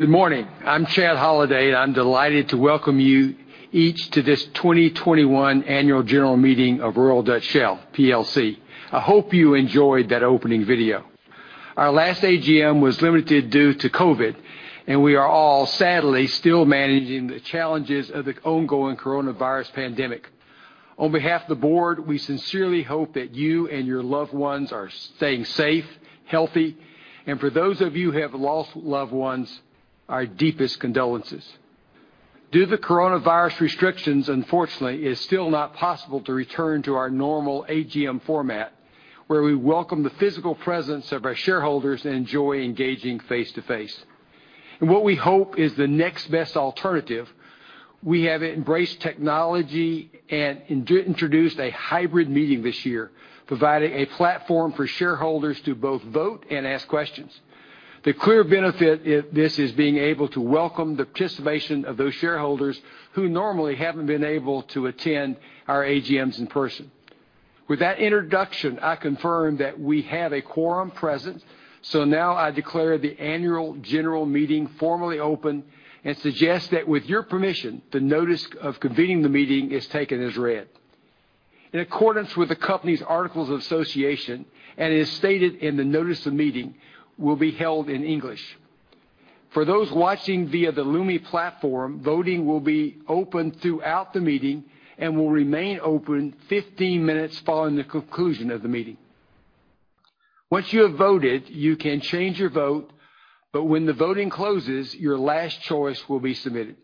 Good morning. I'm Chad Holliday. I'm delighted to welcome you each to this 2021 annual general meeting of Royal Dutch Shell PLC. I hope you enjoyed that opening video. Our last AGM was limited due to COVID, and we are all sadly still managing the challenges of the ongoing coronavirus pandemic. On behalf of the board, we sincerely hope that you and your loved ones are staying safe, healthy, and for those of you who have lost loved ones, our deepest condolences. Due to the coronavirus restrictions, unfortunately, it's still not possible to return to our normal AGM format, where we welcome the physical presence of our shareholders and enjoy engaging face-to-face. In what we hope is the next best alternative, we have embraced technology and introduced a hybrid meeting this year, providing a platform for shareholders to both vote and ask questions. The clear benefit of this is being able to welcome the participation of those shareholders who normally haven't been able to attend our AGMs in person. With that introduction, I confirm that we have a quorum present. Now I declare the annual general meeting formally open and suggest that, with your permission, the notice of convening the meeting is taken as read. In accordance with the company's articles of association, and as stated in the notice of meeting, will be held in English. For those watching via the Lumi platform, voting will be open throughout the meeting and will remain open 15 minutes following the conclusion of the meeting. Once you have voted, you can change your vote, but when the voting closes, your last choice will be submitted.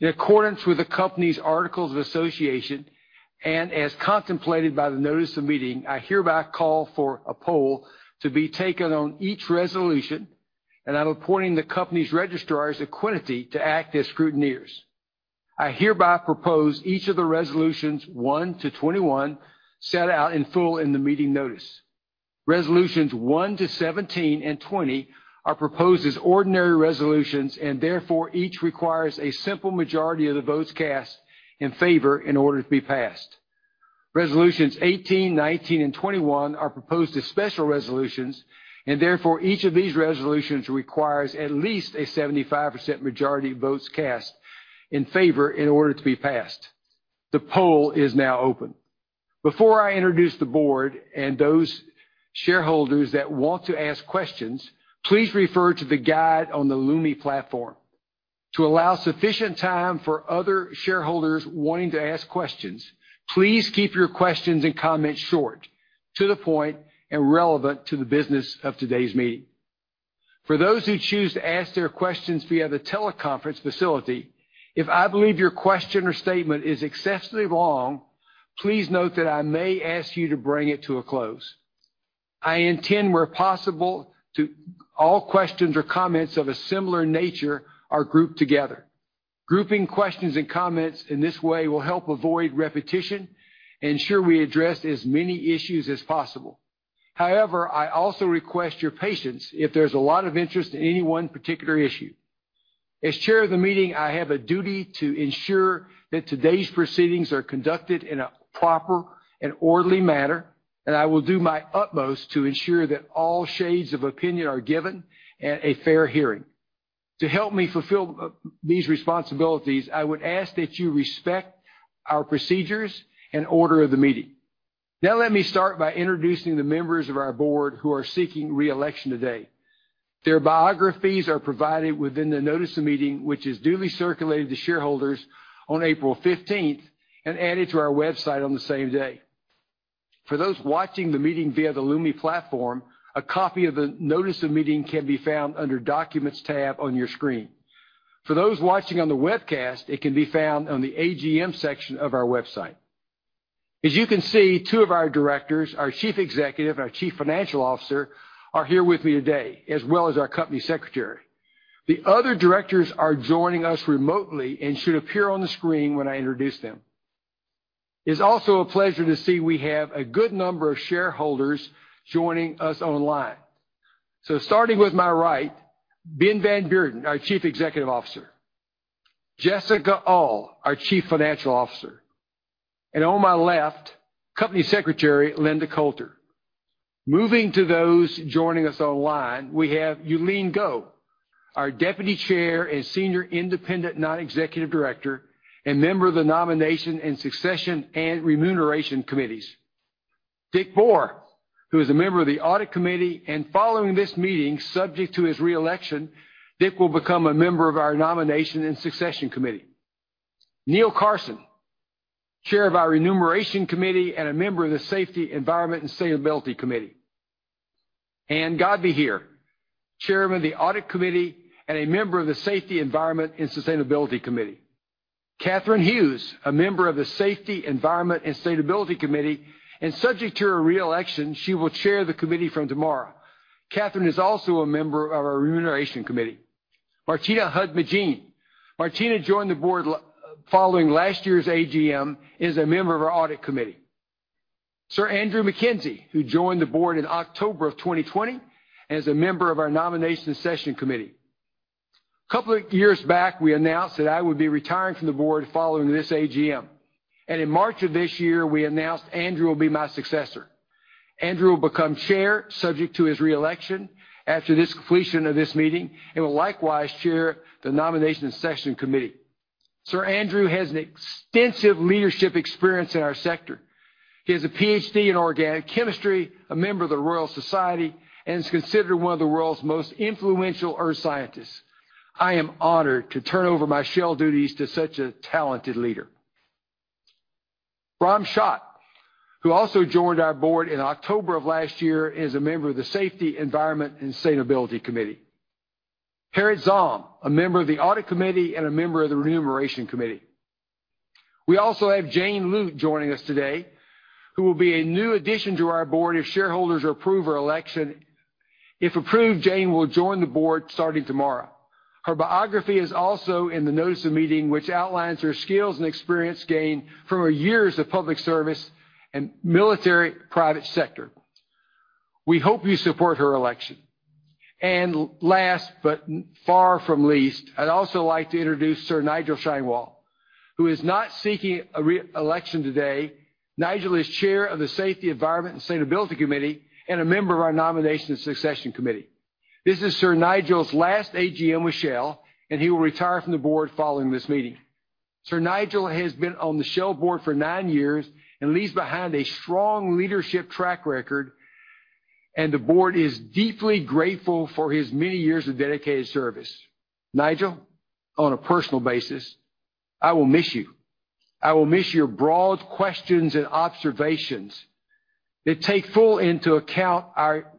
In accordance with the company's articles of association, as contemplated by the notice of meeting, I hereby call for a poll to be taken on each resolution, and I'm appointing the company's registrars, Equiniti, to act as scrutineers. I hereby propose each of the Resolutions 1 to 21 set out in full in the meeting notice. Resolutions 1 to 17 and 20 are proposed as ordinary resolutions, therefore each requires a simple majority of the votes cast in favor in order to be passed. Resolutions 18, 19, and 21 are proposed as special resolutions, therefore, each of these resolutions requires at least a 75% majority of votes cast in favor in order to be passed. The poll is now open. Before I introduce the board and those shareholders that want to ask questions, please refer to the guide on the Lumi platform. To allow sufficient time for other shareholders wanting to ask questions, please keep your questions and comments short, to the point, and relevant to the business of today's meeting. For those who choose to ask their questions via the teleconference facility, if I believe your question or statement is excessively long, please note that I may ask you to bring it to a close. I intend, where possible, all questions or comments of a similar nature are grouped together. Grouping questions and comments in this way will help avoid repetition, ensure we address as many issues as possible. I also request your patience if there's a lot of interest in any one particular issue. As chair of the meeting, I have a duty to ensure that today's proceedings are conducted in a proper and orderly manner, and I will do my utmost to ensure that all shades of opinion are given a fair hearing. To help me fulfill these responsibilities, I would ask that you respect our procedures and order of the meeting. Let me start by introducing the members of our board who are seeking re-election today. Their biographies are provided within the notice of meeting, which is duly circulated to shareholders on April 15th and added to our website on the same day. For those watching the meeting via the Lumi platform, a copy of the notice of meeting can be found under Documents tab on your screen. For those watching on the webcast, it can be found on the AGM section of our website. As you can see, two of our directors, our Chief Executive, our Chief Financial Officer, are here with me today, as well as our Company Secretary. The other directors are joining us remotely and should appear on the screen when I introduce them. It's also a pleasure to see we have a good number of shareholders joining us online. Starting with my right, Ben van Beurden, our Chief Executive Officer. Jessica Uhl, our Chief Financial Officer. On my left, Company Secretary, Linda Coulter. Moving to those joining us online, we have Euleen Goh, our Deputy Chair and Senior Independent Non-executive Director and Member of the Nomination and Succession and Remuneration Committee. Dick Boer, who is a Member of the Audit Committee, and following this meeting, subject to his re-election, Dick will become a Member of our Nomination and Succession Committee. Neil Carson, Chair of our Remuneration Committee and a Member of the Safety, Environment, and Sustainability Committee. Ann Godbehere, Chairman of the Audit Committee and a Member of the Safety, Environment, and Sustainability Committee. Catherine Hughes, a Member of the Safety, Environment, and Sustainability Committee. Subject to her re-election, she will chair the Committee from tomorrow. Catherine is also a Member of our Remuneration Committee. Martina Hund-Mejean. Martina Hund-Mejean joined the Board following last year's AGM and is a Member of our Audit Committee. Sir Andrew Mackenzie, who joined the Board in October of 2020 and is a Member of our Nomination and Succession Committee. A couple of years back, we announced that I would be retiring from the Board following this AGM. In March of this year, we announced Andrew will be my successor. Andrew will become chair subject to his re-election after this completion of this meeting and will likewise chair the Nomination and Succession Committee. Sir Andrew has extensive leadership experience in our sector. He has a PhD in organic chemistry, a member of the Royal Society, and is considered one of the world's most influential earth scientists. I am honored to turn over my Shell duties to such a talented leader. Ram Shriram, who also joined our board in October of last year, is a member of the Safety, Environment, and Sustainability Committee. Gerrit Zalm, a member of the Audit Committee and a member of the Remuneration Committee. We also have Jane Lute joining us today, who will be a new addition to our board if shareholders approve her election. If approved, Jane will join the board starting tomorrow. Her biography is also in the notice of meeting, which outlines her skills and experience gained from her years of public service in military and private sector. We hope you support her election. Last but far from least, I'd also like to introduce Sir Nigel Sheinwald, who is not seeking re-election today. Nigel is Chair of the Safety, Environment, and Sustainability Committee and a member of our Nomination and Succession Committee. This is Sir Nigel's last AGM with Shell, and he will retire from the Board following this meeting. Sir Nigel has been on the Shell Board for nine years and leaves behind a strong leadership track record. The Board is deeply grateful for his many years of dedicated service. Nigel, on a personal basis, I will miss you. I will miss your broad questions and observations that take full into account our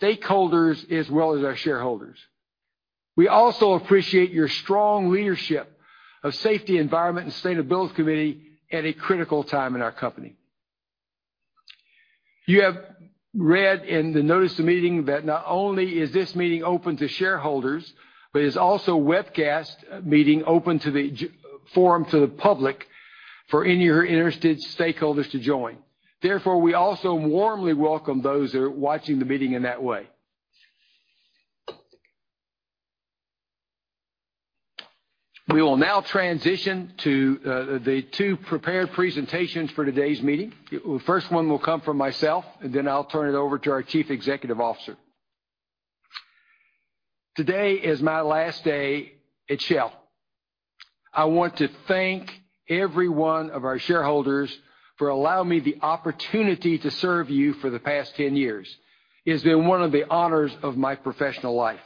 stakeholders as well as our shareholders. We also appreciate your strong leadership of Safety, Environment, and Sustainability Committee at a critical time in our company. You have read in the notice of meeting that not only is this meeting open to shareholders, but it's also a webcast meeting open to the forum to the public for any of your interested stakeholders to join. Therefore, we also warmly welcome those that are watching the meeting in that way. We will now transition to the two prepared presentations for today's meeting. The first one will come from myself, and then I'll turn it over to our Chief Executive Officer. Today is my last day at Shell. I want to thank every one of our shareholders for allowing me the opportunity to serve you for the past 10 years. It has been one of the honors of my professional life.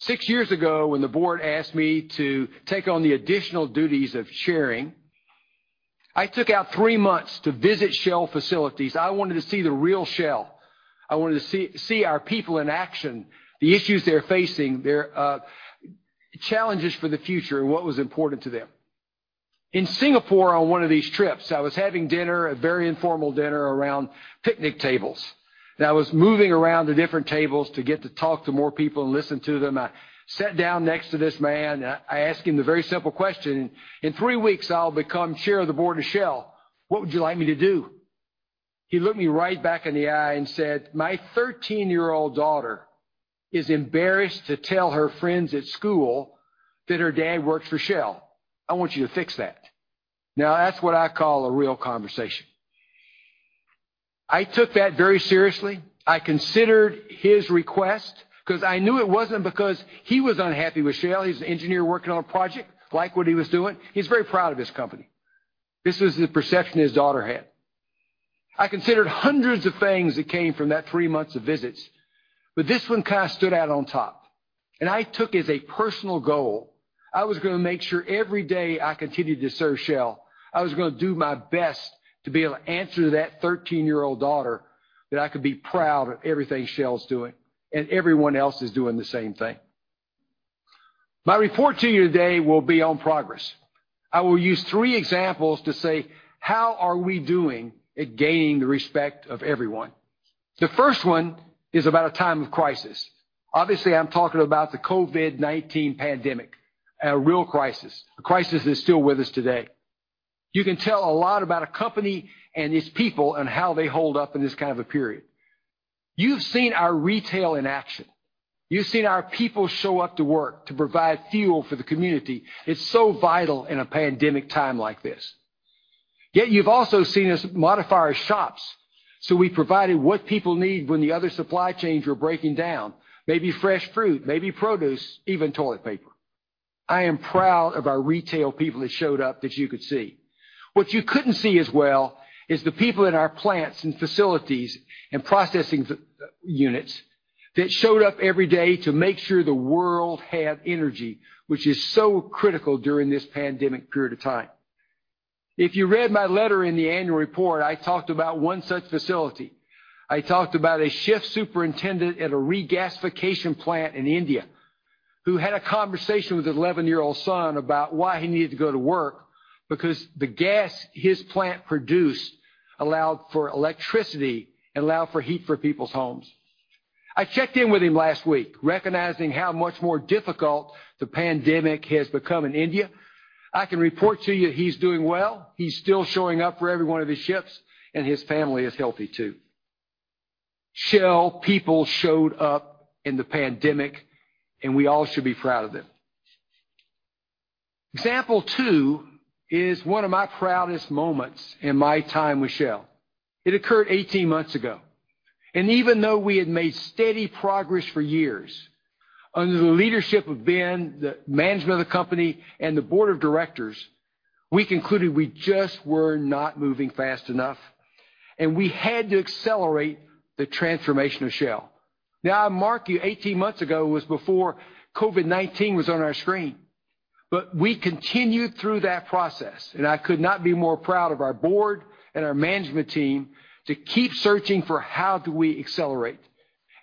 Six years ago, when the board asked me to take on the additional duties of chairing, I took out three months to visit Shell facilities. I wanted to see the real Shell. I wanted to see our people in action, the issues they're facing, their challenges for the future, and what was important to them. In Singapore on one of these trips, I was having dinner, a very informal dinner around picnic tables, and I was moving around to different tables to get to talk to more people and listen to them. I sat down next to this man. I asked him the very simple question, "In three weeks, I'll become chair of the board of Shell. What would you like me to do?" He looked me right back in the eye and said, "My 13-year-old daughter is embarrassed to tell her friends at school that her dad works for Shell. I want you to fix that." That's what I call a real conversation. I took that very seriously. I considered his request because I knew it wasn't because he was unhappy with Shell. He's an engineer working on a project, liked what he was doing. He's very proud of his company. This was the perception his daughter had. I considered hundreds of things that came from that three months of visits, but this one kind of stood out on top, and I took as a personal goal. I was going to make sure every day I continued to serve Shell, I was going to do my best to be able to answer to that 13-year-old daughter that I could be proud of everything Shell's doing, and everyone else is doing the same thing. My report to you today will be on progress. I will use three examples to say how are we doing at gaining the respect of everyone. The first one is about a time of crisis. Obviously, I'm talking about the COVID-19 pandemic, a real crisis. The crisis is still with us today. You can tell a lot about a company and its people and how they hold up in this kind of a period. You've seen our retail in action. You've seen our people show up to work to provide fuel for the community. It's so vital in a pandemic time like this. Yet you've also seen us modify our shops, we provided what people need when the other supply chains were breaking down, maybe fresh fruit, maybe produce, even toilet paper. I am proud of our retail people that showed up that you could see. What you couldn't see as well is the people in our plants and facilities and processing units that showed up every day to make sure the world had energy, which is so critical during this pandemic period of time. If you read my letter in the annual report, I talked about one such facility. I talked about a shift superintendent at a regasification plant in India who had a conversation with his 11-year-old son about why he needed to go to work because the gas his plant produced allowed for electricity and allowed for heat for people's homes. I checked in with him last week, recognizing how much more difficult the pandemic has become in India. I can report to you he's doing well. He's still showing up for every one of his shifts, and his family is healthy too. Shell people showed up in the pandemic, and we all should be proud of them. Example two is one of my proudest moments in my time with Shell. It occurred 18 months ago, and even though we had made steady progress for years, under the leadership of Ben, the management of the company, and the board of directors, we concluded we just were not moving fast enough, and we had to accelerate the transformation of Shell. Now, I remind you, 18 months ago was before COVID-19 was on our screen. We continued through that process, and I could not be more proud of our board and our management team to keep searching for how do we accelerate.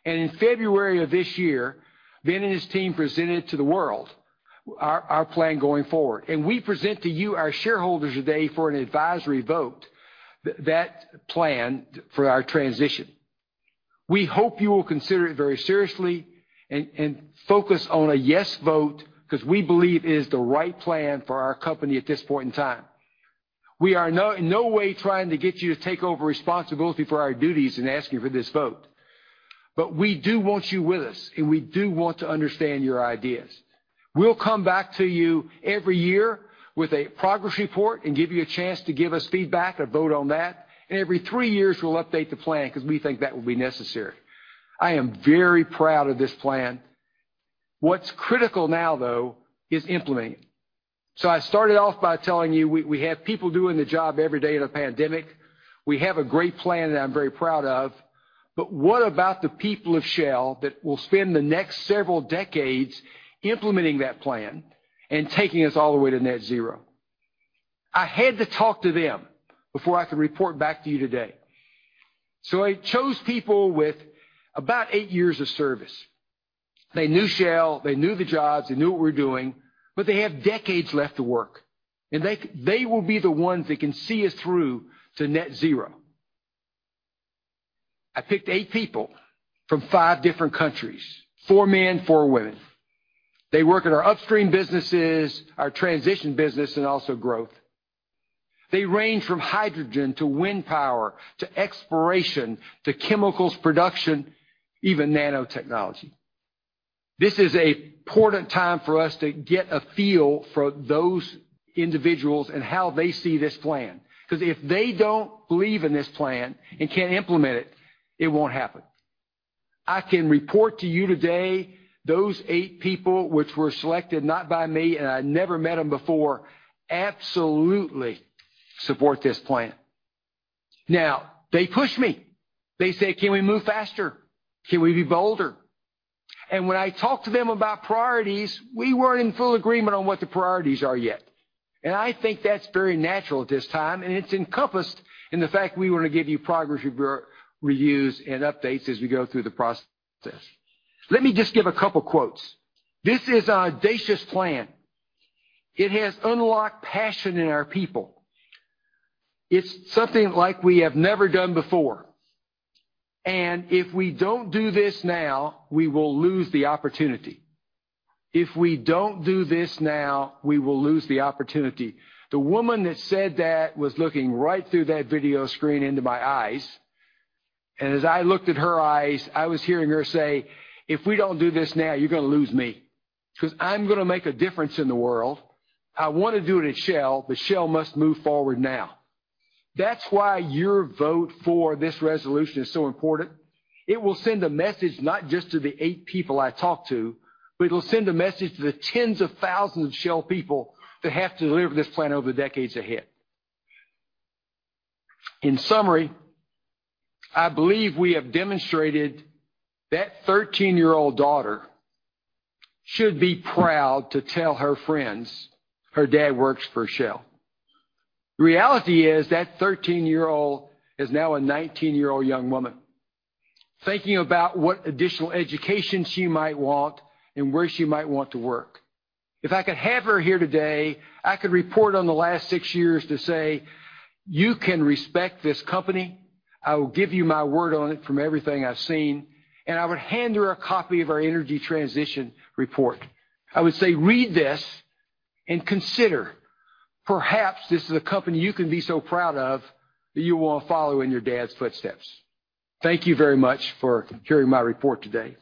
In February of this year, Ben and his team presented to the world our plan going forward. We present to you, our shareholders today, for an advisory vote, that plan for our transition. We hope you will consider it very seriously and focus on a yes vote because we believe it is the right plan for our company at this point in time. We are in no way trying to get you to take over responsibility for our duties in asking for this vote. We do want you with us, and we do want to understand your ideas. We'll come back to you every year with a progress report and give you a chance to give us feedback or vote on that. Every three years, we'll update the plan because we think that will be necessary. I am very proud of this plan. What's critical now, though, is implementing. I started off by telling you we have people doing the job every day in a pandemic. We have a great plan that I'm very proud of. What about the people of Shell that will spend the next several decades implementing that plan and taking us all the way to net zero? I had to talk to them before I could report back to you today. I chose people with about eight years of service. They knew Shell, they knew the jobs, they knew what we were doing, but they have decades left to work. They will be the ones that can see us through to net-zero. I picked eight people from five different countries, four men, four women. They work in our upstream businesses, our transition business, and also growth. They range from hydrogen to wind power to exploration to chemicals production, even nanotechnology. This is an important time for us to get a feel for those individuals and how they see this plan. If they don't believe in this plan and can't implement it won't happen. I can report to you today, those eight people, which were selected not by me, and I never met them before, absolutely support this plan. They pushed me. They said, "Can we move faster? Can we be bolder?" When I talked to them about priorities, we weren't in full agreement on what the priorities are yet. I think that's very natural at this time, and it's encompassed in the fact that we want to give you progress reviews and updates as we go through the process. Let me just give a couple quotes. "This is an audacious plan. It has unlocked passion in our people. It's something like we have never done before. if we don't do this now, we will lose the opportunity." If we don't do this now, we will lose the opportunity. The woman that said that was looking right through that video screen into my eyes. as I looked at her eyes, I was hearing her say, "If we don't do this now, you're going to lose me because I'm going to make a difference in the world. I want to do it at Shell, but Shell must move forward now." That's why your vote for this resolution is so important. It will send a message not just to the eight people I talked to, but it'll send a message to the tens of thousands of Shell people that have to deliver this plan over the decades ahead. In summary, I believe we have demonstrated that 13-year-old daughter should be proud to tell her friends her dad works for Shell. Reality is that 13-year-old is now a 19-year-old young woman thinking about what additional education she might want and where she might want to work. If I could have her here today, I could report on the last six years to say, "You can respect this company. I will give you my word on it from everything I've seen." I would hand her a copy of our energy transition report. I would say, "Read this and consider perhaps this is a company you can be so proud of that you will follow in your dad's footsteps." Thank you very much for hearing my report today.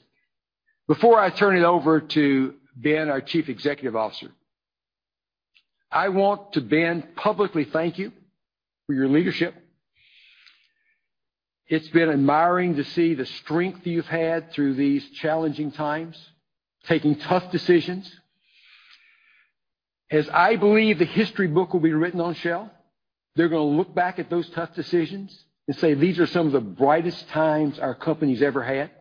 Before I turn it over to Ben, our Chief Executive Officer, I want to, Ben, publicly thank you for your leadership. It's been admiring to see the strength you've had through these challenging times, taking tough decisions. As I believe the history book will be written on Shell, they're going to look back at those tough decisions and say, "These are some of the brightest times our company's ever had."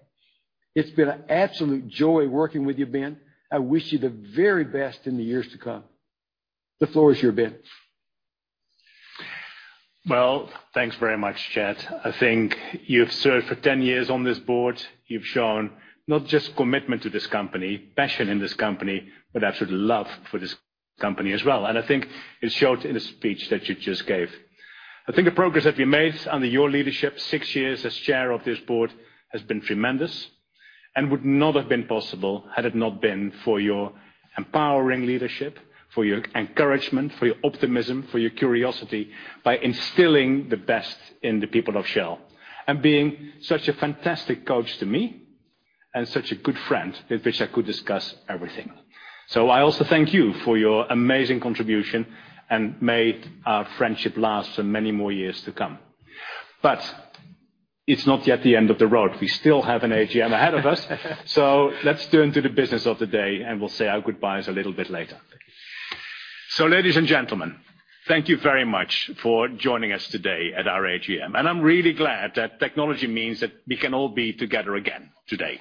It's been an absolute joy working with you, Ben. I wish you the very best in the years to come. The floor is yours, Ben. Well, thanks very much, Chad. I think you have served for 10 years on this board. You've shown not just commitment to this company, passion in this company, but absolute love for this company as well. I think it showed in the speech that you just gave. I think the progress that we made under your leadership, six years as chair of this board, has been tremendous and would not have been possible had it not been for your empowering leadership, for your encouragement, for your optimism, for your curiosity, by instilling the best in the people of Shell and being such a fantastic coach to me and such a good friend with which I could discuss everything. I also thank you for your amazing contribution and may our friendship last for many more years to come. It's not yet the end of the road. We still have an AGM ahead of us, so let's turn to the business of the day, and we'll say our goodbyes a little bit later. Ladies and gentlemen, thank you very much for joining us today at our AGM, and I'm really glad that technology means that we can all be together again today.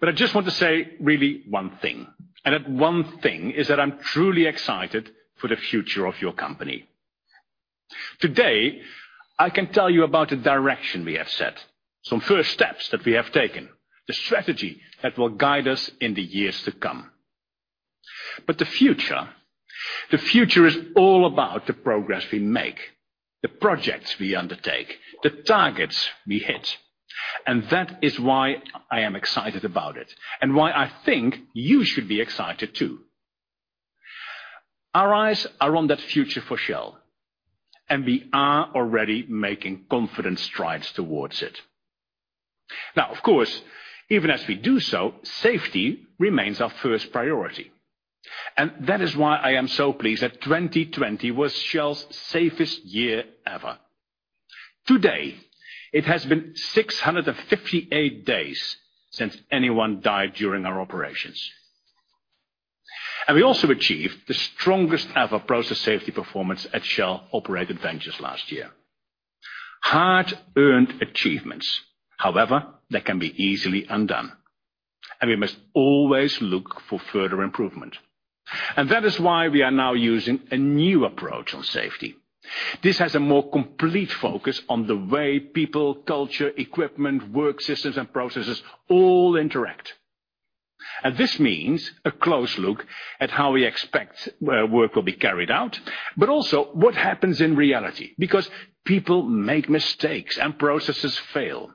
I just want to say really one thing, and that one thing is that I'm truly excited for the future of your company. Today, I can tell you about the direction we have set, some first steps that we have taken, the strategy that will guide us in the years to come. The future, the future is all about the progress we make, the projects we undertake, the targets we hit. That is why I am excited about it, and why I think you should be excited too. Our eyes are on that future for Shell, and we are already making confident strides toward it. Now, of course, even as we do so, safety remains our first priority. That is why I am so pleased that 2020 was Shell's safest year ever. Today, it has been 658 days since anyone died during our operations. We also achieved the strongest ever process safety performance at Shell operated ventures last year. Hard-earned achievements. However, they can be easily undone, and we must always look for further improvement. That is why we are now using a new approach on safety. This has a more complete focus on the way people, culture, equipment, work systems, and processes all interact. This means a close look at how we expect where work will be carried out, but also what happens in reality, because people make mistakes and processes fail.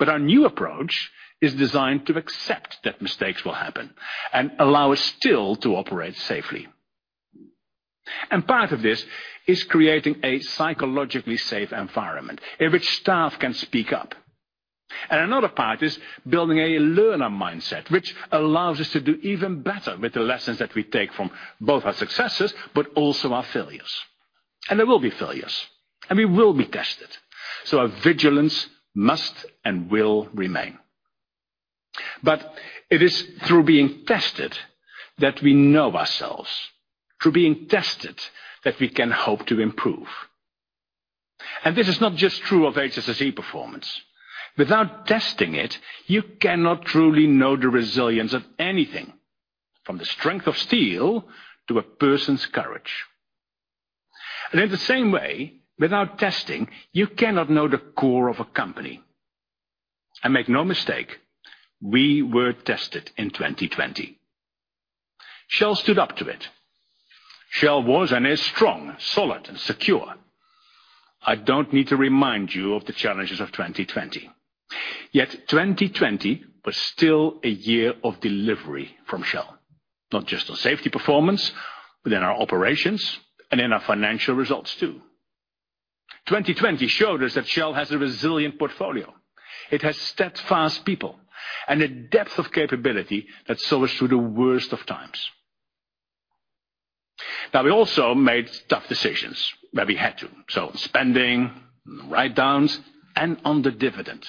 Our new approach is designed to accept that mistakes will happen and allow us still to operate safely. Part of this is creating a psychologically safe environment in which staff can speak up. Another part is building a learner mindset, which allows us to do even better with the lessons that we take from both our successes, but also our failures. There will be failures, and we will be tested, so our vigilance must and will remain. It is through being tested that we know ourselves, through being tested that we can hope to improve. This is not just true of HSE performance. Without testing it, you cannot truly know the resilience of anything, from the strength of steel to a person's courage. In the same way, without testing, you cannot know the core of a company. Make no mistake, we were tested in 2020. Shell stood up to it. Shell was and is strong, solid, and secure. I don't need to remind you of the challenges of 2020. Yet 2020 was still a year of delivery from Shell, not just on safety performance, but in our operations and in our financial results, too. 2020 showed us that Shell has a resilient portfolio. It has steadfast people and a depth of capability that saw us through the worst of times. Now, we also made tough decisions where we had to, so spending, write-downs, and on the dividend.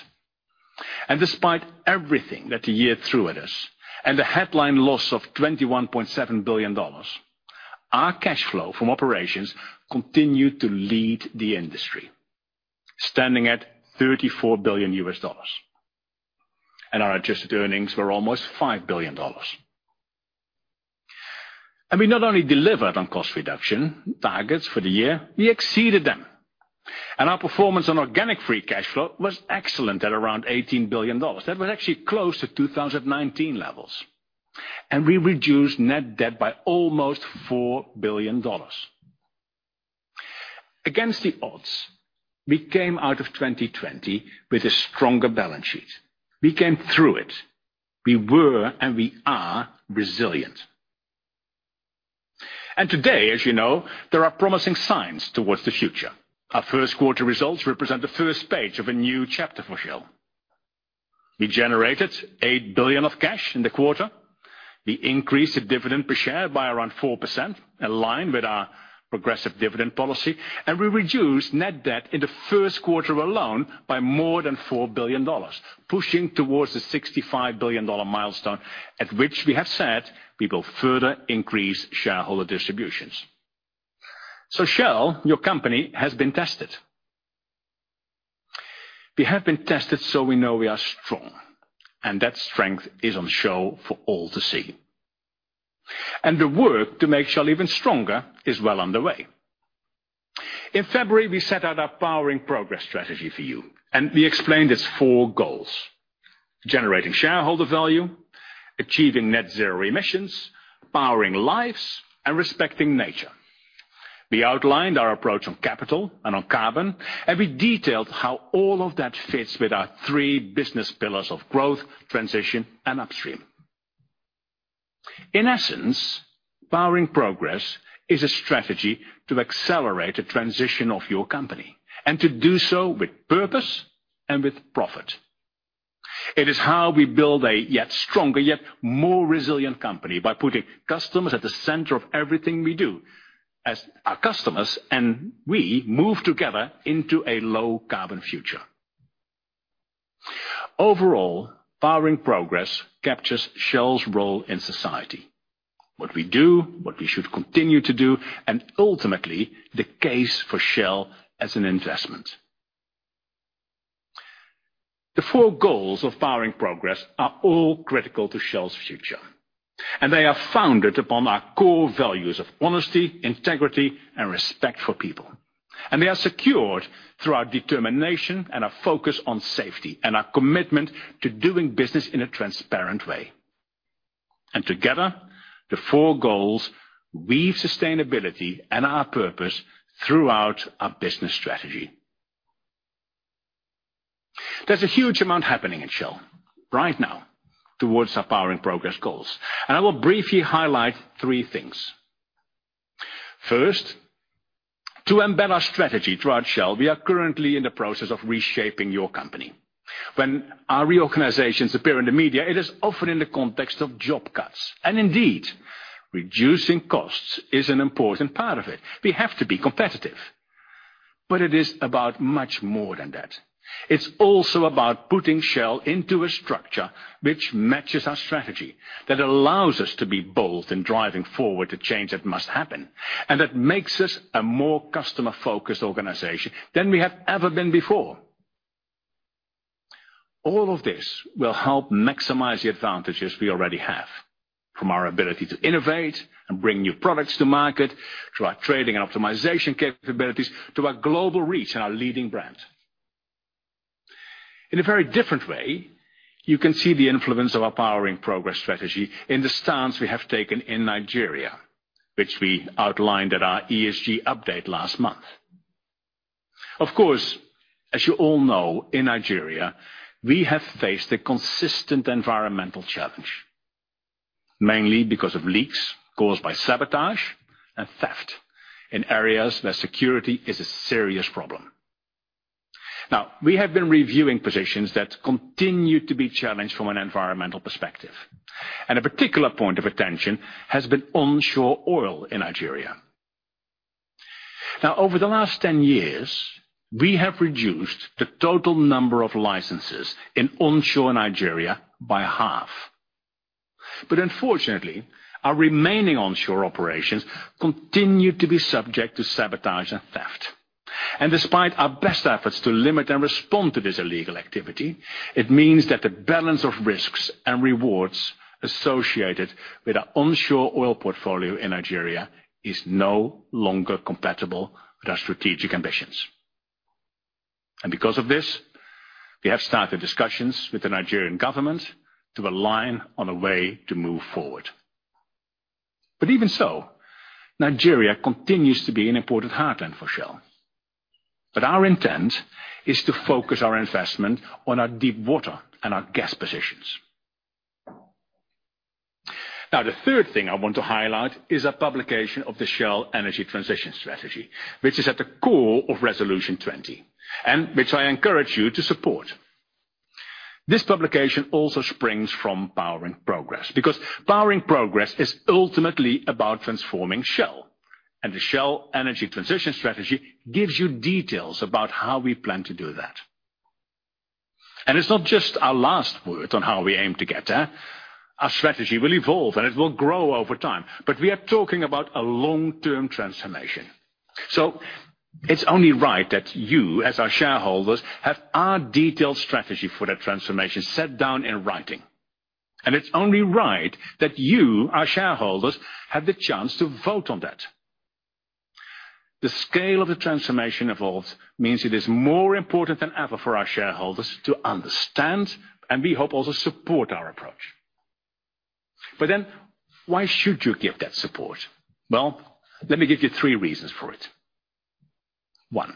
Despite everything that the year threw at us and a headline loss of $21.7 billion, our cash flow from operations continued to lead the industry, standing at $34 billion. Our adjusted earnings were almost $5 billion. we not only delivered on cost reduction targets for the year, we exceeded them. our performance on organic free cash flow was excellent at around $18 billion. That was actually close to 2019 levels. we reduced net debt by almost $4 billion. Against the odds, we came out of 2020 with a stronger balance sheet. We came through it. We were and we are resilient. today, as you know, there are promising signs towards the future. Our first quarter results represent the first page of a new chapter for Shell. We generated $8 billion of cash in the quarter. We increased the dividend per share by around 4%, in line with our progressive dividend policy, and we reduced net debt in the first quarter alone by more than $4 billion, pushing towards the $65 billion milestone at which we have said we will further increase shareholder distributions. Shell, your company, has been tested. We have been tested, so we know we are strong, and that strength is on show for all to see. The work to make Shell even stronger is well underway. In February, we set out our Powering Progress strategy for you, and we explained its four goals, generating shareholder value, achieving net zero emissions, powering lives, and respecting nature. We outlined our approach on capital and on carbon, and we detailed how all of that fits with our three business pillars of growth, transition, and upstream. In essence, Powering Progress is a strategy to accelerate the transition of your company and to do so with purpose and with profit. It is how we build a yet stronger, yet more resilient company by putting customers at the center of everything we do as our customers and we move together into a low-carbon future. Overall, Powering Progress captures Shell's role in society, what we do, what we should continue to do, and ultimately the case for Shell as an investment. The four goals of Powering Progress are all critical to Shell's future, and they are founded upon our core values of honesty, integrity, and respect for people. They are secured through our determination and a focus on safety and our commitment to doing business in a transparent way. Together, the four goals weave sustainability and our purpose throughout our business strategy. There's a huge amount happening in Shell right now towards our Powering Progress goals, and I will briefly highlight three things. First, to embellish strategy throughout Shell, we are currently in the process of reshaping your company. When our reorganizations appear in the media, it is often in the context of job cuts. Indeed, reducing costs is an important part of it. We have to be competitive. It is about much more than that. It's also about putting Shell into a structure which matches our strategy, that allows us to be bold in driving forward the change that must happen, and that makes us a more customer-focused organization than we have ever been before. All of this will help maximize the advantages we already have, from our ability to innovate and bring new products to market, to our trading optimization capabilities, to our global reach, our leading brand. In a very different way, you can see the influence of our Powering Progress strategy in the stance we have taken in Nigeria, which we outlined at our ESG update last month. Of course, as you all know, in Nigeria, we have faced a consistent environmental challenge, mainly because of leaks caused by sabotage and theft in areas where security is a serious problem. We have been reviewing positions that continue to be challenged from an environmental perspective, and a particular point of attention has been onshore oil in Nigeria. Over the last 10 years, we have reduced the total number of licenses in onshore Nigeria by half. Unfortunately, our remaining onshore operations continue to be subject to sabotage and theft. Despite our best efforts to limit and respond to this illegal activity, it means that the balance of risks and rewards associated with our onshore oil portfolio in Nigeria is no longer compatible with our strategic ambitions. Because of this, we have started discussions with the Nigerian government to align on a way to move forward. Even so, Nigeria continues to be an important heartland for Shell. Our intent is to focus our investment on our deep water and our gas positions. Now, the third thing I want to highlight is our publication of the Shell Energy Transition Strategy, which is at the core of Resolution 20, and which I encourage you to support. This publication also springs from Powering Progress, because Powering Progress is ultimately about transforming Shell, and the Shell Energy Transition Strategy gives you details about how we plan to do that. It's not just our last word on how we aim to get there. Our strategy will evolve, and it will grow over time, but we are talking about a long-term transformation. It's only right that you, as our shareholders, have our detailed strategy for that transformation set down in writing. It's only right that you, our shareholders, have the chance to vote on that. The scale of the transformation involved means it is more important than ever for our shareholders to understand and we hope also support our approach. Why should you give that support? Well, let me give you three reasons for it. One,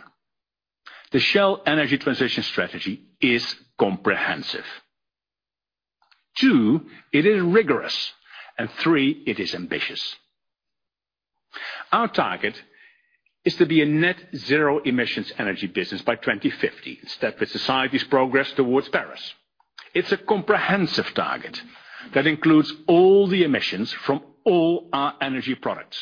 the Shell Energy Transition Strategy is comprehensive. Two, it is rigorous, and three, it is ambitious. Our target is to be a net-zero emissions energy business by 2050 and step with society's progress towards Paris. It's a comprehensive target that includes all the emissions from all our energy products.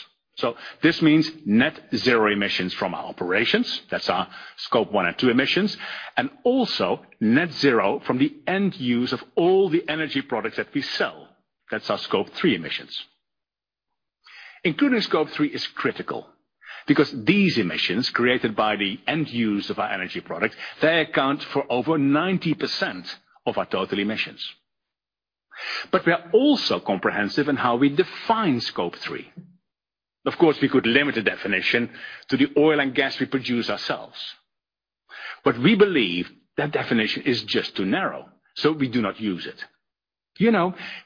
This means net zero emissions from our operations. That's our Scope 1 and two emissions, and also net zero from the end use of all the energy products that we sell. That's our Scope 3 emissions. Including Scope 3 is critical because these emissions created by the end use of our energy product, they account for over 90% of our total emissions. We are also comprehensive in how we define Scope 3. Of course, we could limit the definition to the oil and gas we produce ourselves. We believe that definition is just too narrow, so we do not use it.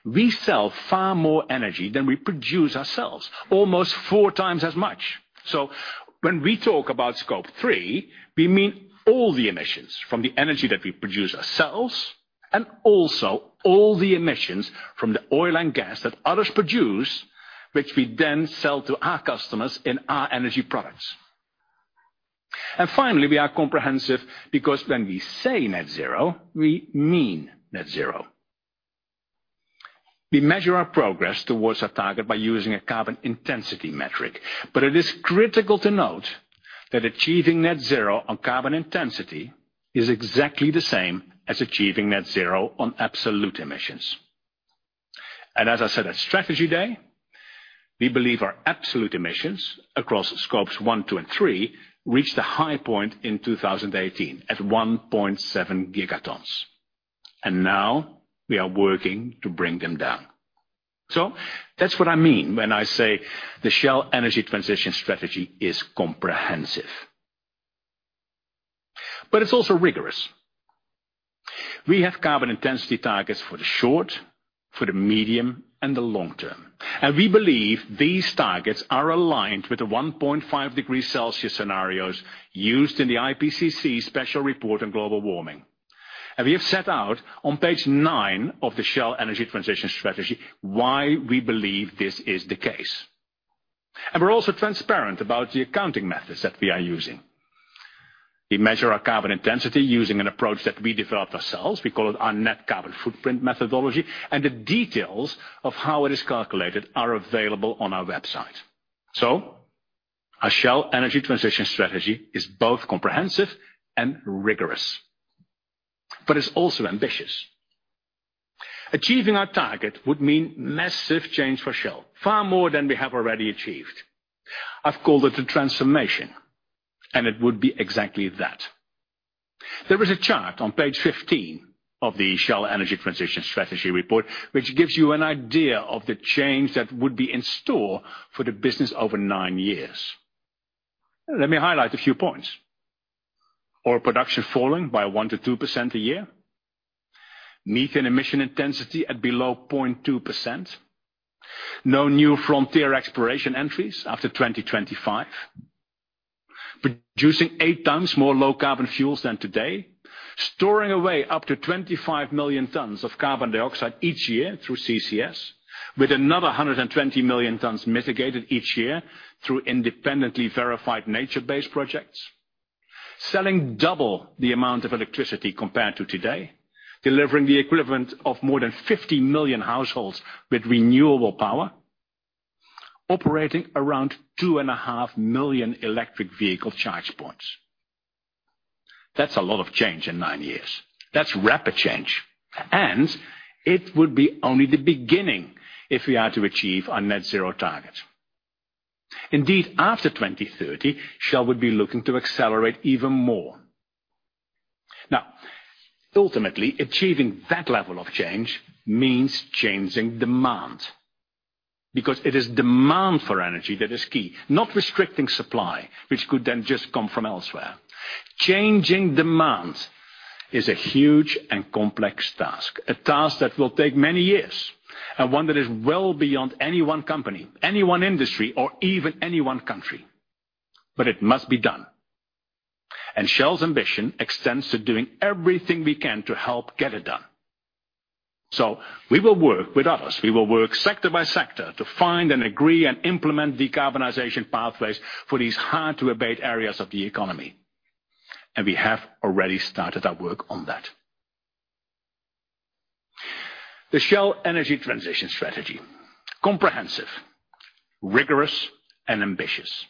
We sell far more energy than we produce ourselves, almost four times as much. When we talk about Scope 3, we mean all the emissions from the energy that we produce ourselves and also all the emissions from the oil and gas that others produce, which we then sell to our customers in our energy products. Finally, we are comprehensive because when we say net zero, we mean net zero. We measure our progress towards our target by using a carbon intensity metric. It is critical to note that achieving net zero on carbon intensity is exactly the same as achieving net zero on absolute emissions. As I said at Strategy Day, we believe our absolute emissions across Scopes 1, 2, and 3 reached a high point in 2018 at 1.7 Gt, and now we are working to bring them down. That's what I mean when I say the Shell Energy Transition Strategy is comprehensive. It's also rigorous. We have carbon intensity targets for the short, for the medium, and the long term, and we believe these targets are aligned with the 1.5 degree Celsius scenarios used in the IPCC Special Report on Global Warming. We have set out on page nine of the Shell Energy Transition Strategy why we believe this is the case. We're also transparent about the accounting methods that we are using. We measure our carbon intensity using an approach that we developed ourselves. We call it our net carbon footprint methodology, and the details of how it is calculated are available on our website. Our Shell Energy Transition Strategy is both comprehensive and rigorous, but it's also ambitious. Achieving our target would mean massive change for Shell, far more than we have already achieved. I've called it a transformation, and it would be exactly that. There is a chart on page 15 of the Shell Energy Transition Strategy report, which gives you an idea of the change that would be in store for the business over nine years. Let me highlight a few points. Oil production fallen by 1%-2% a year, methane emission intensity at below 0.2%, no new frontier exploration entries after 2025, producing eight times more low-carbon fuels than today, storing away up to 25 million tons of carbon dioxide each year through CCS, with another 120 million tons mitigated each year through independently verified nature-based projects, selling double the amount of electricity compared to today, delivering the equivalent of more than 50 million households with renewable power, operating around two and a half million electric vehicle charge points. That's a lot of change in nine years. That's rapid change, and it would be only the beginning if we are to achieve our net zero target. Indeed, after 2030, Shell will be looking to accelerate even more. Now, ultimately, achieving that level of change means changing demand. Because it is demand for energy that is key, not restricting supply, which could then just come from elsewhere. Changing demand is a huge and complex task, a task that will take many years, and one that is well beyond any one company, any one industry, or even any one country. It must be done. Shell's ambition extends to doing everything we can to help get it done. We will work with others. We will work sector by sector to find and agree and implement decarbonization pathways for these hard-to-abate areas of the economy. We have already started our work on that. The Shell Energy Transition Strategy, comprehensive, rigorous, and ambitious.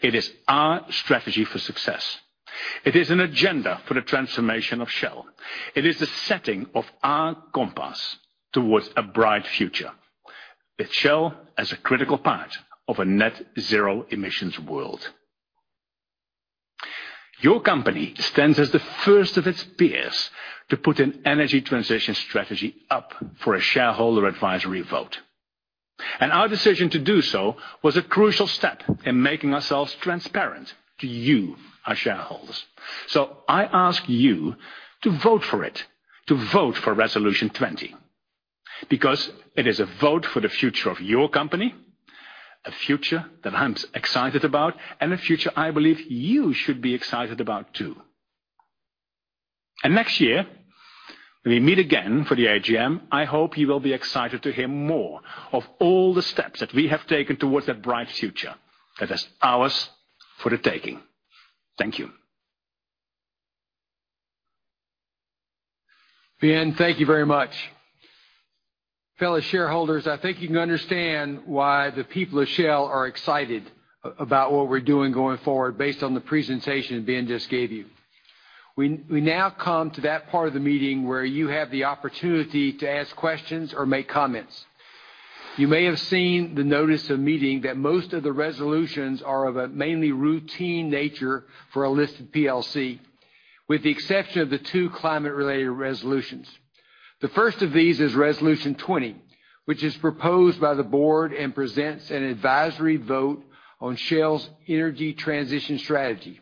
It is our strategy for success. It is an agenda for the transformation of Shell. It is the setting of our compass towards a bright future with Shell as a critical part of a net-zero emissions world. Your company stands as the first of its peers to put an energy transition strategy up for a shareholder advisory vote. Our decision to do so was a crucial step in making ourselves transparent to you, our shareholders. I ask you to vote for it, to vote for Resolution 20, because it is a vote for the future of your company, a future that I'm excited about, and a future I believe you should be excited about, too. Next year, when we meet again for the AGM, I hope you will be excited to hear more of all the steps that we have taken towards that bright future that is ours for the taking. Thank you. Ben, thank you very much. Fellow shareholders, I think you can understand why the people of Shell are excited about what we're doing going forward based on the presentation Ben just gave you. We now come to that part of the meeting where you have the opportunity to ask questions or make comments. You may have seen the notice of meeting that most of the resolutions are of a mainly routine nature for a listed PLC, with the exception of the two climate-related resolutions. The first of these is Resolution 20, which is proposed by the board and presents an advisory vote on Shell's energy transition strategy.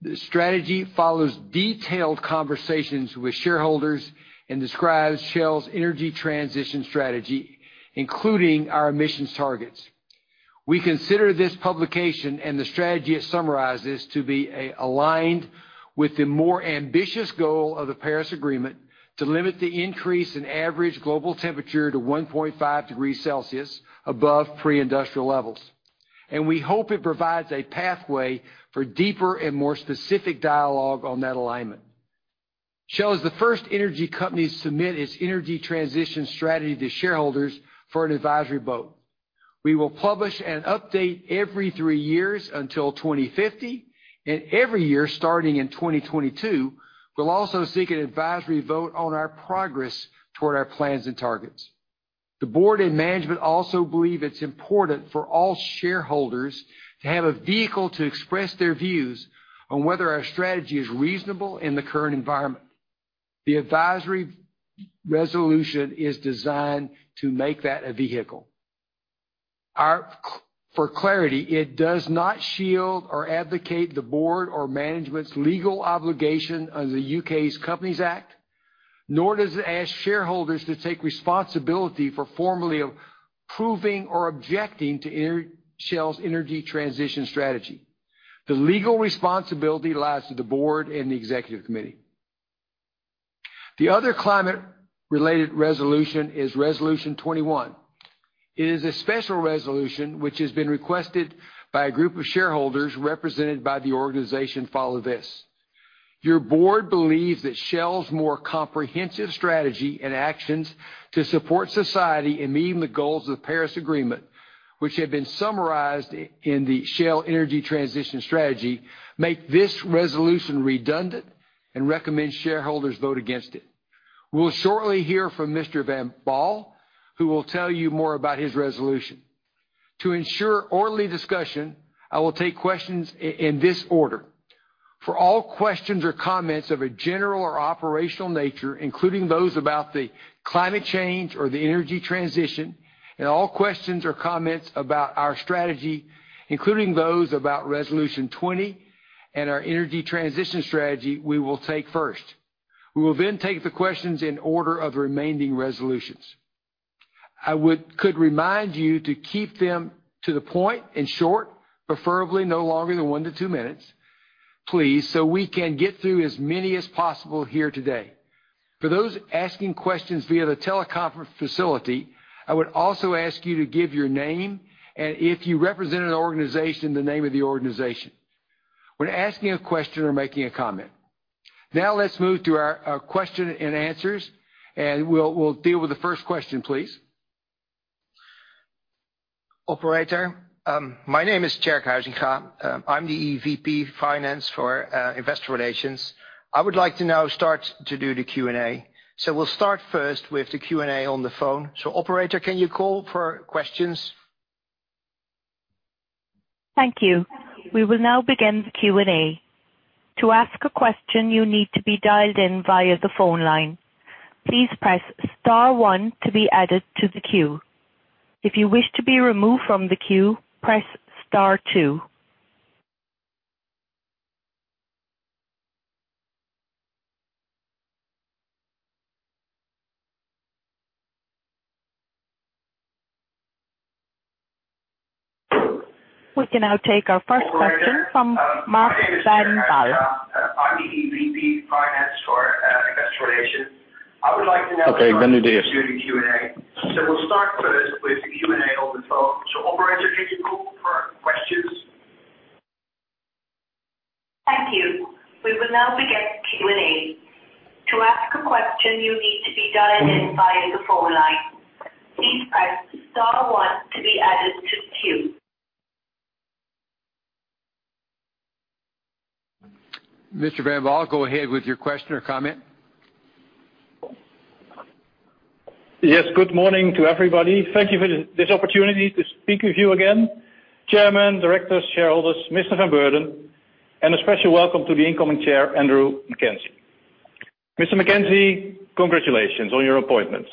The strategy follows detailed conversations with shareholders and describes Shell's energy transition strategy, including our emissions targets. We consider this publication and the strategy it summarizes to be aligned with the more ambitious goal of the Paris Agreement to limit the increase in average global temperature to 1.5 degrees Celsius above pre-industrial levels. We hope it provides a pathway for deeper and more specific dialogue on that alignment. Shell is the first energy company to submit its energy transition strategy to shareholders for an advisory vote. We will publish an update every three years until 2050, and every year starting in 2022, we'll also seek an advisory vote on our progress toward our plans and targets. The board and management also believe it's important for all shareholders to have a vehicle to express their views on whether our strategy is reasonable in the current environment. The advisory resolution is designed to make that a vehicle. For clarity, it does not shield or advocate the board or management's legal obligation under the U.K.'s Companies Act, nor does it ask shareholders to take responsibility for formally approving or objecting to Shell's energy transition strategy. The legal responsibility lies with the board and the executive committee. The other climate-related resolution is Resolution 21. It is a special resolution which has been requested by a group of shareholders represented by the organization Follow This. Your board believes that Shell's more comprehensive strategy and actions to support society in meeting the goals of the Paris Agreement, which have been summarized in the Shell Energy Transition Strategy, make this resolution redundant and recommend shareholders vote against it. We'll shortly hear from Mr. Van Baal, who will tell you more about his resolution. To ensure orderly discussion, I will take questions in this order. For all questions or comments of a general or operational nature, including those about the climate change or the energy transition, and all questions or comments about our strategy, including those about Resolution 20 and our energy transition strategy, we will take first. We will then take the questions in order of remaining resolutions. I could remind you to keep them to the point and short, preferably no longer than one to two minutes, please, so we can get through as many as possible here today. For those asking questions via the teleconference facility, I would also ask you to give your name, and if you represent an organization, the name of the organization when asking a question or making a comment. Now let's move to our question and answers, and we'll deal with the first question, please. Operator, my name is Tjerk Huysinga. I'm the EVP Finance for Investor Relations. I would like to now start to do the Q&A. We'll start first with the Q&A on the phone. Operator, can you call for questions? Thank you. We will now begin the Q&A. We can now take our first question from Mark van Baal. Okay, go ahead. Thank you. We will now begin the Q&A. To ask a question, you need to be dialed in via the phone line. Please press star one to be added to queue. Mr. van Baal, go ahead with your question or comment. Yes, good morning to everybody. Thank you for this opportunity to speak with you again, chairman, directors, shareholders, Mr. van Beurden, and a special welcome to the incoming chair, Andrew Mackenzie. Mr. Mackenzie, congratulations on your appointment.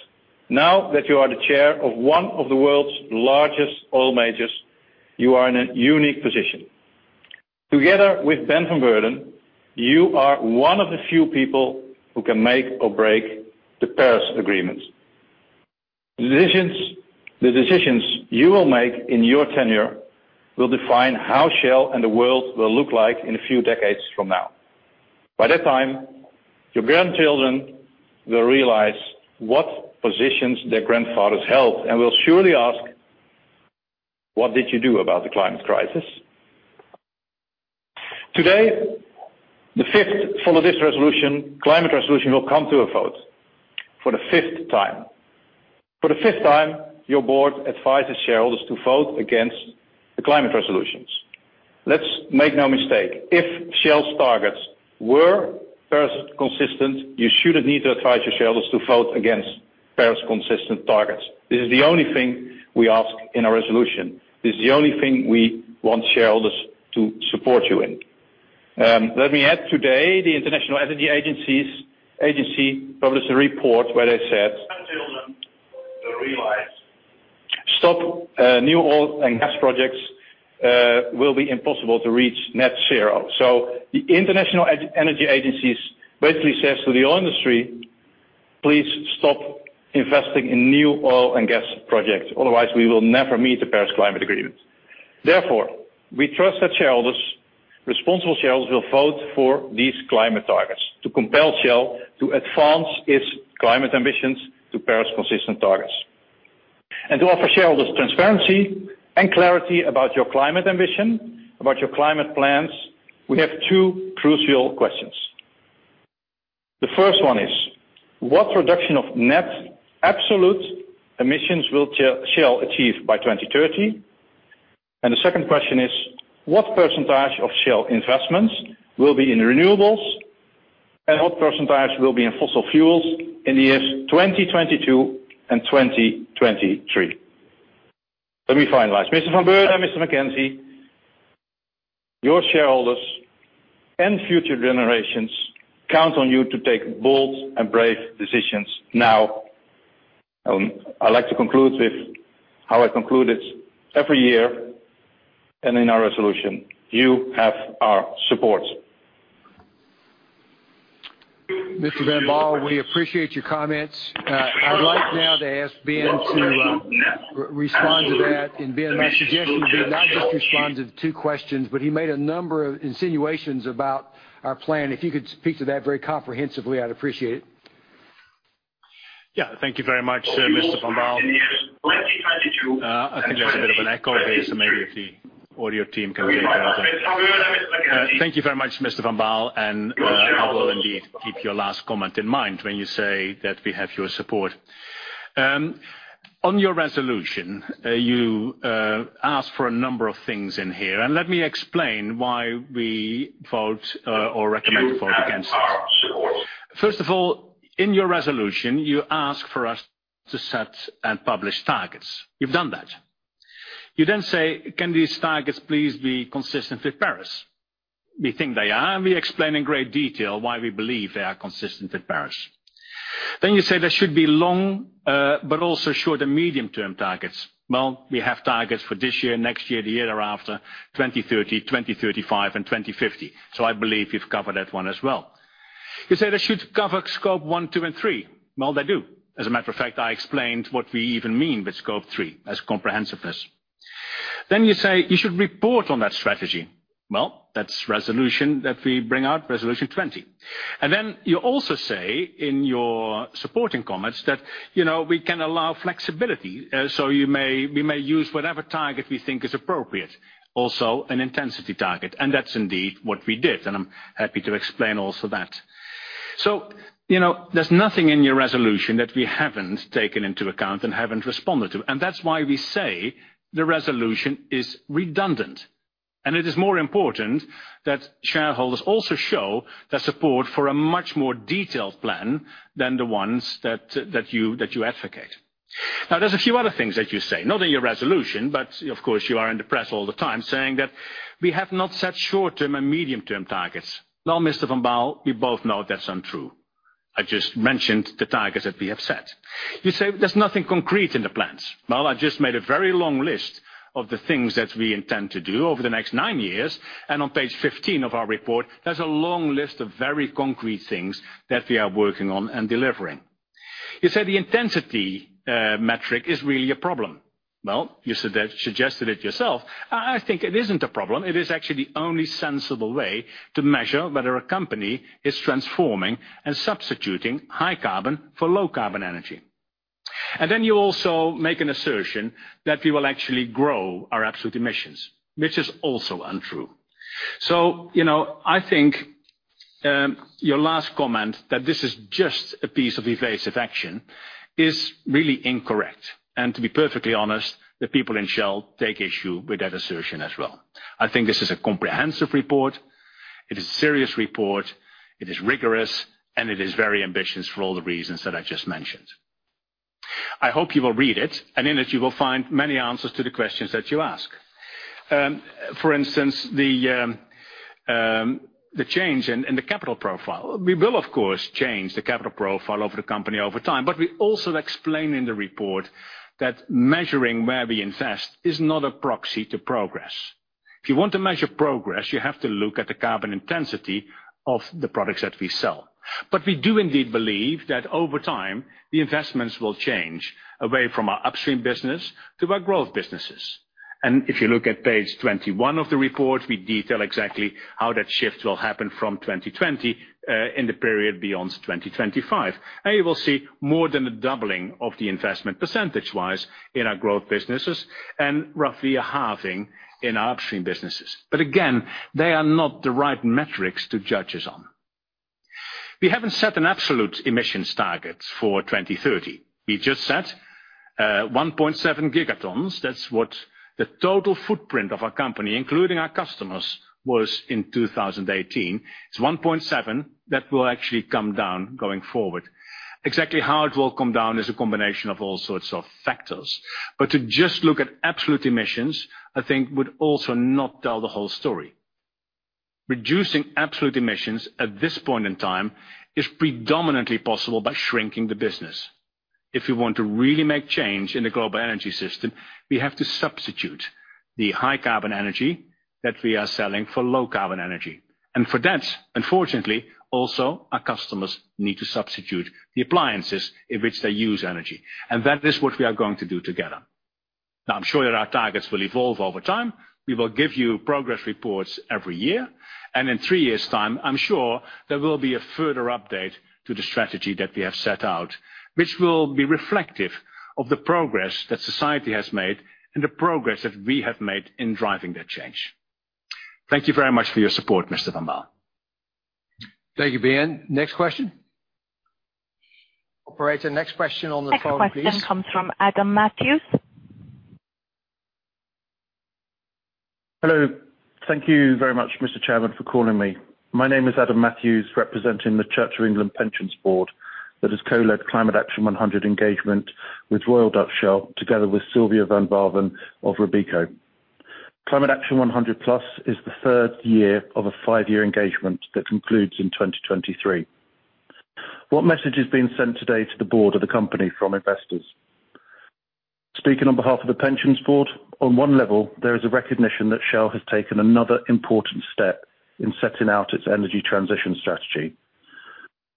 Now that you are the chair of one of the world's largest oil majors, you are in a unique position. Together with Ben van Beurden, you are one of the few people who can make or break the Paris Agreement. The decisions you will make in your tenure will define how Shell and the world will look like in a few decades from now. By that time, your grandchildren will realize what positions their grandfathers held and will surely ask, "What did you do about the climate crisis?" Today, the fifth Follow This resolution, climate resolution, will come to a vote for the fifth time. For the fifth time, your board advises shareholders to vote against the climate resolutions. Let's make no mistake. If Shell's targets were Paris consistent, you shouldn't need to advise your shareholders to vote against Paris consistent targets. This is the only thing we ask in our resolution. This is the only thing we want shareholders to support you in. We had today, the International Energy Agency published a report where they said New oil and gas projects will be impossible to reach net zero. The International Energy Agency basically says to the oil industry, "Please stop investing in new oil and gas projects, otherwise we will never meet the Paris Climate Agreement." Therefore, we trust that shareholders, responsible shareholders, will vote for these climate targets to compel Shell to advance its climate ambitions to Paris consistent targets. To offer shareholders transparency and clarity about your climate ambition, about your climate plans, we have two crucial questions. The first one is, what reduction of net absolute emissions will Shell achieve by 2030? The second question is, what percentage of Shell investments will be in renewables, and what percentage will be in fossil fuels in the years 2022 and 2023? Let me finalize. Mr. van Beurden, Mr. Mackenzie, your shareholders and future generations count on you to take bold and brave decisions now. I'd like to conclude with how I conclude it every year and in our resolution. You have our support. Mr. Van Baal, we appreciate your comments. I'd like now to ask Ben to respond to that. Ben, my suggestion would be not just respond to the two questions, but he made a number of insinuations about our plan. If you could speak to that very comprehensively, I'd appreciate it. Yeah, thank you very much, Mr. Van Baal. I can hear a bit of an echo here, so maybe the audio team can help. Thank you very much, Mr. Van Baal, and I will indeed keep your last comment in mind when you say that we have your support. On your resolution, you asked for a number of things in here, and let me explain why we vote or recommend vote against it. First of all, in your resolution, you ask for us to set and publish targets. We've done that. You then say, can these targets please be consistent with Paris? We think they are, and we explain in great detail why we believe they are consistent with Paris. Then you say there should be long, but also short and medium-term targets. Well, we have targets for this year, next year, the year after, 2030, 2035, and 2050. I believe we've covered that one as well. You say they should cover scope one, two, and three. Well, they do. As a matter of fact, I explained what we even mean by scope three. That's comprehensiveness. You say you should report on that strategy. Well, that's resolution that we bring out, Resolution 20. You also say in your supporting comments that we can allow flexibility. We may use whatever target we think is appropriate, also an intensity target. That's indeed what we did. I'm happy to explain also that. There's nothing in your resolution that we haven't taken into account and haven't responded to. That's why we say the resolution is redundant. It is more important that shareholders also show their support for a much more detailed plan than the ones that you advocate. Now, there's a few other things that you say, not in your resolution, but of course, you are in the press all the time saying that we have not set short-term and medium-term targets. Now, Mr. van Baal, we both know that's untrue. I just mentioned the targets that we have set. You say there's nothing concrete in the plans. Well, I just made a very long list of the things that we intend to do over the next nine years. On page 15 of our report, there's a long list of very concrete things that we are working on and delivering. You say the intensity metric is really a problem. Well, you suggested it yourself. I think it isn't a problem. It is actually the only sensible way to measure whether a company is transforming and substituting high carbon for low carbon energy. You also make an assertion that we will actually grow our absolute emissions, which is also untrue. I think your last comment that this is just a piece of evasive action is really incorrect. To be perfectly honest, the people in Shell take issue with that assertion as well. I think this is a comprehensive report, it is a serious report, it is rigorous, and it is very ambitious for all the reasons that I just mentioned. I hope you will read it, and in it, you will find many answers to the questions that you ask. For instance, the change in the capital profile. We will, of course, change the capital profile of the company over time. We also explain in the report that measuring where we invest is not a proxy to progress. If you want to measure progress, you have to look at the carbon intensity of the products that we sell. We do indeed believe that over time, the investments will change away from our upstream business to our growth businesses. If you look at page 21 of the report, we detail exactly how that shift will happen from 2020 in the period beyond 2025. You will see more than a doubling of the investment percentage-wise in our growth businesses and roughly a halving in our upstream businesses. Again, they are not the right metrics to judge us on. We haven't set an absolute emissions target for 2030. We just set 1.7 Gt. That's what the total footprint of our company, including our customers, was in 2018. It's 1.7 Gt that will actually come down going forward. Exactly how it will come down is a combination of all sorts of factors. To just look at absolute emissions, I think would also not tell the whole story. Reducing absolute emissions at this point in time is predominantly possible by shrinking the business. If we want to really make change in the global energy system, we have to substitute the high carbon energy that we are selling for low carbon energy. For that, unfortunately, also our customers need to substitute the appliances in which they use energy, and that is what we are going to do together. Now, I'm sure our targets will evolve over time. We will give you progress reports every year, and in three years' time, I'm sure there will be a further update to the strategy that we have set out, which will be reflective of the progress that society has made and the progress that we have made in driving that change. Thank you very much for your support, Mr. van Baal. Thank you, Ben. Next question. Operator, next question on the phone please. Second question comes from Adam Matthews. Hello. Thank you very much, Mr. Chairman, for calling me. My name is Adam Matthews, representing the Church of England Pensions Board that has co-led Climate Action 100 engagement with Royal Dutch Shell together with Sylvia van Waveren of Robeco. Climate Action 100+ is the third year of a five-year engagement that concludes in 2023. What message is being sent today to the board of the company from investors? Speaking on behalf of the pensions board, on one level, there is a recognition that Shell has taken another important step in setting out its energy transition strategy,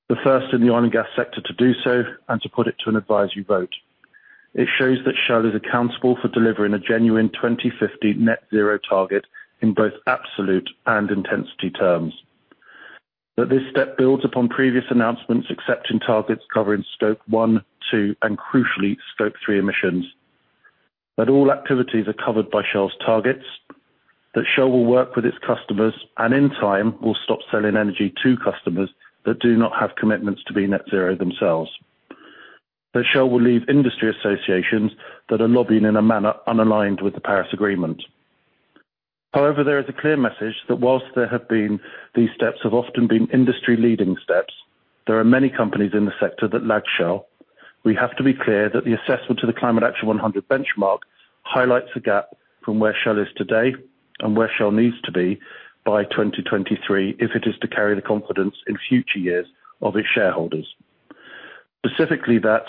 the first in the oil and gas sector to do so and to put it to an advisory vote. It shows that Shell is accountable for delivering a genuine 2050 net zero target in both absolute and intensity terms. That this step builds upon previous announcements accepting targets covering Scope 1, 2, and crucially, Scope 3 emissions. That all activities are covered by Shell's targets. That Shell will work with its customers and in time will stop selling energy to customers that do not have commitments to be net zero themselves. That Shell will leave industry associations that are lobbying in a manner unaligned with the Paris Agreement. However, there is a clear message that whilst these steps have often been industry-leading steps, there are many companies in the sector that lag Shell. We have to be clear that the assessment of the Climate Action 100 benchmark highlights the gap from where Shell is today and where Shell needs to be by 2023 if it is to carry the confidence in future years of its shareholders. Specifically that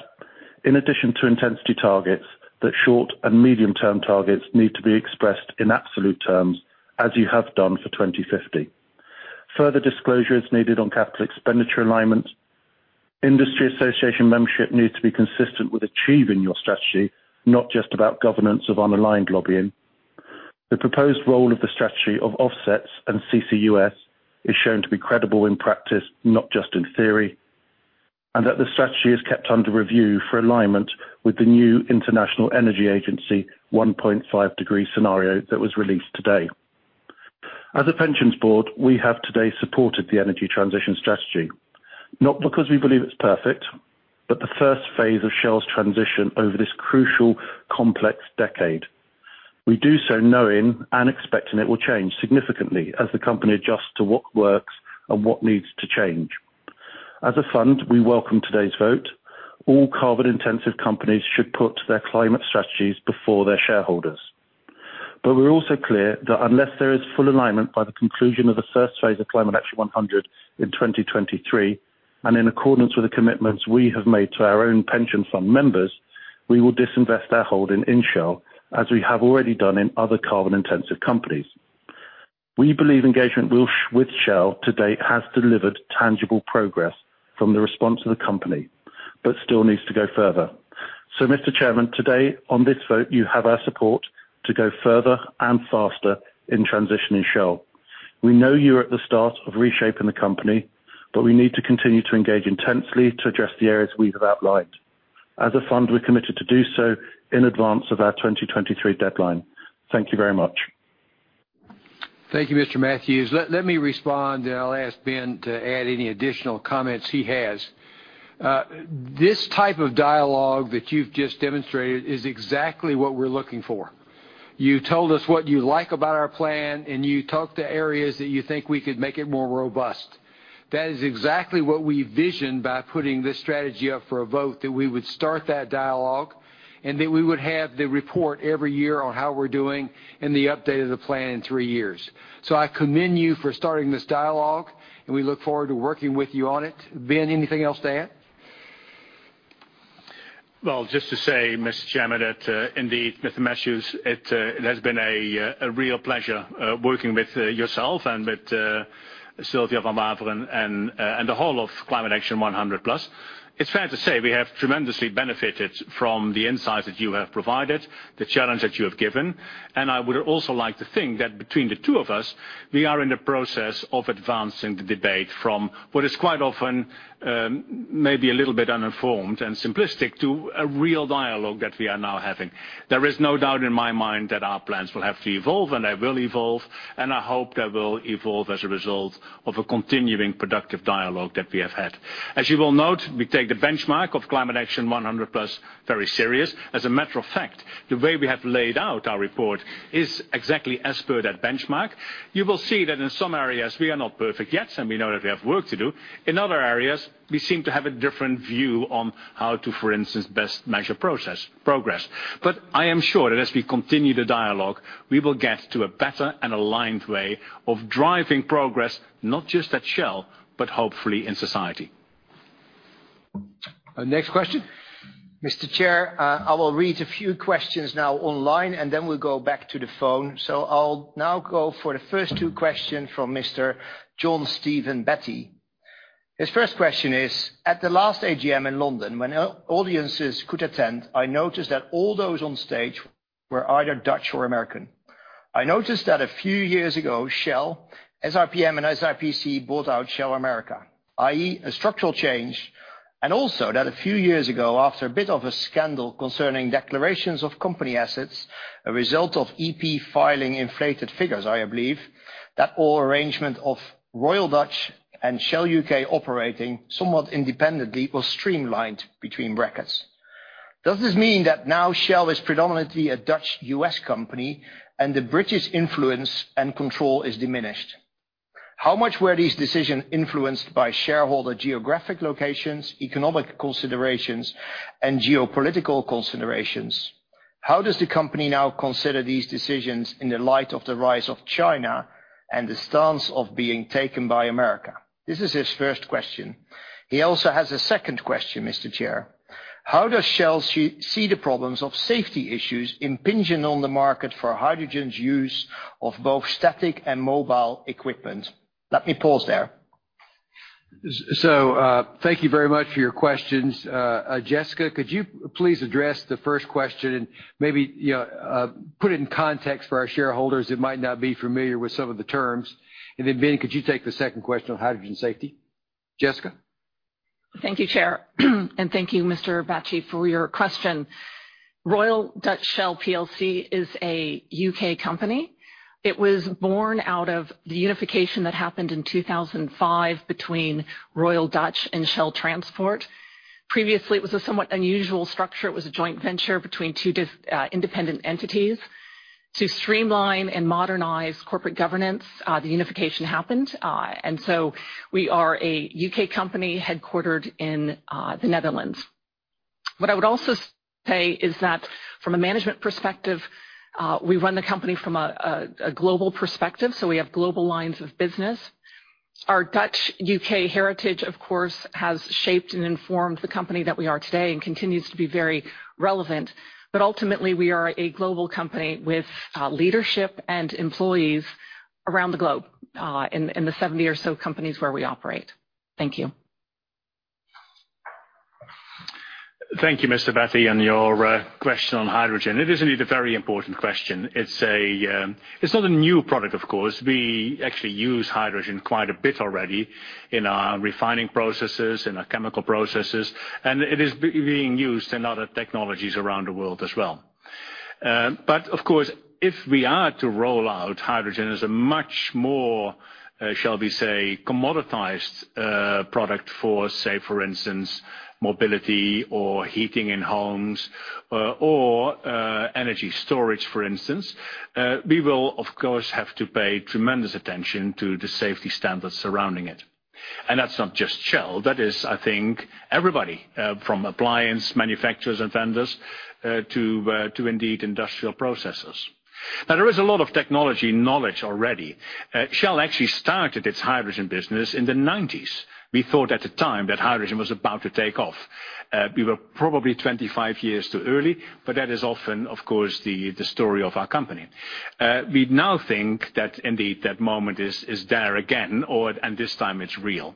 in addition to intensity targets, that short and medium-term targets need to be expressed in absolute terms as you have done for 2050. Further disclosure is needed on capital expenditure alignment. Industry association membership needs to be consistent with achieving your strategy, not just about governance of unaligned lobbying. The proposed role of the strategy of offsets and CCUS is shown to be credible in practice, not just in theory, and that the strategy is kept under review for alignment with the new International Energy Agency 1.5 Degree Scenario that was released today. As a pensions board, we have today supported the energy transition strategy, not because we believe it's perfect, but the first phase of Shell's transition over this crucial, complex decade. We do so knowing and expecting it will change significantly as the company adjusts to what works and what needs to change. As a fund, we welcome today's vote. All carbon-intensive companies should put their climate strategies before their shareholders. We're also clear that unless there is full alignment by the conclusion of the first phase of Climate Action 100 in 2023, and in accordance with the commitments we have made to our own pension fund members, we will disinvest our holding in Shell as we have already done in other carbon-intensive companies. We believe engagement with Shell to date has delivered tangible progress from the response of the company, but still needs to go further. Mr. Chairman, today on this vote, you have our support to go further and faster in transitioning Shell. We know you're at the start of reshaping the company, but we need to continue to engage intensely to address the areas we have outlined. As a fund, we're committed to do so in advance of our 2023 deadline. Thank you very much. Thank you, Mr. Matthews. Let me respond, and I'll ask Ben to add any additional comments he has. This type of dialogue that you've just demonstrated is exactly what we're looking for. You told us what you like about our plan, and you talked to areas that you think we could make it more robust. That is exactly what we visioned by putting this strategy up for a vote, that we would start that dialogue, and then we would have the report every year on how we're doing and the update of the plan in three years. I commend you for starting this dialogue, and we look forward to working with you on it. Ben, anything else to add? Well, just to say, Mr. Chairman, that indeed, Mr. Matthews, it has been a real pleasure working with yourself and with Sylvia van Waveren and the whole of Climate Action 100+. It's fair to say we have tremendously benefited from the insights that you have provided, the challenge that you have given, and I would also like to think that between the two of us, we are in the process of advancing the debate from what is quite often maybe a little bit uninformed and simplistic to a real dialogue that we are now having. There is no doubt in my mind that our plans will have to evolve, and they will evolve, and I hope they will evolve as a result of a continuing productive dialogue that we have had. As you will note, we take the benchmark of Climate Action 100+ very serious. As a matter of fact, the way we have laid out our report is exactly as per that benchmark. You will see that in some areas, we are not perfect yet, and we know that we have work to do. In other areas, we seem to have a different view on how to, for instance, best measure progress. I am sure that as we continue the dialogue, we will get to a better and aligned way of driving progress, not just at Shell, but hopefully in society. Next question. Mr. Chair, I will read a few questions now online, and then we'll go back to the phone. I'll now go for the first two questions from Mr. John Steven Betty. His first question is, at the last AGM in London, when audiences could attend, I noticed that all those on stage were either Dutch or American. I noticed that a few years ago, Shell, SRPM and SIPC bought out Shell America, i.e., a structural change, and also that a few years ago, after a bit of a scandal concerning declarations of company assets, a result of EP filing inflated figures, I believe, that whole arrangement of Royal Dutch and Shell U.K. operating somewhat independently was streamlined between brackets. Does this mean that now Shell is predominantly a Dutch U.S. company and the British influence and control is diminished? How much were these decisions influenced by shareholder geographic locations, economic considerations, and geopolitical considerations? How does the company now consider these decisions in the light of the rise of China and the stance of being taken by America? This is his first question. He also has a second question, Mr. Chair. How does Shell see the problems of safety issues impinging on the market for hydrogen's use of both static and mobile equipment? Let me pause there. Thank you very much for your questions. Jessica, could you please address the first question and maybe put it in context for our shareholders who might not be familiar with some of the terms? Ben, could you take the second question on hydrogen safety? Jessica. Thank you, Chair, and thank you, Mr. Betty, for your question. Royal Dutch Shell PLC is a U.K. company. It was born out of the unification that happened in 2005 between Royal Dutch and Shell Transport. Previously, it was a somewhat unusual structure. It was a joint venture between two independent entities. To streamline and modernize corporate governance, the unification happened. We are a U.K. company headquartered in the Netherlands. What I would also say is that from a management perspective, we run the company from a global perspective, so we have global lines of business. Our Dutch U.K. heritage, of course, has shaped and informed the company that we are today and continues to be very relevant. Ultimately, we are a global company with leadership and employees around the globe in the seven or so companies where we operate. Thank you. Thank you, Mr. Betty, and your question on hydrogen. It is indeed a very important question. It's not a new product, of course. We actually use hydrogen quite a bit already in our refining processes, in our chemical processes, and it is being used in other technologies around the world as well. Of course, if we are to roll out hydrogen as a much more, shall we say, commoditized product for, say, for instance, mobility or heating in homes or energy storage, for instance, we will, of course, have to pay tremendous attention to the safety standards surrounding it. That's not just Shell. That is, I think, everybody, from appliance manufacturers and vendors to indeed industrial processors. There is a lot of technology knowledge already. Shell actually started its hydrogen business in the '90s. We thought at the time that hydrogen was about to take off. We were probably 25 years too early, but that is often, of course, the story of our company. We now think that indeed that moment is there again, and this time it's real.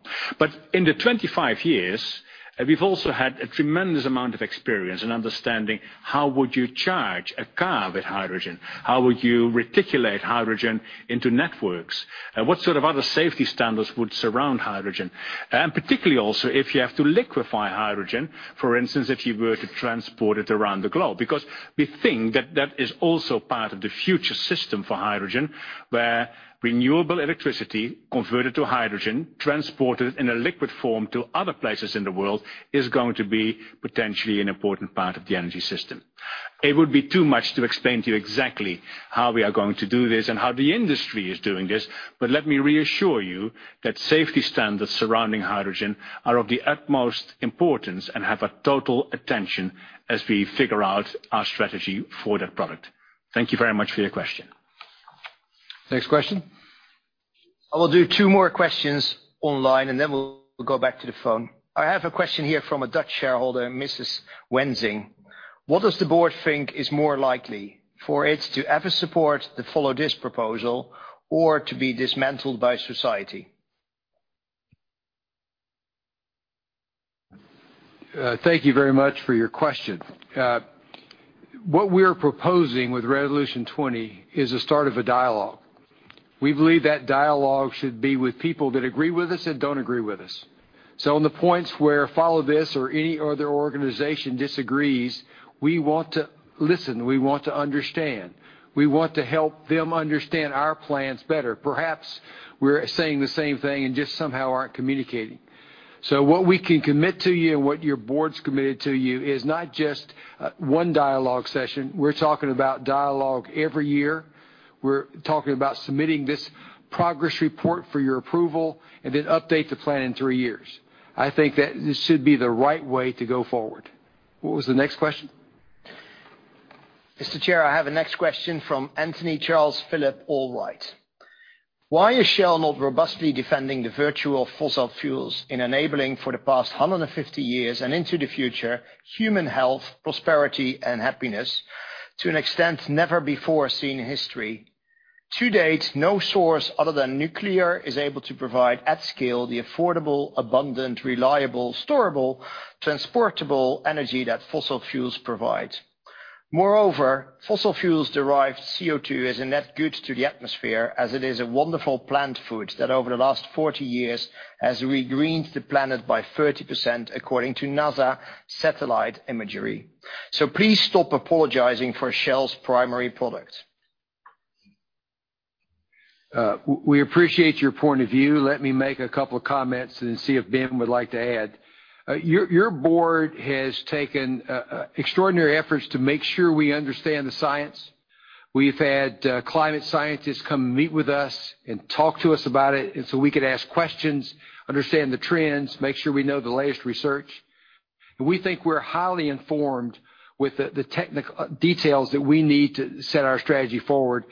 In the 25 years, we've also had a tremendous amount of experience and understanding. How would you charge a car with hydrogen? How would you reticulate hydrogen into networks? What sort of other safety standards would surround hydrogen? Particularly also if you have to liquefy hydrogen, for instance, if you were to transport it around the globe. We think that that is also part of the future system for hydrogen, where renewable electricity converted to hydrogen, transported in a liquid form to other places in the world, is going to be potentially an important part of the energy system. It would be too much to explain to you exactly how we are going to do this and how the industry is doing this. Let me reassure you that safety standards surrounding hydrogen are of the utmost importance and have our total attention as we figure out our strategy for the product. Thank you very much for your question. Next question. I'll do two more questions online, and then we'll go back to the phone. I have a question here from a Dutch shareholder, Mrs. Wensing. What does the board think is more likely for it to ever support the Follow This proposal or to be dismantled by society? Thank you very much for your question. What we are proposing with Resolution 20 is the start of a dialogue. We believe that dialogue should be with people that agree with us and don't agree with us. On the points where Follow This or any other organization disagrees, we want to listen. We want to understand. We want to help them understand our plans better. Perhaps we're saying the same thing and just somehow aren't communicating. What we can commit to you and what your board's committed to you is not just one dialogue session. We're talking about dialogue every year. We're talking about submitting this progress report for your approval and then update the plan in three years. I think that this should be the right way to go forward. What was the next question? Mr. Chair, I have the next question from Anthony Charles Philip Allwright. Why is Shell not robustly defending the virtue of fossil fuels in enabling for the past 150 years and into the future human health, prosperity, and happiness to an extent never before seen in history? To date, no source other than nuclear is able to provide at scale the affordable, abundant, reliable, storable, transportable energy that fossil fuels provide. Moreover, fossil fuels-derived CO2 is a net good to the atmosphere as it is a wonderful plant food that over the last 40 years has regreened the planet by 30%, according to NASA satellite imagery. Please stop apologizing for Shell's primary product. We appreciate your point of view. Let me make a couple comments and see if Ben would like to add. Your board has taken extraordinary efforts to make sure we understand the science. We've had climate scientists come and meet with us and talk to us about it, and so we could ask questions, understand the trends, make sure we know the latest research. We think we're highly informed with the technical details that we need to set our strategy forward.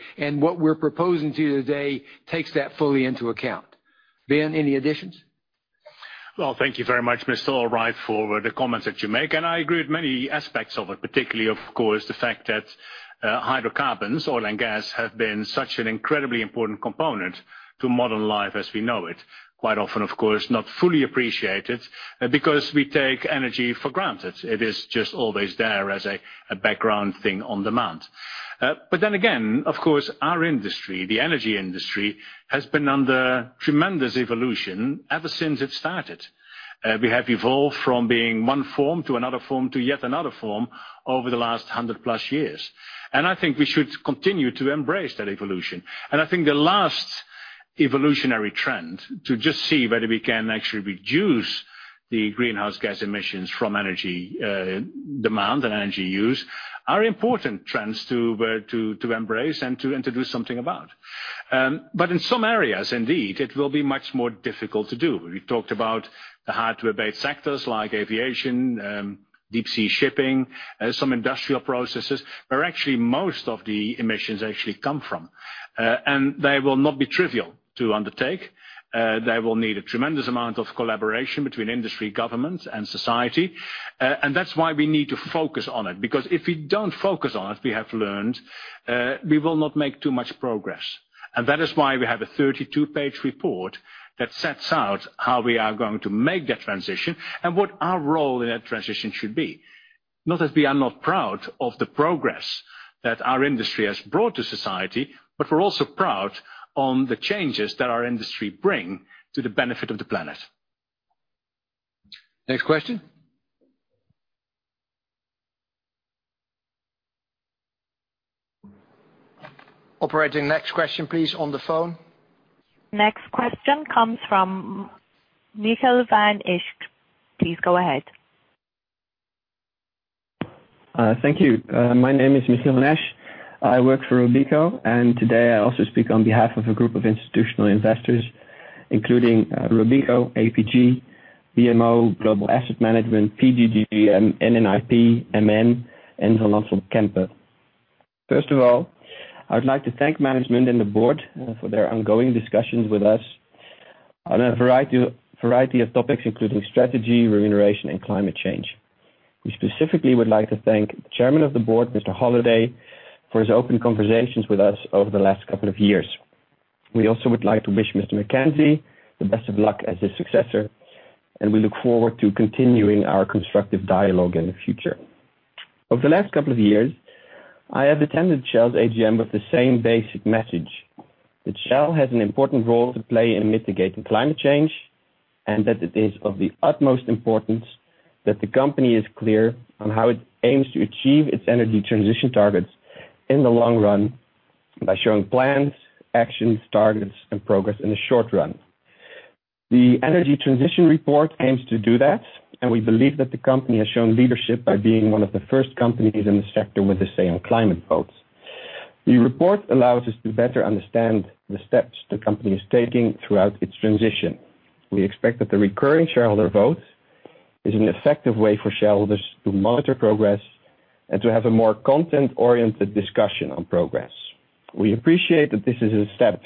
What we're proposing to you today takes that fully into account. Ben, any additions? Thank you very much, Mr. Allwright, for the comments that you make. I agree with many aspects of it, particularly, of course, the fact that hydrocarbons, oil, and gas have been such an incredibly important component to modern life as we know it. Quite often, of course, not fully appreciated because we take energy for granted. It is just always there as a background thing on demand. Again, of course, our industry, the energy industry, has been under tremendous evolution ever since it started. We have evolved from being one form to another form to yet another form over the last hundred-plus years. I think we should continue to embrace that evolution. I think the last evolutionary trend to just see whether we can actually reduce the greenhouse gas emissions from energy demand and energy use are important trends to embrace and to do something about. In some areas, indeed, it will be much more difficult to do. We talked about the hard-to-abate sectors like aviation, deep sea shipping, some industrial processes, where actually most of the emissions actually come from. They will not be trivial to undertake. They will need a tremendous amount of collaboration between industry, government, and society. That's why we need to focus on it. Because if we don't focus on it, we have learned, we will not make too much progress. That is why we have a 32-page report that sets out how we are going to make that transition and what our role in that transition should be. Not that we are not proud of the progress that our industry has brought to society, but we're also proud of the changes that our industry bring to the benefit of the planet. Next question. Operator, next question please on the phone. Next question comes from Michiel van Esch. Please go ahead. Thank you. My name is Michiel van Esch. I work for Robeco. Today I also speak on behalf of a group of institutional investors, including Robeco, APG, BMO Global Asset Management, PGGM, NN IP, AM, and Van Lanschot Kempen. First of all, I would like to thank management and the board for their ongoing discussions with us on a variety of topics, including strategy, remuneration, and climate change. We specifically would like to thank Chairman of the Board, Mr. Holliday, for his open conversations with us over the last couple of years. We also would like to wish Mr. Mackenzie the best of luck as his successor. We look forward to continuing our constructive dialogue in the future. Over the last couple of years, I have attended Shell's AGM with the same basic message, that Shell has an important role to play in mitigating climate change, and that it is of the utmost importance that the company is clear on how it aims to achieve its energy transition targets in the long run by showing plans, actions, targets, and progress in the short run. The Energy Transition Report aims to do that, we believe that the company has shown leadership by being one of the first companies in the sector with a say on climate vote. The report allows us to better understand the steps the company is taking throughout its transition. We expect that the recurring shareholder vote is an effective way for shareholders to monitor progress and to have a more content-oriented discussion on progress. We appreciate that this is a step,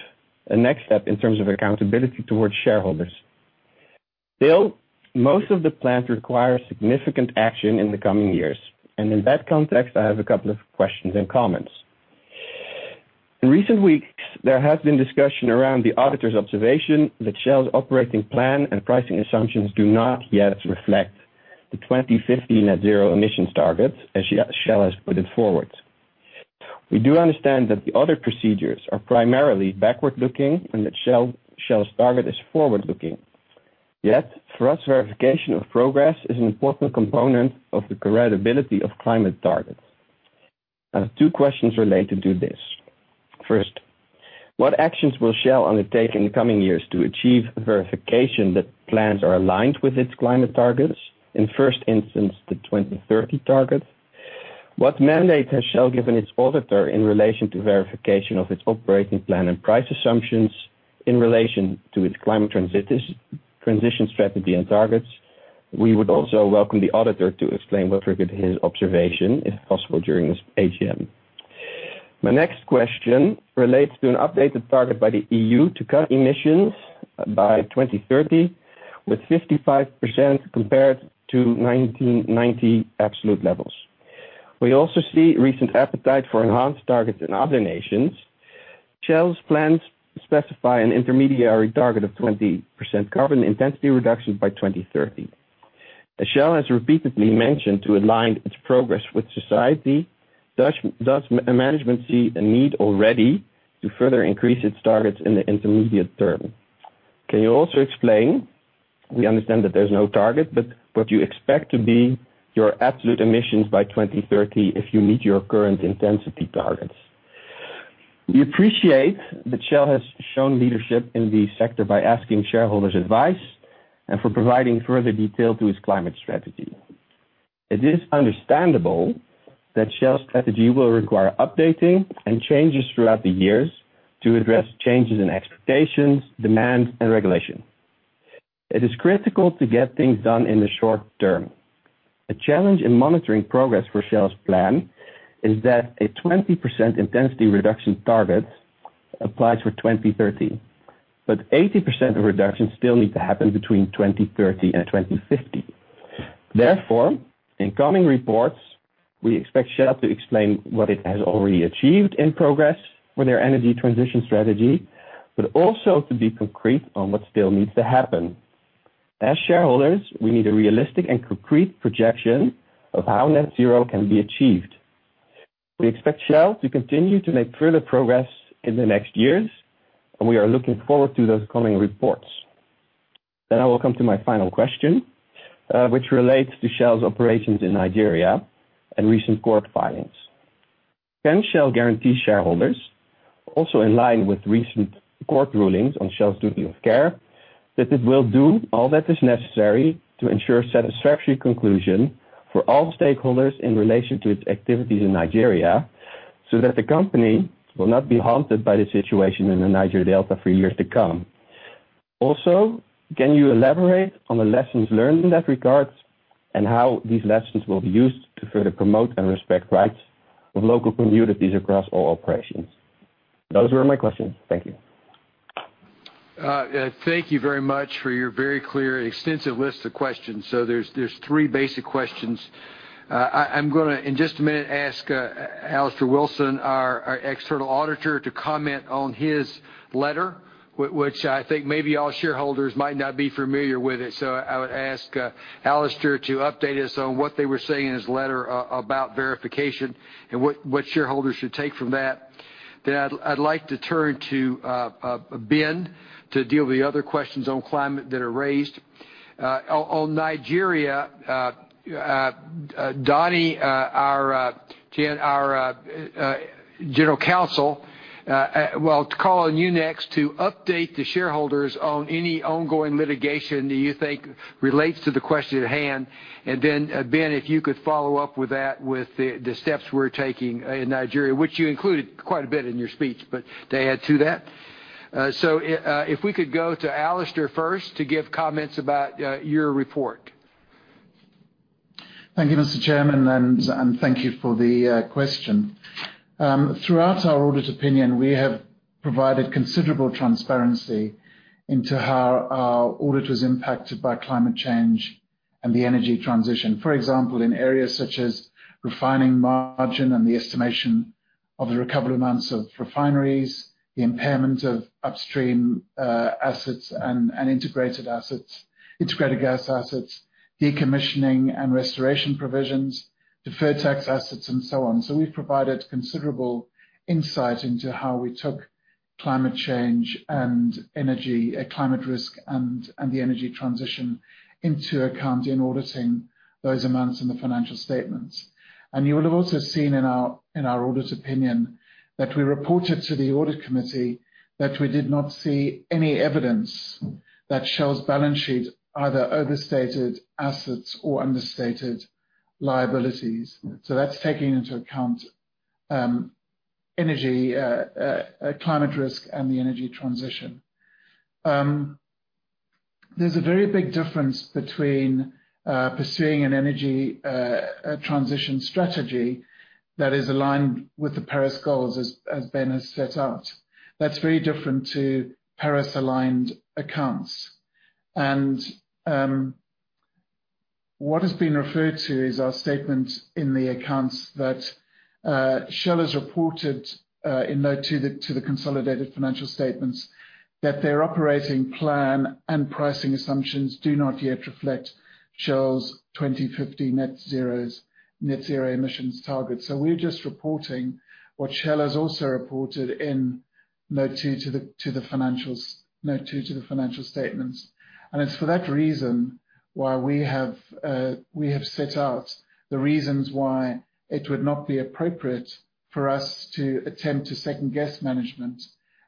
a next step in terms of accountability towards shareholders. Still, most of the plans require significant action in the coming years. In that context, I have a couple of questions and comments. In recent weeks, there has been discussion around the auditor's observation that Shell's operating plan and pricing assumptions do not yet reflect the 2050 net-zero emissions targets as Shell has put it forward. We do understand that the audit procedures are primarily backward-looking and that Shell's target is forward-looking. Yet, for us, verification of progress is an important component of the credibility of climate targets. I have two questions related to this. First, what actions will Shell undertake in the coming years to achieve the verification that plans are aligned with its climate targets, in first instance, the 2030 target? What mandate has Shell given its auditor in relation to verification of its operating plan and price assumptions in relation to its climate transition strategy and targets? We would also welcome the auditor to explain what regard to his observation, if possible, during this AGM. My next question relates to an updated target by the EU to cut emissions by 2030, with 55% compared to 1990 absolute levels. We also see recent appetite for enhanced targets in other nations. Shell's plans specify an intermediary target of 20% carbon intensity reduction by 2030. As Shell has repeatedly mentioned to align its progress with society, does management see a need already to further increase its targets in the intermediate term? Can you also explain, we understand that there's no target, but what you expect to be your absolute emissions by 2030 if you meet your current intensity targets? We appreciate that Shell has shown leadership in the sector by asking shareholders' advice and for providing further detail to its climate strategy. It is understandable that Shell's strategy will require updating and changes throughout the years to address changes in expectations, demand, and regulation. It is critical to get things done in the short term. A challenge in monitoring progress for Shell's plan is that a 20% intensity reduction target applies for 2030, but 80% of reductions still need to happen between 2030 and 2050. In coming reports, we expect Shell to explain what it has already achieved in progress with their energy transition strategy, but also to be concrete on what still needs to happen. As shareholders, we need a realistic and concrete projection of how net zero can be achieved. We expect Shell to continue to make further progress in the next years, and we are looking forward to those coming reports. I will come to my final question, which relates to Shell's operations in Nigeria and recent court filings. Can Shell guarantee shareholders, also in line with recent court rulings on Shell's duty of care, that it will do all that is necessary to ensure a satisfactory conclusion for all stakeholders in relation to its activities in Nigeria, so that the company will not be haunted by the situation in the Niger Delta for years to come? Also, can you elaborate on the lessons learned in that regard, and how these lessons will be used to further promote and respect rights of local communities across all operations? Those were my questions. Thank you. Thank you very much for your very clear, extensive list of questions. There's three basic questions. I'm going to, in just a minute, ask Allister Wilson, our external auditor, to comment on his letter, which I think maybe all shareholders might not be familiar with it. I would ask Allister to update us on what they were saying in his letter about verification and what shareholders should take from that. I'd like to turn to Ben to deal with the other questions on climate that are raised. On Nigeria, Donny, our general counsel, I'll call on you next to update the shareholders on any ongoing litigation that you think relates to the question at hand. Ben, if you could follow up with that with the steps we're taking in Nigeria, which you included quite a bit in your speech, but to add to that. If we could go to Allister first to give comments about your report. Thank you, Mr. Chairman, and thank you for the question. Throughout our audit opinion, we have provided considerable transparency into how our audit is impacted by climate change and the energy transition. For example, in areas such as refining margin and the estimation of the recovery amounts of refineries, the impairment of upstream assets and integrated gas assets, decommissioning and restoration provisions, deferred tax assets, and so on. We've provided considerable insight into how we took climate change and energy, climate risk and the energy transition into account in auditing those amounts in the financial statements. You'll have also seen in our audit opinion that we reported to the audit committee that we did not see any evidence that Shell's balance sheet either overstated assets or understated liabilities. That's taking into account energy, climate risk, and the energy transition. There's a very big difference between pursuing an energy transition strategy that is aligned with the Paris goals, as Ben has set out. That's very different to Paris-aligned accounts. What has been referred to is our statement in the accounts that Shell has reported in Note to the Consolidated Financial Statements that their operating plan and pricing assumptions do not yet reflect Shell's 2050 net zero emissions target. We're just reporting what Shell has also reported in Note to the Financial Statements. It's for that reason why we have set out the reasons why it would not be appropriate for us to attempt to second-guess management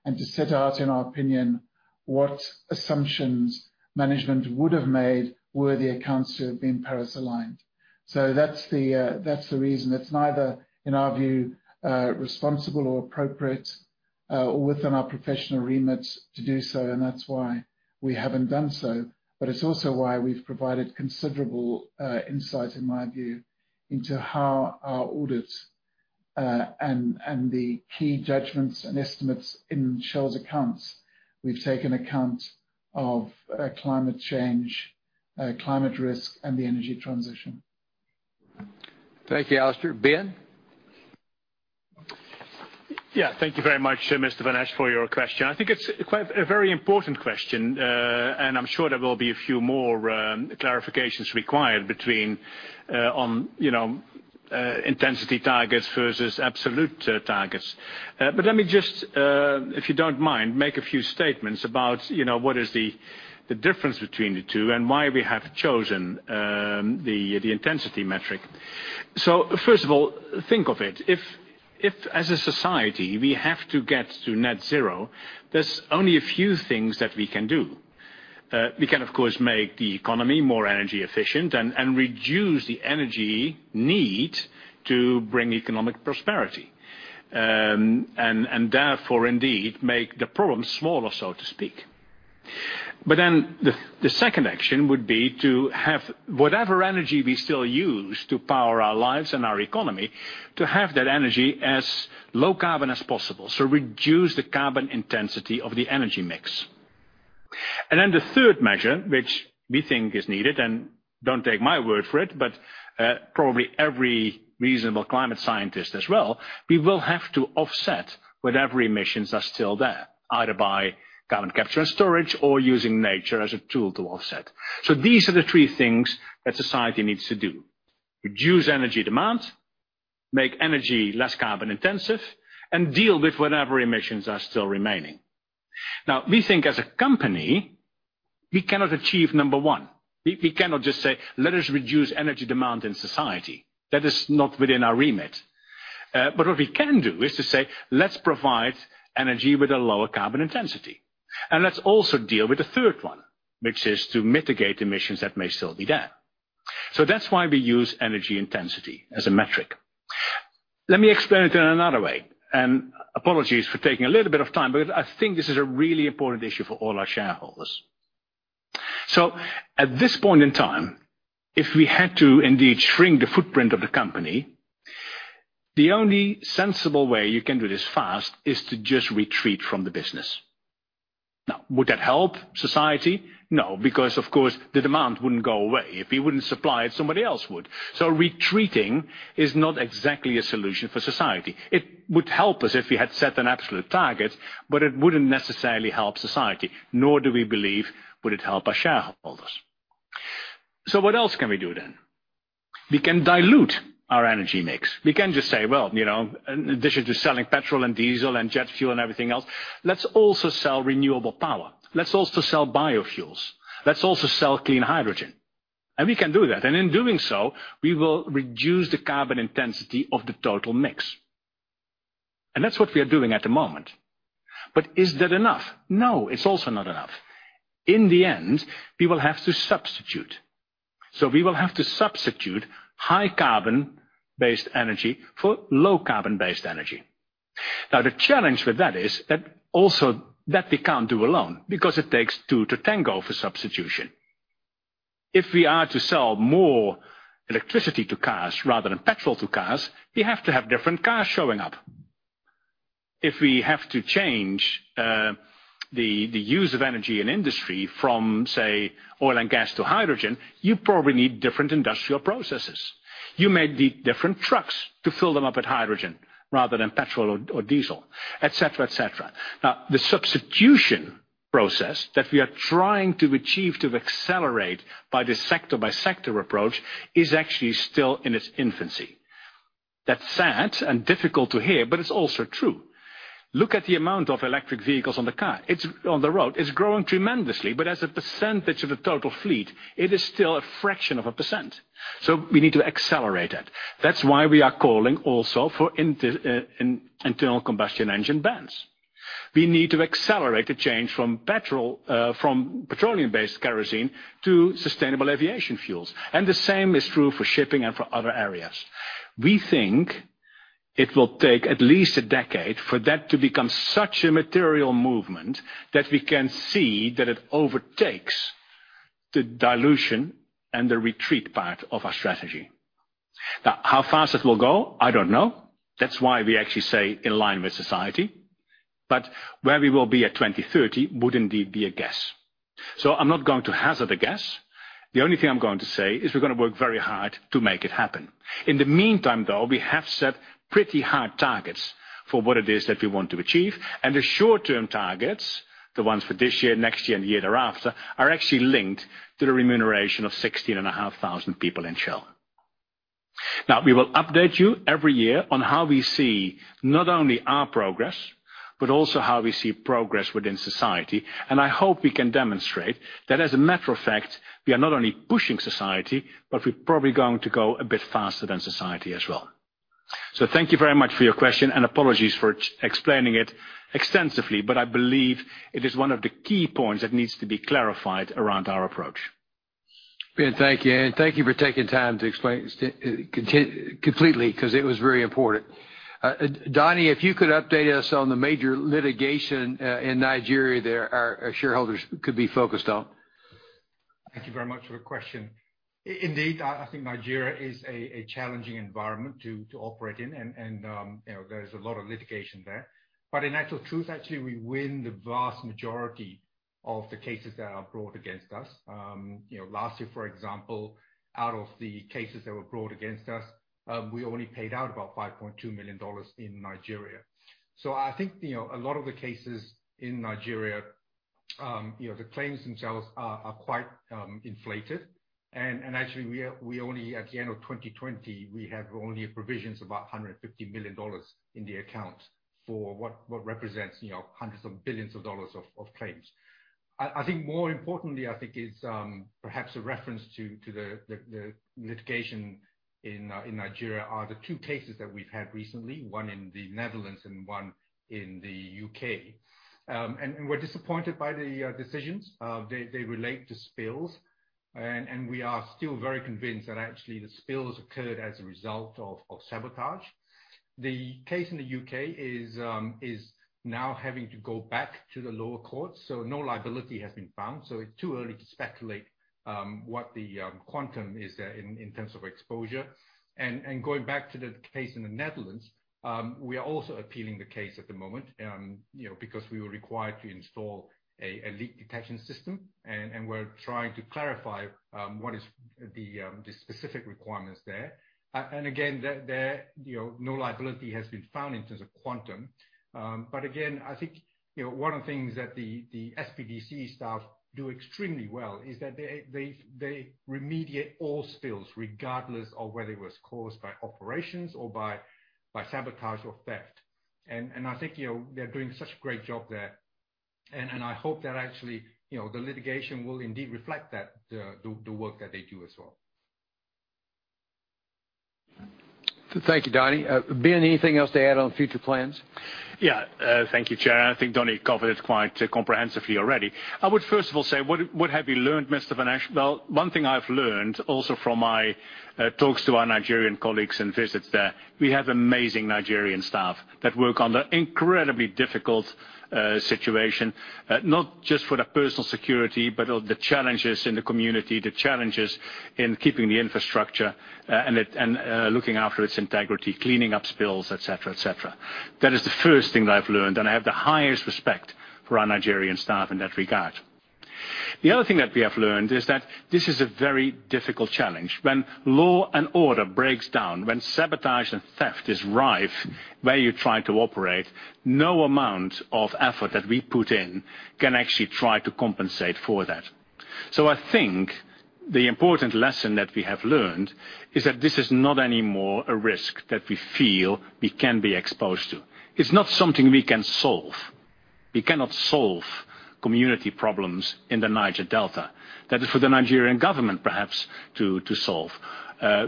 and to set out, in our opinion, what assumptions management would have made were the accounts to have been Paris-aligned. That's the reason. It's neither, in our view, responsible or appropriate within our professional remit to do so, and that's why we haven't done so. It's also why we've provided considerable insight, in my view, into how our audits and the key judgments and estimates in Shell's accounts, we've taken account of climate change, climate risk, and the energy transition. Thank you, Allister. Ben? Yeah. Thank you very much, Mr. van Esch, for your question. I think it's a very important question, and I'm sure there will be a few more clarifications required between on intensity targets versus absolute targets. Let me just, if you don't mind, make a few statements about what is the difference between the two and why we have chosen the intensity metric. First of all, think of it, if as a society, we have to get to net-zero, there's only a few things that we can do. We can, of course, make the economy more energy efficient and reduce the energy need to bring economic prosperity, and therefore indeed make the problem smaller, so to speak. The second action would be to have whatever energy we still use to power our lives and our economy, to have that energy as low carbon as possible. Reduce the carbon intensity of the energy mix. The third measure, which we think is needed, and don't take my word for it, but probably every reasonable climate scientist as well, we will have to offset whatever emissions are still there, either by carbon capture and storage or using nature as a tool to offset. These are the three things that society needs to do, reduce energy demand, make energy less carbon intensive, and deal with whatever emissions are still remaining. We think as a company, we cannot achieve number one. We cannot just say, let us reduce energy demand in society. That is not within our remit. What we can do is to say, let's provide energy with a lower carbon intensity. Let's also deal with the third one, which is to mitigate emissions that may still be there. That's why we use energy intensity as a metric. Let me explain it in another way, and apologies for taking a little bit of time, but I think this is a really important issue for all our shareholders. At this point in time, if we had to indeed shrink the footprint of the company, the only sensible way you can do this fast is to just retreat from the business. Would that help society? No, because of course, the demand wouldn't go away. If you wouldn't supply it, somebody else would. Retreating is not exactly a solution for society. It would help us if we had set an absolute target, but it wouldn't necessarily help society, nor do we believe would it help our shareholders. What else can we do then? We can dilute our energy mix. We can just say, well, in addition to selling petrol and diesel and jet fuel and everything else, let's also sell renewable power. Let's also sell biofuels. Let's also sell clean hydrogen. We can do that. In doing so, we will reduce the carbon intensity of the total mix. That's what we are doing at the moment. Is that enough? No, it's also not enough. In the end, we will have to substitute. We will have to substitute high carbon-based energy for low carbon-based energy. The challenge with that is that also that we can't do alone because it takes two to tango for substitution. If we are to sell more electricity to cars rather than petrol to cars, we have to have different cars showing up. If we have to change the use of energy in industry from, say, oil and gas to hydrogen, you probably need different industrial processes. You may need different trucks to fill them up with hydrogen rather than petrol or diesel, et cetera. The substitution process that we are trying to achieve to accelerate by the sector-by-sector approach is actually still in its infancy. That's sad and difficult to hear, but it's also true. Look at the amount of electric vehicles on the road. It's growing tremendously, but as a percentage of the total fleet, it is still a fraction of a percent. We need to accelerate it. That's why we are calling also for internal combustion engine bans. We need to accelerate the change from petroleum-based kerosene to sustainable aviation fuels. The same is true for shipping and for other areas. We think it will take at least a decade for that to become such a material movement that we can see that it overtakes the dilution and the retreat part of our strategy. How fast it will go, I don't know. That's why we actually say in line with society. Where we will be at 2030 would indeed be a guess. I'm not going to hazard a guess. The only thing I'm going to say is we're going to work very hard to make it happen. In the meantime, though, we have set pretty hard targets for what it is that we want to achieve. The short-term targets, the ones for this year, next year, and the year after, are actually linked to the remuneration of 16,500 people in Shell. Now, we will update you every year on how we see not only our progress, but also how we see progress within society. I hope we can demonstrate that as a matter of fact, we are not only pushing society, but we're probably going to go a bit faster than society as well. Thank you very much for your question and apologies for explaining it extensively, but I believe it is one of the key points that needs to be clarified around our approach. Thank you. Thank you for taking time to explain completely because it was very important. Donny, if you could update us on the major litigation in Nigeria that our shareholders could be focused on. Thank you very much for the question. Indeed, I think Nigeria is a challenging environment to operate in, and there is a lot of litigation there. In actual truth, actually, we win the vast majority of the cases that are brought against us. Last year, for example, out of the cases that were brought against us, we only paid out about $5.2 million in Nigeria. I think, a lot of the cases in Nigeria, the claims themselves are quite inflated. Actually, at the end of 2020, we had only provisions of about $150 million in the account for what represents hundreds of billions of dollars of claims. I think more importantly, I think is perhaps a reference to the litigation in Nigeria are the two cases that we've had recently, one in the Netherlands and one in the UK. We're disappointed by the decisions. They relate to spills, and we are still very convinced that actually the spills occurred as a result of sabotage. The case in the U.K. is now having to go back to the lower courts, so no liability has been found. It's too early to speculate what the quantum is there in terms of exposure. Going back to the case in the Netherlands, we are also appealing the case at the moment because we were required to install a leak detection system, and we're trying to clarify what is the specific requirements there. Again, no liability has been found in terms of quantum. Again, I think one of the things that the SPDC staff do extremely well is that they remediate all spills, regardless of whether it was caused by operations or by sabotage or theft. I think they're doing such a great job there, and I hope that actually the litigation will indeed reflect the work that they do as well. Thank you, Donny. Ben, anything else to add on future plans? Yeah. Thank you, Chair. I think Donny covered it quite comprehensively already. I would first of all say, what have you learned, Mr. van Esch? Well, one thing I've learned also from my talks to our Nigerian colleagues and visits there, we have amazing Nigerian staff that work under incredibly difficult situation, not just for their personal security, but of the challenges in the community, the challenges in keeping the infrastructure and looking after its integrity, cleaning up spills, et cetera. That is the first thing that I've learned, and I have the highest respect for our Nigerian staff in that regard. The other thing that we have learned is that this is a very difficult challenge. When law and order breaks down, when sabotage and theft is rife where you try to operate, no amount of effort that we put in can actually try to compensate for that. I think the important lesson that we have learned is that this is not anymore a risk that we feel we can be exposed to. It's not something we can solve. We cannot solve community problems in the Niger Delta. That is for the Nigerian government perhaps to solve.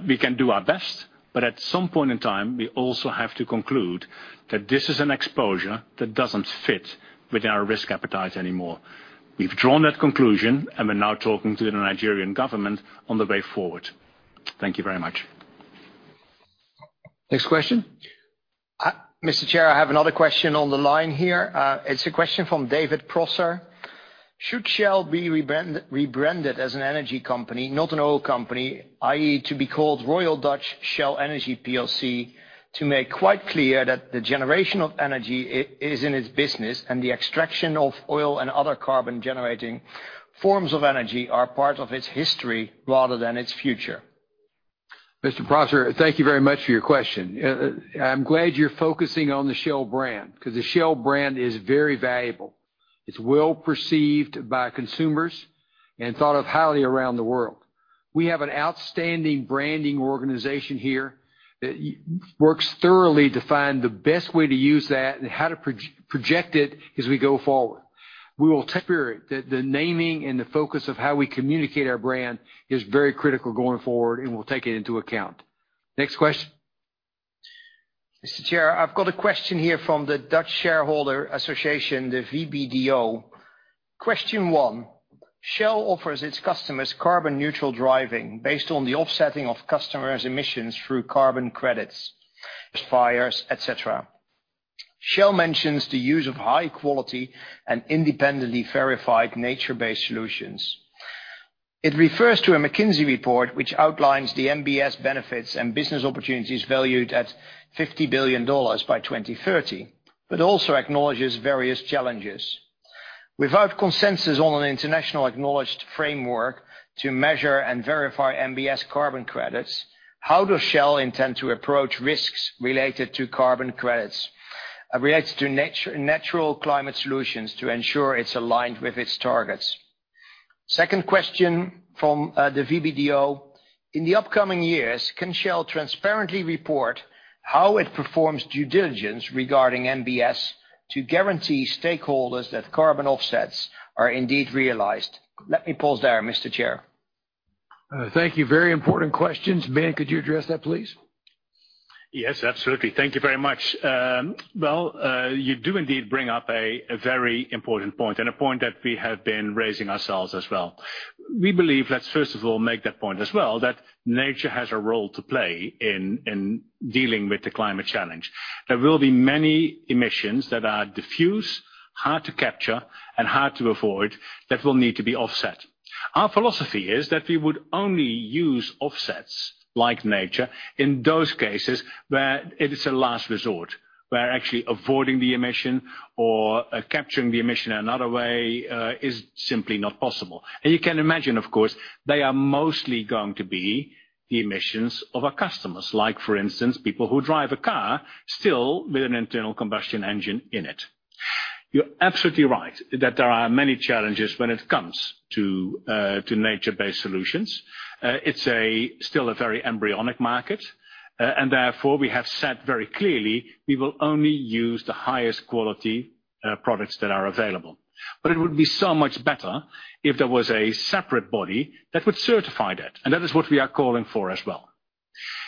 We can do our best, but at some point in time, we also have to conclude that this is an exposure that doesn't fit with our risk appetite anymore. We've drawn that conclusion, and we're now talking to the Nigerian government on the way forward. Thank you very much. Next question. Mr. Chair, I have another question on the line here. It's a question from David Prosser. Should Shell be rebranded as an energy company, not an oil company, i.e., to be called Royal Dutch Shell Energy PLC, to make quite clear that the generation of energy is in its business and the extraction of oil and other carbon-generating forms of energy are part of its history rather than its future? Mr. Prosser, thank you very much for your question. I'm glad you're focusing on the Shell brand because the Shell brand is very valuable. It's well perceived by consumers and thought of highly around the world. We have an outstanding branding organization here that works thoroughly to find the best way to use that and how to project it as we go forward. We will take that spirit, the naming and the focus of how we communicate our brand is very critical going forward, and we'll take it into account. Next question. Mr. Chair, I've got a question here from the Dutch Shareholder Association, the VBDO. Question one, Shell offers its customers carbon-neutral driving based on the offsetting of customers' emissions through carbon credits, fires, et cetera. Shell mentions the use of high quality and independently verified nature-based solutions. It refers to a McKinsey report which outlines the NBS benefits and business opportunities valued at $50 billion by 2030, but also acknowledges various challenges. Without consensus on an internationally acknowledged framework to measure and verify NBS carbon credits, how does Shell intend to approach risks related to carbon credits and related to natural climate solutions to ensure it's aligned with its targets? Second question from the VBDO. In the upcoming years, can Shell transparently report how it performs due diligence regarding NBS to guarantee stakeholders that carbon offsets are indeed realized? Let me pause there, Mr. Chair. Thank you. Very important questions. Ben, could you address that, please? Yes, absolutely. Thank you very much. Well, you do indeed bring up a very important point and a point that we have been raising ourselves as well. We believe, let's first of all make that point as well, that nature has a role to play in dealing with the climate challenge. There will be many emissions that are diffuse, hard to capture, and hard to avoid that will need to be offset. Our philosophy is that we would only use offsets like nature in those cases where it is a last resort, where actually avoiding the emission or capturing the emission another way is simply not possible. You can imagine, of course, they are mostly going to be the emissions of our customers, like for instance, people who drive a car still with an internal combustion engine in it. You're absolutely right that there are many challenges when it comes to nature-based solutions. It's still a very embryonic market, and therefore we have said very clearly we will only use the highest quality products that are available. It would be so much better if there was a separate body that would certify that, and that is what we are calling for as well.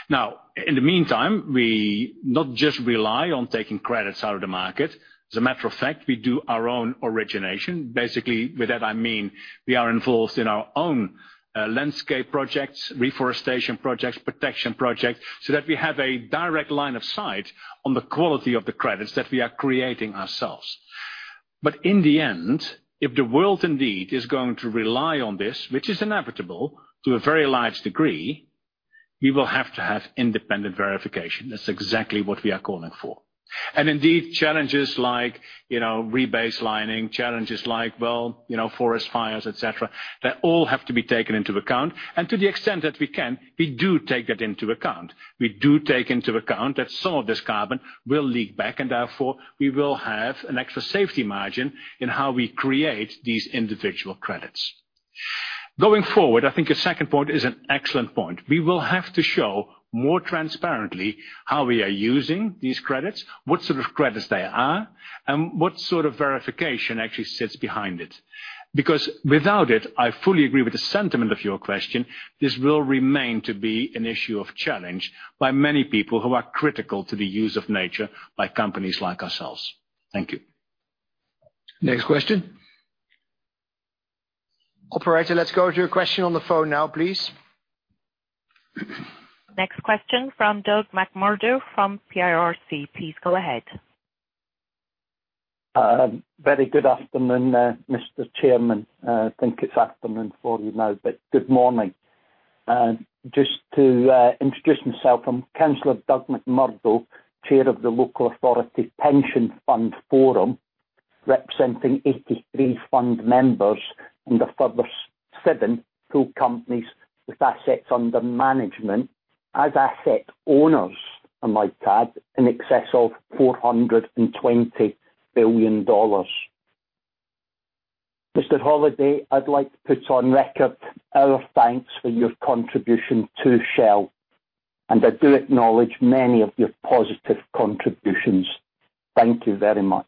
Now, in the meantime, we not just rely on taking credits out of the market. As a matter of fact, we do our own origination. Basically, with that I mean we are involved in our own landscape projects, reforestation projects, protection projects, so that we have a direct line of sight on the quality of the credits that we are creating ourselves. in the end, if the world indeed is going to rely on this, which is inevitable to a very large degree, we will have to have independent verification. That's exactly what we are calling for. indeed, challenges like rebaselining, challenges like forest fires, et cetera, they all have to be taken into account. to the extent that we can, we do take that into account. We do take into account that some of this carbon will leak back, and therefore, we will have an extra safety margin in how we create these individual credits. Going forward, I think your second point is an excellent point. We will have to show more transparently how we are using these credits, what sort of credits they are, and what sort of verification actually sits behind it. without it, I fully agree with the sentiment of your question, this will remain to be an issue of challenge by many people who are critical to the use of nature by companies like ourselves. Thank you. Next question. Operator, let's go to a question on the phone now, please. Next question from Doug McMurdo from PIRC. Please go ahead. Very good afternoon, Mr. Chairman. I think it's afternoon for you now, but good morning. Just to introduce myself, I'm Councilor Doug McMurdo, Chair of the Local Authority Pension Fund Forum, representing 83 fund members under further seven pool companies with assets under management as asset owners, I might add, in excess of $420 billion. Mr. Holliday, I'd like to put on record our thanks for your contribution to Shell, and I do acknowledge many of your positive contributions. Thank you very much.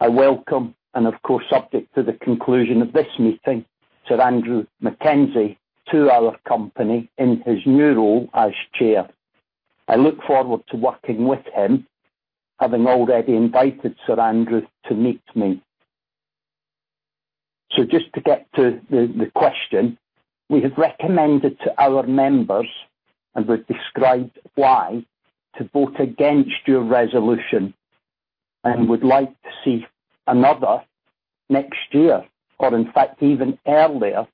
I welcome, and of course, subject to the conclusion of this meeting, Sir Andrew Mackenzie to our company in his new role as Chair. I look forward to working with him, having already invited Sir Andrew to meet me. Just to get to the question, we have recommended to our members, and we've described why, to vote against your resolution and would like to see another next year or, in fact, even earlier,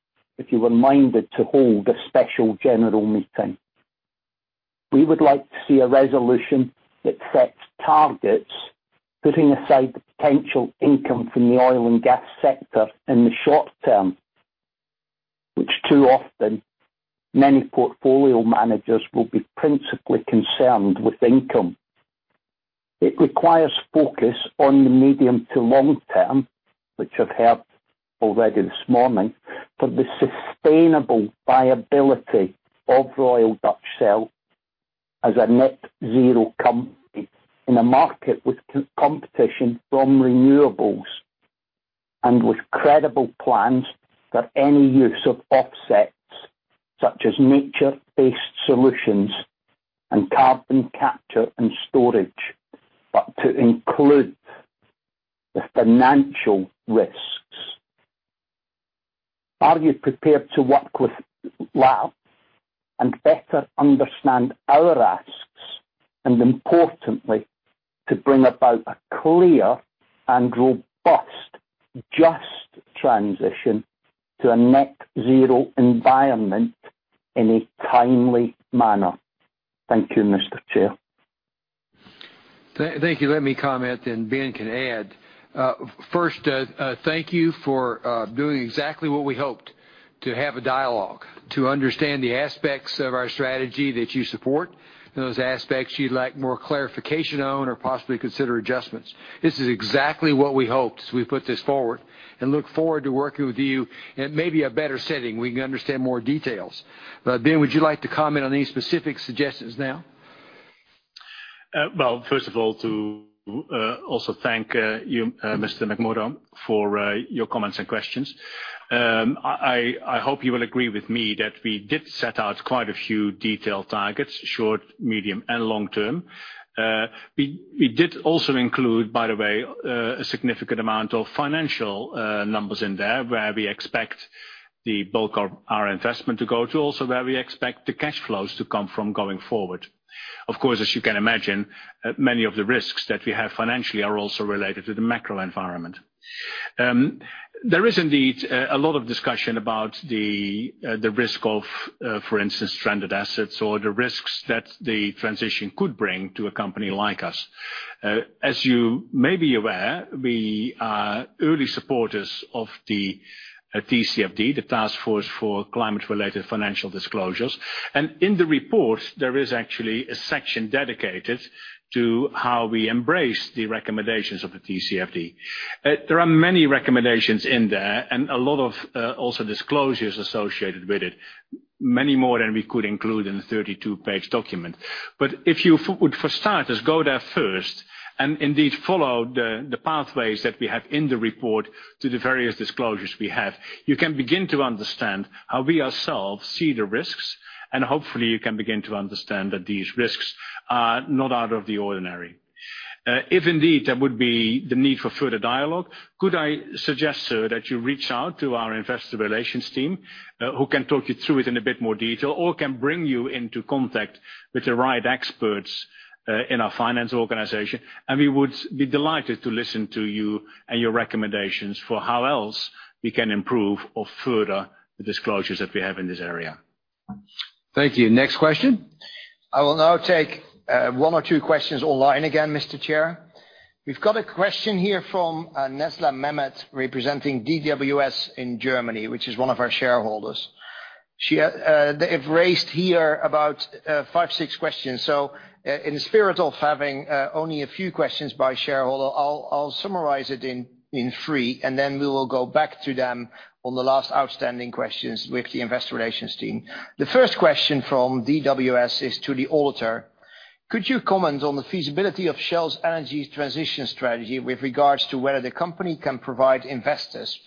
if you were minded to hold a special general meeting. We would like to see a resolution that sets targets, putting aside the potential income from the oil and gas sector in the short term, which too often many portfolio managers will be principally concerned with income. It requires focus on the medium to long term, which I've heard already this morning, for the sustainable viability of Royal Dutch Shell as a net zero company in a market with competition from renewables and with credible plans for any use of offsets such as nature-based solutions and carbon capture and storage, but to include the financial risks. Are you prepared to work with LAPFF and better understand our asks and importantly, to bring about a clear and robust, just transition to a net zero environment in a timely manner? Thank you, Mr. Chair. Thank you. Let me comment, then Ben can add. First, thank you for doing exactly what we hoped, to have a dialogue, to understand the aspects of our strategy that you support and those aspects you'd like more clarification on or possibly consider adjustments. This is exactly what we hoped as we put this forward and look forward to working with you in maybe a better setting where you can understand more details. Ben, would you like to comment on any specific suggestions now? Well, first of all, to also thank you, Mr. McMurdo, for your comments and questions. I hope you will agree with me that we did set out quite a few detailed targets, short, medium, and long-term. We did also include, by the way, a significant amount of financial numbers in there where we expect the bulk of our investment to go to, also where we expect the cash flows to come from going forward. Of course, as you can imagine, many of the risks that we have financially are also related to the macro environment. There is indeed a lot of discussion about the risk of, for instance, stranded assets or the risks that the transition could bring to a company like us. As you may be aware, we are early supporters of the TCFD, the Task Force on Climate-related Financial Disclosures. In the report, there is actually a section dedicated to how we embrace the recommendations of the TCFD. There are many recommendations in there and a lot of also disclosures associated with it, many more than we could include in a 32-page document. If you would, for starters, go there first and indeed follow the pathways that we have in the report to the various disclosures we have, you can begin to understand how we ourselves see the risks, and hopefully you can begin to understand that these risks are not out of the ordinary. If indeed there would be the need for further dialogue, could I suggest, sir, that you reach out to our investor relations team, who can talk you through it in a bit more detail, or can bring you into contact with the right experts in our finance organization. We would be delighted to listen to you and your recommendations for how else we can improve or further the disclosures that we have in this area. Thank you. Next question. I will now take one or two questions online again, Mr. Chair. We've got a question here from Nejla Mehmet representing DWS in Germany, which is one of our shareholders. They've raised here about five, six questions. In spirit of having only a few questions by shareholder, I'll summarize it in three, and then we will go back to them on the last outstanding questions with the investor relations team. The first question from DWS is to the auditor. Could you comment on the feasibility of Shell's energy transition strategy with regards to whether the company can provide investors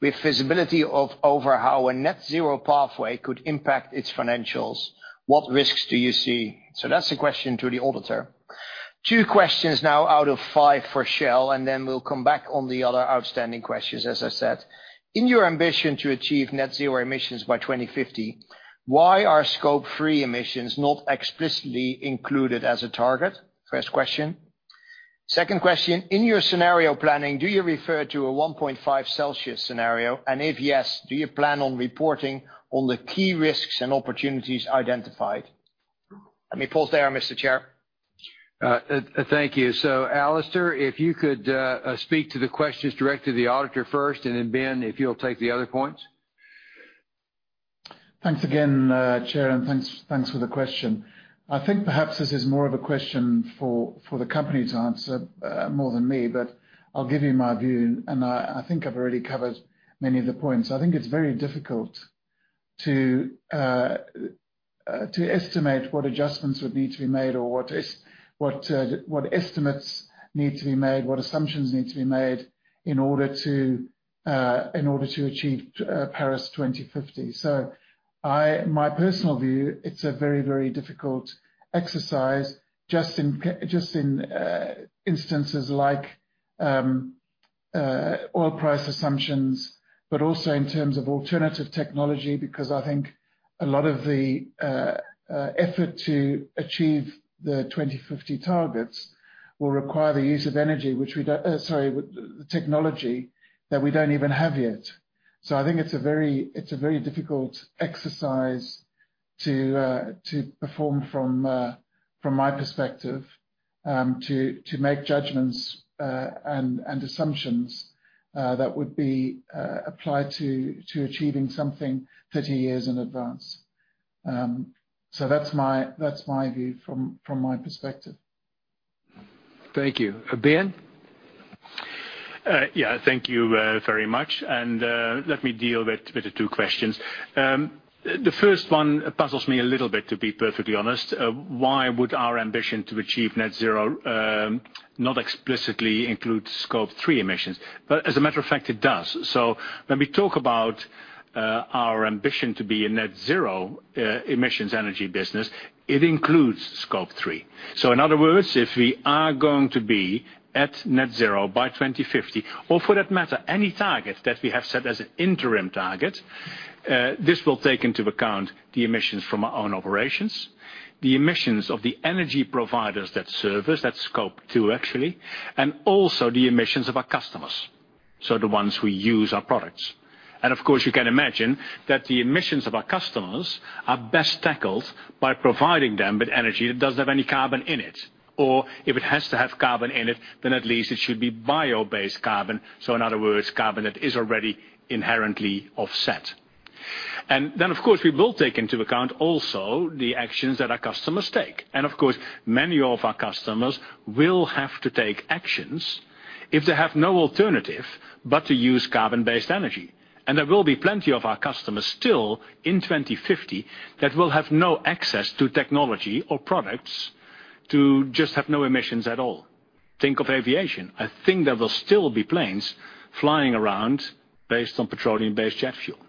with visibility over how a net zero pathway could impact its financials? What risks do you see? That's a question to the auditor. Two questions now out of five for Shell, and then we'll come back on the other outstanding questions, as I said. In your ambition to achieve net zero emissions by 2050, why are Scope 3 emissions not explicitly included as a target? First question. Second question, in your scenario planning, do you refer to a 1.5 degrees Celsius scenario, and if yes, do you plan on reporting on the key risks and opportunities identified? Let me pause there, Mr. Chair. Thank you. Allister, if you could speak to the questions direct to the auditor first, and then Ben, if you'll take the other points. Thanks again, Chair, and thanks for the question. I think perhaps this is more of a question for the company to answer more than me, but I'll give you my view, and I think I've already covered many of the points. I think it's very difficult to estimate what adjustments would need to be made or what estimates need to be made, what assumptions need to be made in order to achieve Paris 2050. My personal view, it's a very, very difficult exercise just in instances like oil price assumptions, but also in terms of alternative technology, because I think a lot of the effort to achieve the 2050 targets will require the technology that we don't even have yet. I think it's a very difficult exercise to perform from my perspective, to make judgments and assumptions that would be applied to achieving something 30 years in advance. That's my view from my perspective. Thank you. Ben? Yeah, thank you very much. Let me deal with the two questions. The first one puzzles me a little bit, to be perfectly honest. Why would our ambition to achieve net zero not explicitly include Scope 3 emissions? As a matter of fact, it does. When we talk about our ambition to be a net zero emissions energy business, it includes Scope 3. In other words, if we are going to be at net zero by 2050, or for that matter, any target that we have set as an interim target, this will take into account the emissions from our own operations, the emissions of the energy providers that service, that's Scope 2, actually, and also the emissions of our customers. The ones who use our products. of course, you can imagine that the emissions of our customers are best tackled by providing them with energy that doesn't have any carbon in it. if it has to have carbon in it, then at least it should be bio-based carbon. in other words, carbon that is already inherently offset. of course, we will take into account also the actions that our customers take. of course, many of our customers will have to take actions if they have no alternative but to use carbon-based energy. there will be plenty of our customers still in 2050 that will have no access to technology or products to just have no emissions at all. Think of aviation. I think there will still be planes flying around based on petroleum-based jet fuel.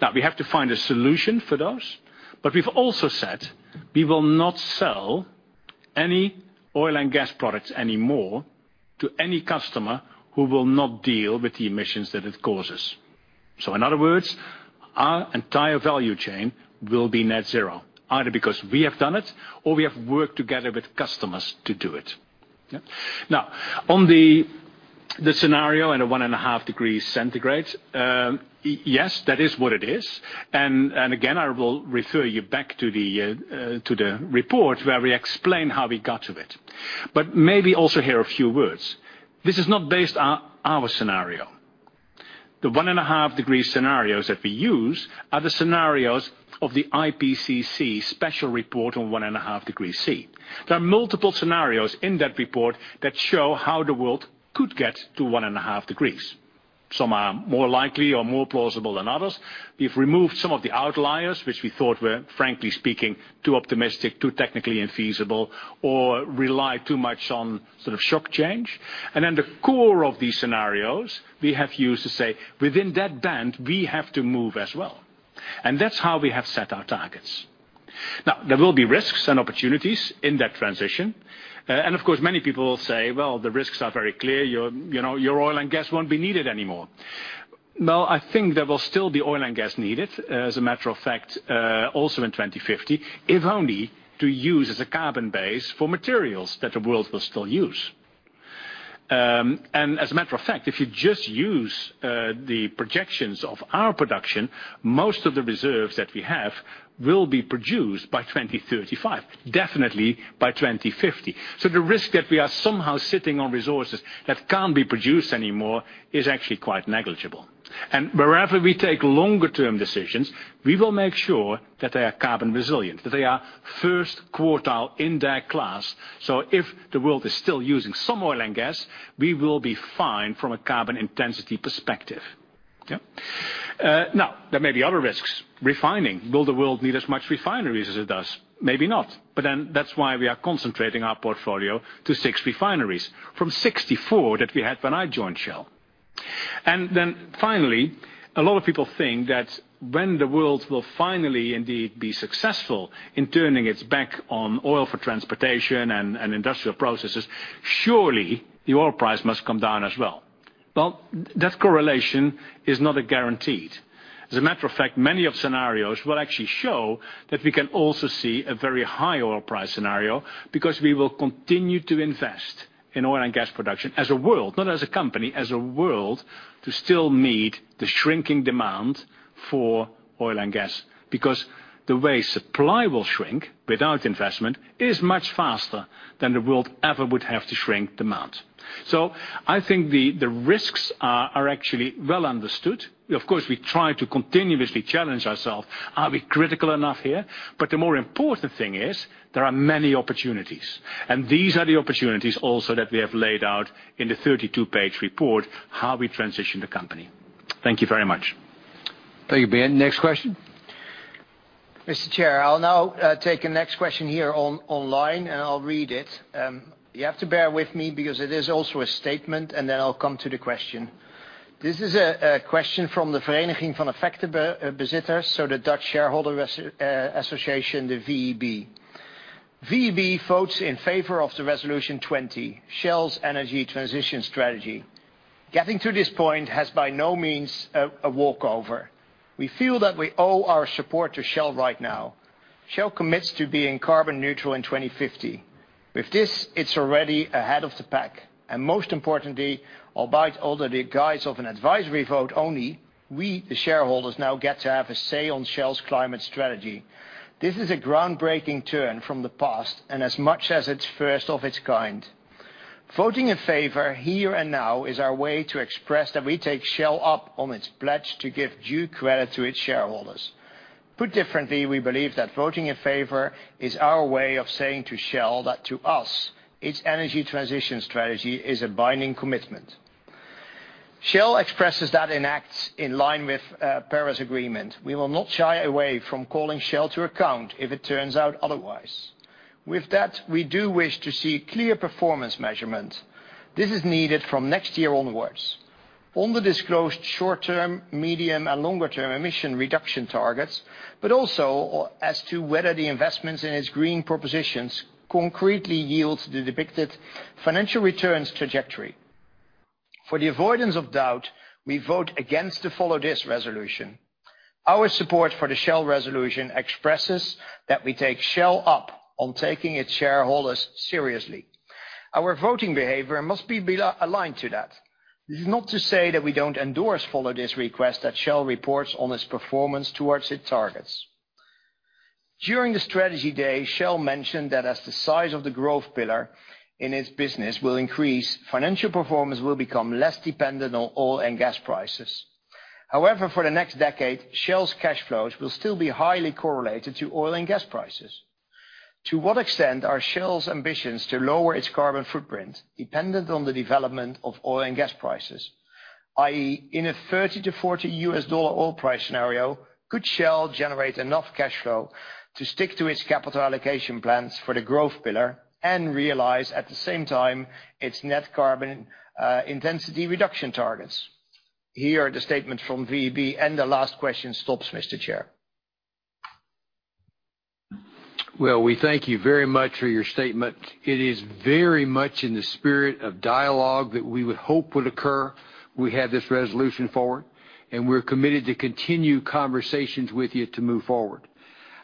Now, we have to find a solution for those, but we've also said we will not sell any oil and gas products anymore to any customer who will not deal with the emissions that it causes. in other words, our entire value chain will be net zero, either because we have done it or we have worked together with customers to do it. Now, on the scenario on a one and a half degree centigrade, yes, that is what it is. again, I will refer you back to the report where we explain how we got to it. maybe also hear a few words. This is not based on our scenario. The one and a half degree scenarios that we use are the scenarios of the IPCC special report on one and a half degrees C. There are multiple scenarios in that report that show how the world could get to one and a half degrees. Some are more likely or more plausible than others. We've removed some of the outliers, which we thought were, frankly speaking, too optimistic, too technically infeasible, or relied too much on sort of shock change. The core of these scenarios, we have used to say, within that band, we have to move as well. That's how we have set our targets. Of course, many people say, "Well, the risks are very clear. Your oil and gas won't be needed anymore." No, I think there will still be oil and gas needed, as a matter of fact, also in 2050, if only to use as a carbon base for materials that the world will still use. as a matter of fact, if you just use the projections of our production, most of the reserves that we have will be produced by 2035, definitely by 2050. the risk that we are somehow sitting on resources that can't be produced anymore is actually quite negligible. wherever we take longer-term decisions, we will make sure that they are carbon resilient, that they are first quartile in their class, so if the world is still using some oil and gas, we will be fine from a carbon intensity perspective. Now, there may be other risks. Refining. Will the world need as much refineries as it does? Maybe not. that's why we are concentrating our portfolio to six refineries from 64 that we had when I joined Shell. finally, a lot of people think that when the world will finally indeed be successful in turning its back on oil for transportation and industrial processes, surely the oil price must come down as well. Well, that correlation is not a guaranteed. As a matter of fact, many of scenarios will actually show that we can also see a very high oil price scenario because we will continue to invest in oil and gas production as a world, not as a company, as a world to still meet the shrinking demand for oil and gas. Because the way supply will shrink without investment is much faster than the world ever would have to shrink demand. I think the risks are actually well understood. Of course, we try to continuously challenge ourselves. Are we critical enough here? the more important thing is there are many opportunities, and these are the opportunities also that we have laid out in the 32-page report, how we transition the company. Thank you very much. Thank you, Ben. Next question. Mr. Chair, I'll now take the next question here online, and I'll read it. You have to bear with me because it is also a statement, and then I'll come to the question. This is a question from the Vereniging van Effectenbezitters, so the Dutch Shareholder Association, the VEB. VEB votes in favor of the Resolution 20, Shell's energy transition strategy. Getting to this point has by no means a walkover. We feel that we owe our support to Shell right now. Shell commits to being carbon neutral in 2050. With this, it's already ahead of the pack. Most importantly, albeit under the guise of an advisory vote only, we, the shareholders, now get to have a say on Shell's climate strategy. This is a groundbreaking turn from the past, and as much as it's first of its kind. Voting in favor here and now is our way to express that we take Shell up on its pledge to give due credit to its shareholders. Put differently, we believe that voting in favor is our way of saying to Shell that to us, its energy transition strategy is a binding commitment. Shell expresses that in acts in line with Paris Agreement. We will not shy away from calling Shell to account if it turns out otherwise. With that, we do wish to see clear performance measurement. This is needed from next year onwards. On the disclosed short-term, medium, and longer term emission reduction targets, but also as to whether the investments in its green propositions concretely yield the depicted financial returns trajectory. For the avoidance of doubt, we vote against the Follow This resolution. Our support for the Shell resolution expresses that we take Shell up on taking its shareholders seriously. Our voting behavior must be aligned to that. This is not to say that we don't endorse Follow This request that Shell reports on its performance towards its targets. During the strategy day, Shell mentioned that as the size of the growth pillar in its business will increase, financial performance will become less dependent on oil and gas prices. However, for the next decade, Shell's cash flows will still be highly correlated to oil and gas prices. To what extent are Shell's ambitions to lower its carbon footprint dependent on the development of oil and gas prices? i.e., in a $30-$40 oil price scenario, could Shell generate enough cash flow to stick to its capital allocation plans for the growth pillar and realize at the same time its net carbon intensity reduction targets? Here are the statements from VEB, and the last question stops, Mr. Chair. Well, we thank you very much for your statement. It is very much in the spirit of dialogue that we would hope would occur. We had this resolution forward, and we're committed to continue conversations with you to move forward.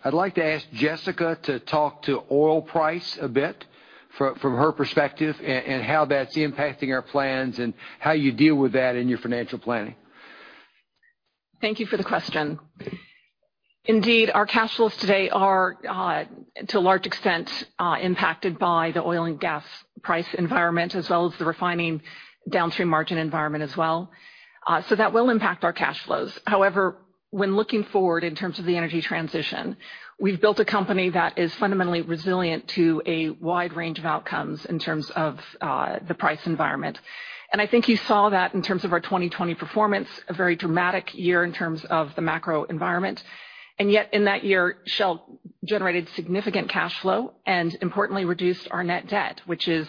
I'd like to ask Jessica to talk to oil price a bit from her perspective and how that's impacting our plans and how you deal with that in your financial planning. Thank you for the question. Indeed, our cash flows today are to a large extent impacted by the oil and gas price environment, as well as the refining downstream margin environment as well. That will impact our cash flows. However, when looking forward in terms of the energy transition, we've built a company that is fundamentally resilient to a wide range of outcomes in terms of the price environment. I think you saw that in terms of our 2020 performance, a very dramatic year in terms of the macro environment. Yet in that year, Shell generated significant cash flow and importantly reduced our net debt, which is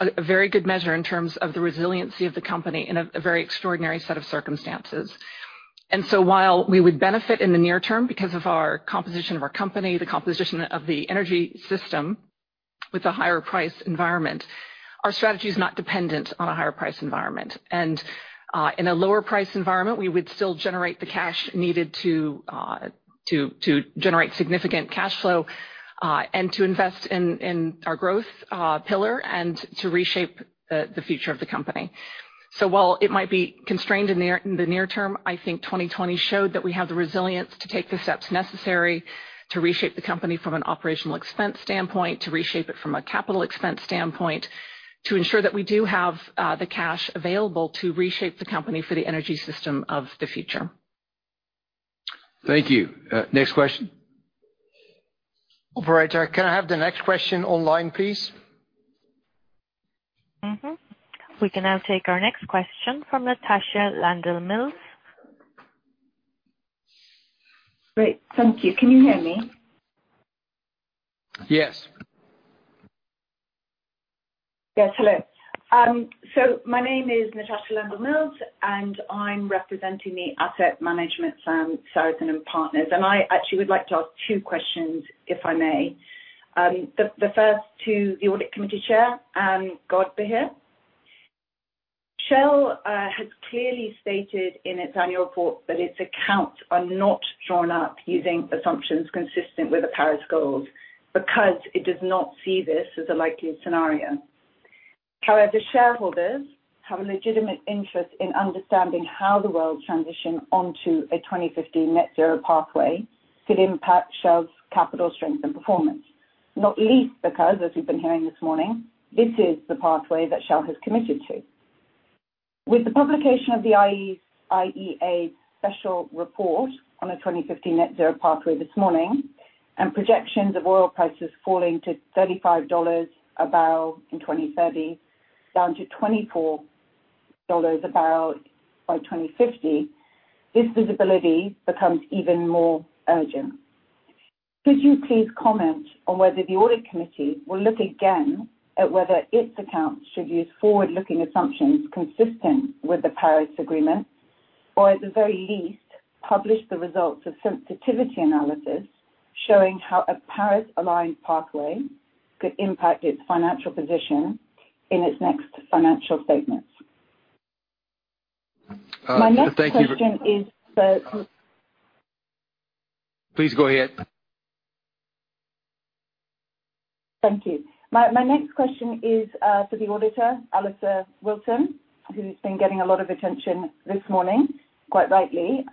a very good measure in terms of the resiliency of the company in a very extraordinary set of circumstances. while we would benefit in the near term because of our composition of our company, the composition of the energy system with a higher price environment, our strategy is not dependent on a higher price environment. in a lower price environment, we would still generate the cash needed to generate significant cash flow, and to invest in our growth pillar and to reshape the future of the company. while it might be constrained in the near term, I think 2020 showed that we have the resilience to take the steps necessary to reshape the company from an operational expense standpoint, to reshape it from a capital expense standpoint, to ensure that we do have the cash available to reshape the company for the energy system of the future. Thank you. Next question. Operator, can I have the next question online, please? We can now take our next question from Natasha Landell-Mills. Great. Thank you. Can you hear me? Yes. Yes. Hello. My name is Natasha Landell-Mills, and I'm representing the asset management firm Sarasin & Partners, and I actually would like to ask two questions, if I may. The first to the audit committee chair, and Ann Godbehere is here. Shell has clearly stated in its annual report that its accounts are not drawn up using assumptions consistent with the Paris goals because it does not see this as a likely scenario. However, shareholders have a legitimate interest in understanding how the world transition onto a 2050 net zero pathway could impact Shell's capital strength and performance, not least because, as we've been hearing this morning, this is the pathway that Shell has committed to. With the publication of the IEA special report on a 2050 net zero pathway this morning and projections of oil prices falling to $35 a barrel in 2030 down to $24 a barrel by 2050, this visibility becomes even more urgent. Could you please comment on whether the audit committee will look again at whether its accounts should use forward-looking assumptions consistent with the Paris Agreement or at the very least publish the results of sensitivity analysis showing how a Paris-aligned pathway could impact its financial position in its next financial statements? My next question is for- Please go ahead. Thank you. My next question is for the auditor, Allister Wilson, who's been getting a lot of attention this morning, quite rightly.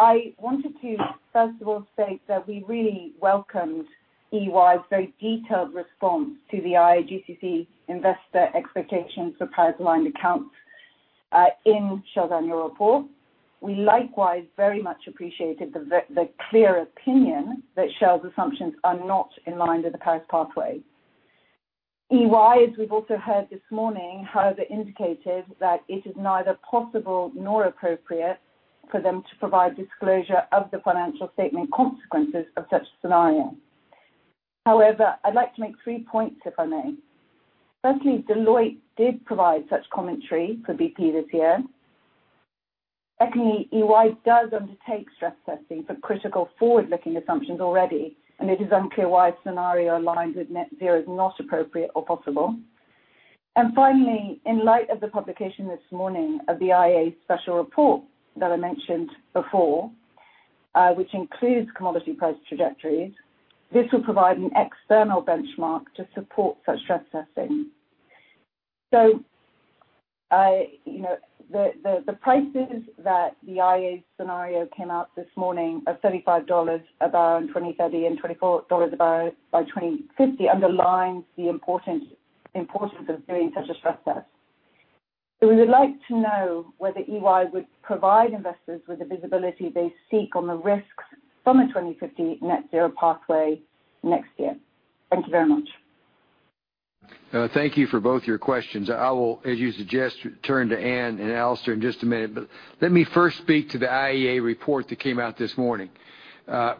I wanted to first of all state that we really welcomed EY's very detailed response to the IIGCC investor expectations for Paris-aligned accounts in Shell's annual report. We likewise very much appreciated the clear opinion that Shell's assumptions are not in line with the Paris pathway. EY, as we've also heard this morning, however, indicated that it is neither possible nor appropriate for them to provide disclosure of the financial statement consequences of such a scenario. However, I'd like to make three points, if I may. Firstly, Deloitte did provide such commentary for BP this year. Secondly, EY does undertake stress testing for critical forward-looking assumptions already, and it is unclear why scenario aligns with net zero is not appropriate or possible. Finally, in light of the publication this morning of the IEA special report that I mentioned before, which includes commodity price trajectories, this will provide an external benchmark to support such stress testing. The prices that the IEA scenario came out this morning are $35 a barrel in 2030 and $24 a barrel by 2050 underlines the importance, importance of doing such a stress test. We would like to know whether EY would provide investors with the visibility they seek on the risks from the 2050 net zero pathway next year. Thank you very much. Thank you for both your questions. I will, as you suggest, turn to Ann and Alister in just a minute. Let me first speak to the IEA report that came out this morning.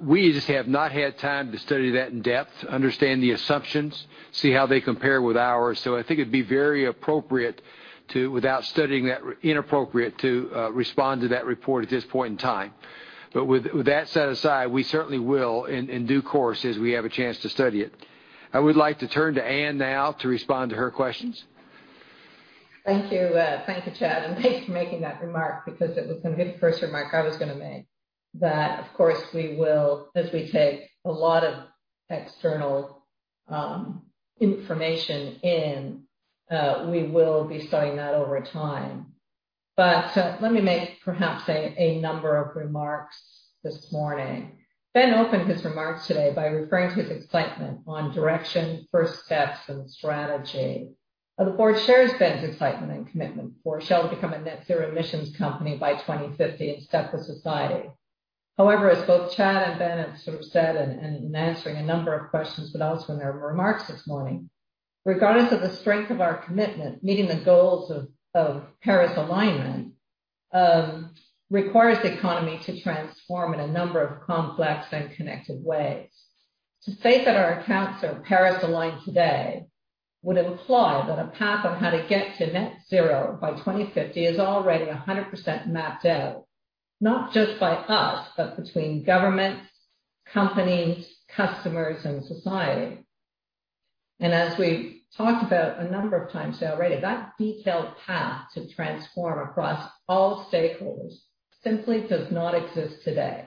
We just have not had time to study that in depth, understand the assumptions, see how they compare with ours. I think it'd be very inappropriate to respond to that report at this point in time. With that set aside, we certainly will in due course as we have a chance to study it. I would like to turn to Ann now to respond to her questions. Thank you, Chad, and thank you for making that remark because it was a good first remark I was going to make. That, of course, as we take a lot of external information in, we will be studying that over time. Let me make perhaps a number of remarks this morning. Ben opened his remarks today by referring to his excitement on direction, first steps, and strategy. The board shares Ben's excitement and commitment for Shell to become a net zero emissions company by 2050 in step with society. However, as both Chad and Ben have sort of said in answering a number of questions, but also in their remarks this morning, regardless of the strength of our commitment, meeting the goals of Paris alignment requires the economy to transform in a number of complex and connected ways. To say that our accounts are Paris-aligned today would imply that a path of how to get to net zero by 2050 is already 100% mapped out, not just by us, but between governments, companies, customers, and society. As we've talked about a number of times already, that detailed path to transform across all stakeholders simply does not exist today,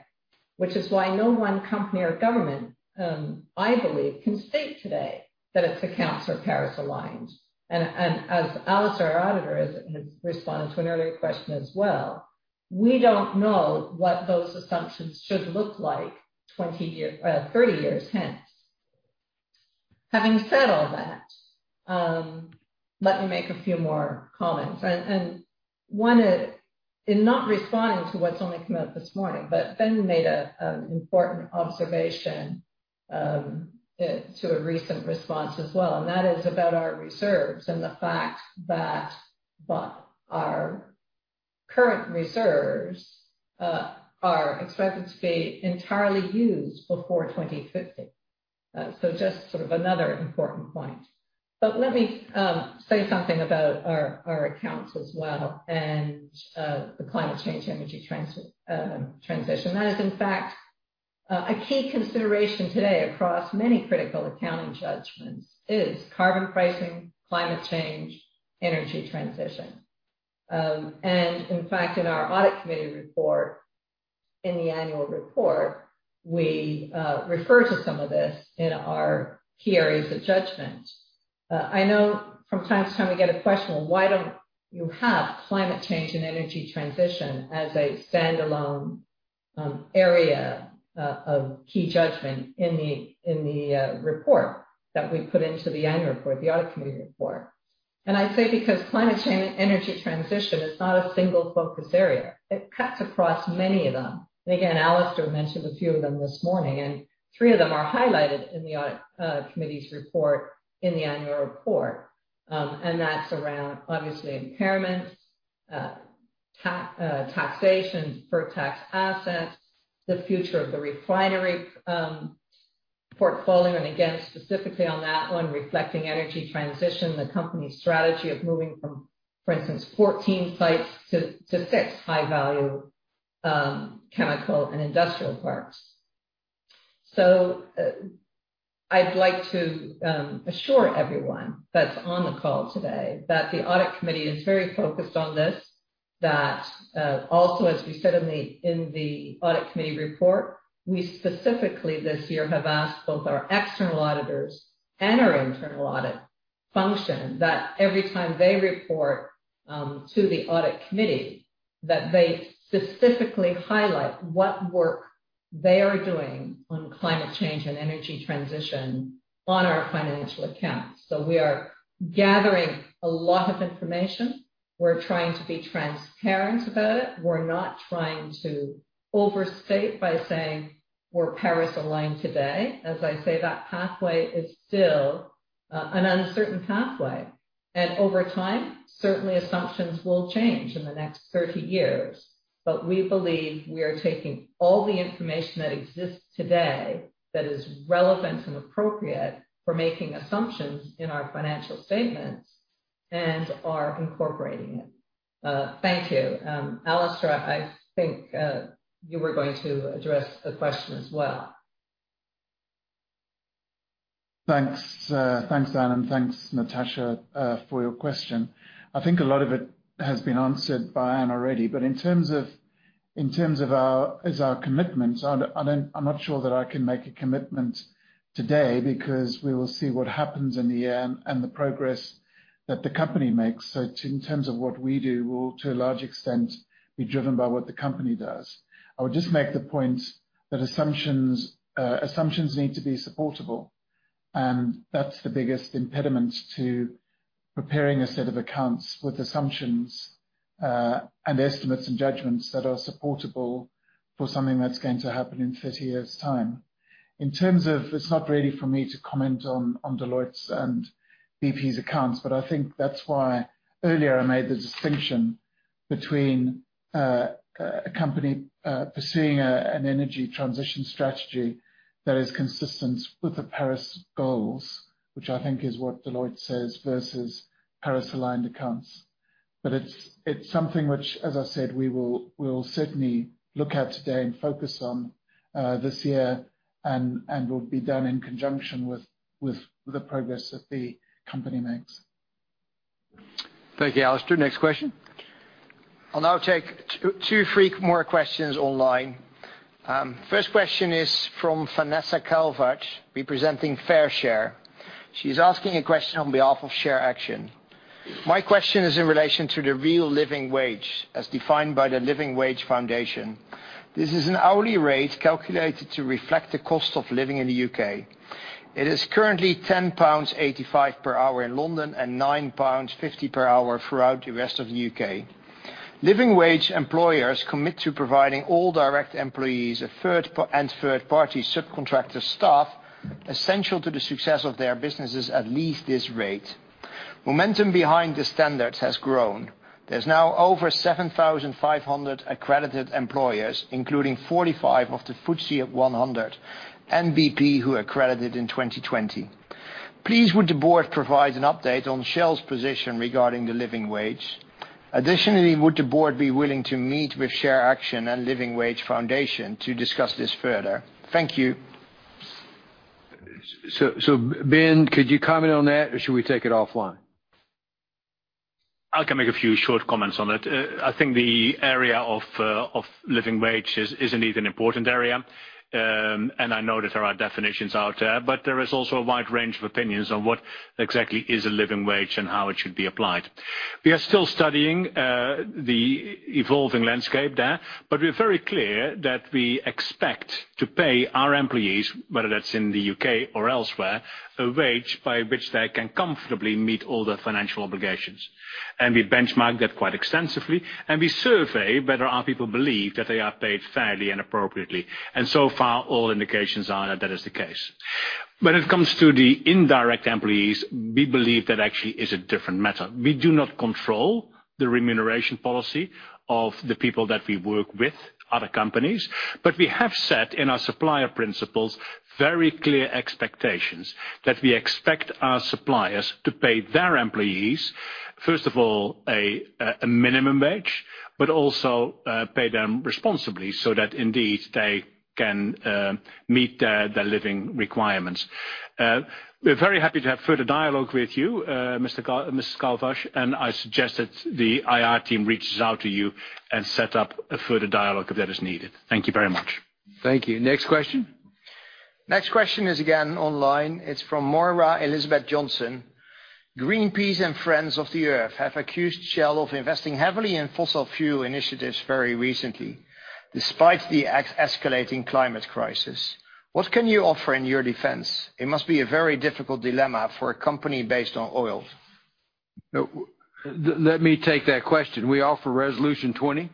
which is why no one company or government, I believe, can state today that its accounts are Paris-aligned. As Alistair, our auditor, has responded to an earlier question as well, we don't know what those assumptions should look like 30 years hence. Having said all that, let me make a few more comments. One is, in not responding to what's only come out this morning, but Ben made an important observation to a recent response as well, and that is about our reserves and the fact that our current reserves are expected to be entirely used before 2050. Just sort of another important point. Let me say something about our accounts as well and the climate change energy transition. That is, in fact, a key consideration today across many critical accounting judgments is carbon pricing, climate change, energy transition. In fact, in our Audit Committee Report, in the annual report, we refer to some of this in our key areas of judgment. I know from time to time we get a question, well, why don't you have climate change and energy transition as a standalone area of key judgment in the report that we put into the annual report, the Audit Committee Report? I say because climate change and energy transition is not a single focus area. It cuts across many of them. Again, Allister mentioned a few of them this morning, and three of them are highlighted in the Audit Committee's report in the annual report. That's around, obviously, impairments, taxation for tax assets, the future of the refinery portfolio, and again, specifically on that one, reflecting energy transition, the company's strategy of moving from, for instance, 14 sites to six high-value chemical and industrial parks. I'd like to assure everyone that's on the call today that the Audit Committee is very focused on this, that also, as we said in the Audit Committee Report, we specifically this year have asked both our external auditors and our internal audit function that every time they report to the Audit Committee, that they specifically highlight what work they are doing on climate change and energy transition on our financial accounts. We are gathering a lot of information. We're trying to be transparent about it. We're not trying to overstate by saying we're Paris-aligned today. As I say, that pathway is still an uncertain pathway. Over time, certainly assumptions will change in the next 30 years. We believe we are taking all the information that exists today that is relevant and appropriate for making assumptions in our financial statements and are incorporating it. Thank you. Allister, I think you were going to address the question as well. Thanks, Ann, thanks, Natasha, for your question. I think a lot of it has been answered by Ann already. In terms of our commitment, I'm not sure that I can make a commitment today because we will see what happens in the end and the progress that the company makes. In terms of what we do, we'll to a large extent, be driven by what the company does. I would just make the point that assumptions need to be supportable, and that's the biggest impediment to preparing a set of accounts with assumptions, and estimates, and judgments that are supportable for something that's going to happen in 30 years' time. It's not really for me to comment on Deloitte's and BP's accounts, but I think that's why earlier I made the distinction between a company pursuing an energy transition strategy that is consistent with the Paris goals, which I think is what Deloitte says, versus Paris-aligned accounts. it's something which, as I said, we will certainly look at today and focus on this year and will be done in conjunction with the progress that the company makes. Thank you, Alistair. Next question. I'll now take two, three more questions online. First question is from Vanessa Calvache, representing Fair Share. She's asking a question on behalf of ShareAction. My question is in relation to the real living wage, as defined by the Living Wage Foundation. This is an hourly rate calculated to reflect the cost of living in the U.K. It is currently 10.85 pounds per hour in London and 9.50 pounds per hour throughout the rest of the U.K. Living wage employers commit to providing all direct employees and third-party subcontractor staff essential to the success of their businesses at least this rate. Momentum behind the standards has grown. There's now over 7,500 accredited employers, including 45 of the FTSE 100, and BP who accredited in 2020. Please would the board provide an update on Shell's position regarding the living wage. Additionally, would the board be willing to meet with ShareAction and Living Wage Foundation to discuss this further? Thank you. Ben, could you comment on that or should we take it offline? I can make a few short comments on it. I think the area of living wage is indeed an important area, and I know that there are definitions out there, but there is also a wide range of opinions on what exactly is a living wage and how it should be applied. We are still studying the evolving landscape there, but we are very clear that we expect to pay our employees, whether that's in the U.K. or elsewhere, a wage by which they can comfortably meet all their financial obligations. We benchmark that quite extensively, and we survey whether our people believe that they are paid fairly and appropriately, and so far, all indications are that is the case. When it comes to the indirect employees, we believe that actually is a different matter. We do not control the remuneration policy of the people that we work with, other companies. We have set in our supplier principles very clear expectations that we expect our suppliers to pay their employees, first of all, a minimum wage, but also pay them responsibly so that indeed they can meet their living requirements. We're very happy to have further dialogue with you, Ms. Calvache, and I suggest that the IR team reaches out to you and set up a further dialogue if that is needed. Thank you very much. Thank you. Next question. Next question is again online. It's from Moira Elizabeth Johnson. Greenpeace and Friends of the Earth have accused Shell of investing heavily in fossil fuel initiatives very recently, despite the escalating climate crisis. What can you offer in your defense? It must be a very difficult dilemma for a company based on oil. Let me take that question. We offer Resolution 20,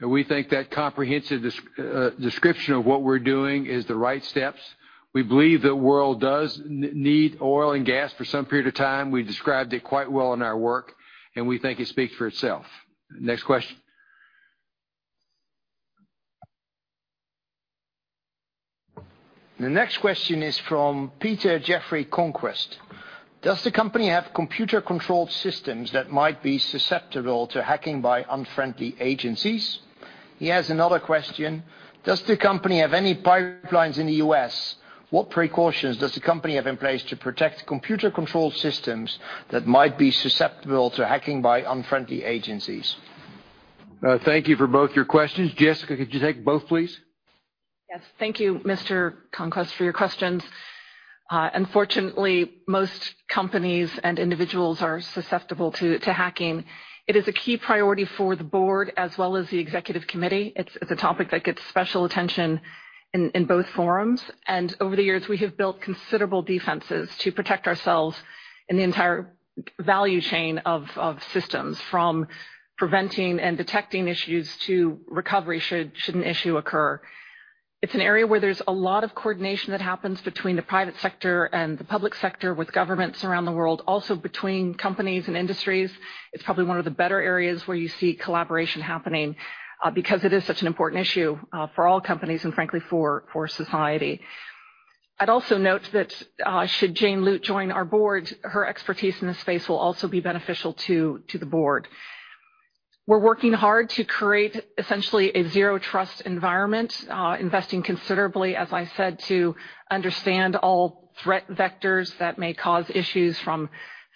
and we think that comprehensive description of what we're doing is the right steps. We believe the world does need oil and gas for some period of time. We described it quite well in our work, and we think it speaks for itself. Next question. The next question is from Peter Jeffrey Conquest. Does the company have computer-controlled systems that might be susceptible to hacking by unfriendly agencies? He has another question. Does the company have any pipelines in the U.S.? What precautions does the company have in place to protect computer-controlled systems that might be susceptible to hacking by unfriendly agencies? Thank you for both your questions. Jessica, could you take both, please? Yes. Thank you, Mr. Conquest, for your questions. Unfortunately, most companies and individuals are susceptible to hacking. It is a key priority for the board as well as the executive committee. It's a topic that gets special attention in both forums, and over the years, we have built considerable defenses to protect ourselves and the entire value chain of systems from preventing and detecting issues to recovery should an issue occur. It's an area where there's a lot of coordination that happens between the private sector and the public sector with governments around the world, also between companies and industries. It's probably one of the better areas where you see collaboration happening because it is such an important issue for all companies and frankly, for society. I'd also note that should Jane Lute join our board, her expertise in the space will also be beneficial to the board. We're working hard to create essentially a zero-trust environment, investing considerably, as I said, to understand all threat vectors that may cause issues from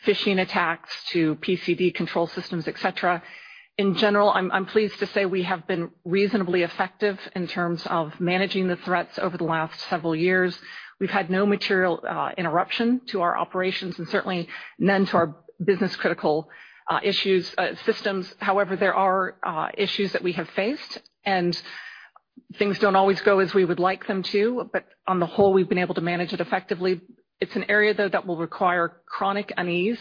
phishing attacks to PCS control systems, et cetera. In general, I'm pleased to say we have been reasonably effective in terms of managing the threats over the last several years. We've had no material interruption to our operations and certainly none to our business-critical issue systems. However, there are issues that we have faced, and things don't always go as we would like them to, but on the whole, we've been able to manage it effectively. It's an area, though, that will require chronic unease.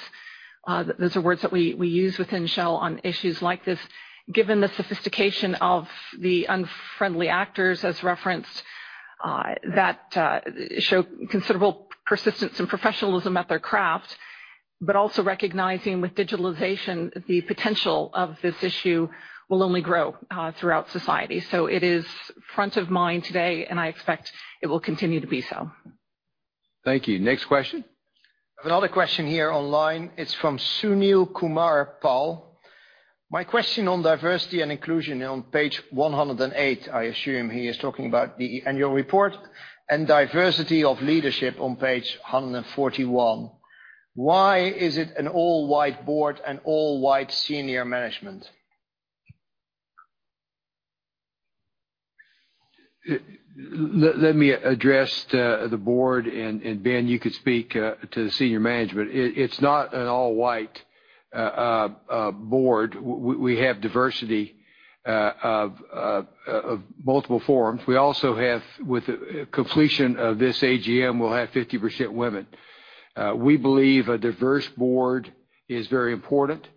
Those are words that we use within Shell on issues like this, given the sophistication of the unfriendly actors as referenced that show considerable persistence and professionalism at their craft, but also recognizing with digitalization, the potential of this issue will only grow throughout society. It is front of mind today, and I expect it will continue to be so. Thank you. Next question. Another question here online. It's from Sunil Kumar Paul. My question on diversity and inclusion on page 108, I assume he is talking about the annual report, and diversity of leadership on page 141. Why is it an all-white board and all-white senior management? Let me address the board, and Ben, you could speak to senior management. It's not an all-white board. We have diversity of multiple forms. We also have, with completion of this AGM, we'll have 50% women. We believe a diverse board is very important,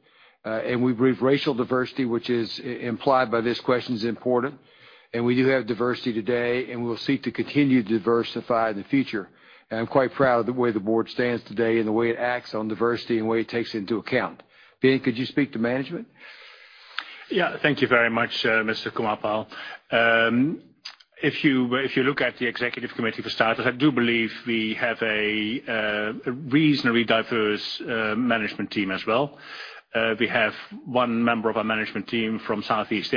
and we believe racial diversity, which is implied by this question, is important, and we do have diversity today, and we'll seek to continue to diversify in the future. I'm quite proud of the way the board stands today and the way it acts on diversity and the way it takes into account. Ben, could you speak to management? Yeah, thank you very much, Mr. Kumar Paul. If you look at the executive committee for starters, I do believe we have a reasonably diverse management team as well. We have one member of our management team from Southeast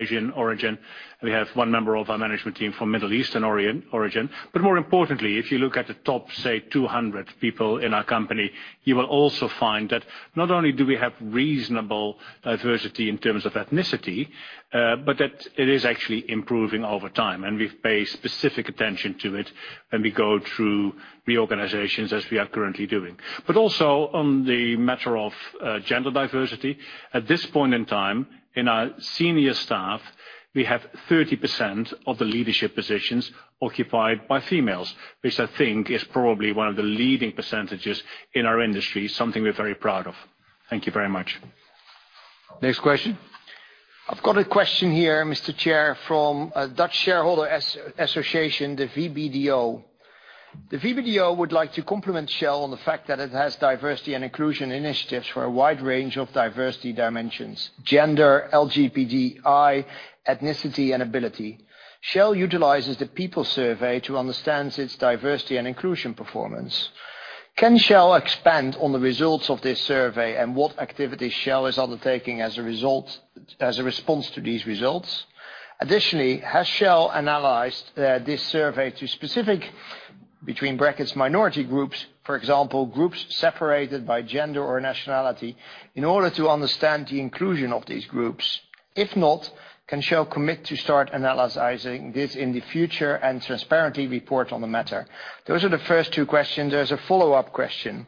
Asian origin, and we have one member of our management team from Middle Eastern origin. more importantly, if you look at the top, say, 200 people in our company, you will also find that not only do we have reasonable diversity in terms of ethnicity, but that it is actually improving over time, and we pay specific attention to it, and we go through the organizations as we are currently doing. also on the matter of gender diversity, at this point in time in our senior staff, we have 30% of the leadership positions occupied by females, which I think is probably one of the leading percentages in our industry, something we're very proud of. Thank you very much. Next question. I've got a question here, Mr. Chair, from Dutch Shareholder Association, the VBDO. The VBDO would like to compliment Shell on the fact that it has diversity and inclusion initiatives for a wide range of diversity dimensions: gender, LGBTI, ethnicity, and ability. Shell utilizes the people survey to understand its diversity and inclusion performance. Can Shell expand on the results of this survey and what activities Shell is undertaking as a response to these results? Additionally, has Shell analyzed this survey to specific, between brackets, minority groups, for example, groups separated by gender or nationality, in order to understand the inclusion of these groups? If not, can Shell commit to start analyzing this in the future and transparently report on the matter? Those are the first two questions. There's a follow-up question.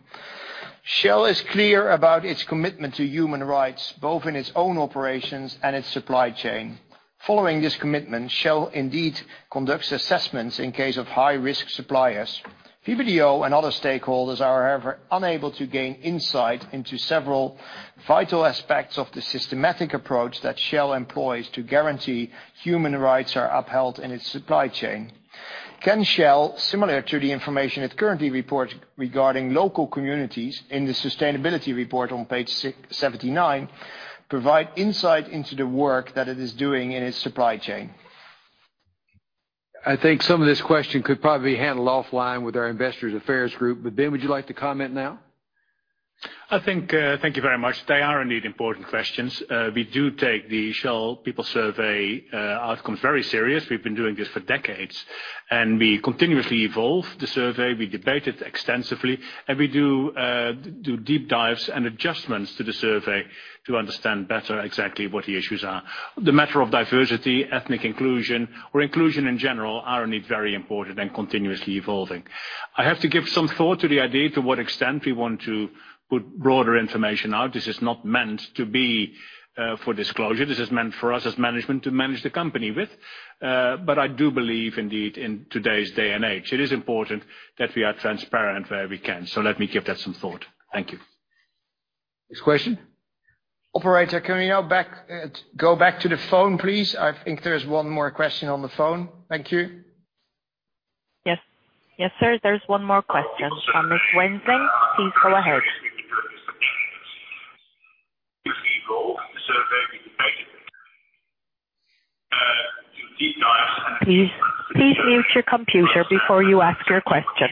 Shell is clear about its commitment to human rights, both in its own operations and its supply chain. Following this commitment, Shell indeed conducts assessments in case of high-risk suppliers. VBDO and other stakeholders are, however, unable to gain insight into several vital aspects of the systematic approach that Shell employs to guarantee human rights are upheld in its supply chain. Can Shell, similar to the information it currently reports regarding local communities in the sustainability report on page 79, provide insight into the work that it is doing in its supply chain? I think some of this question could probably be handled offline with our investor affairs group, but Ben, would you like to comment now? Thank you very much. They are indeed important questions. We do take the Shell People Survey outcome very serious. We've been doing this for decades, and we continuously evolve the survey. We debate it extensively, and we do deep dives and adjustments to the survey to understand better exactly what the issues are. The matter of diversity, ethnic inclusion, or inclusion in general, are indeed very important and continuously evolving. I have to give some thought to the idea to what extent we want to put broader information out. This is not meant to be for disclosure. This is meant for us as management to manage the company with. I do believe indeed in today's day and age, it is important that we are transparent where we can. Let me give that some thought. Thank you. Next question. Operator, can we go back to the phone, please? I think there's one more question on the phone. Thank you. Yes, sir. There's one more question from Mr. Winston. Please go ahead. Please use your computer before you ask your question.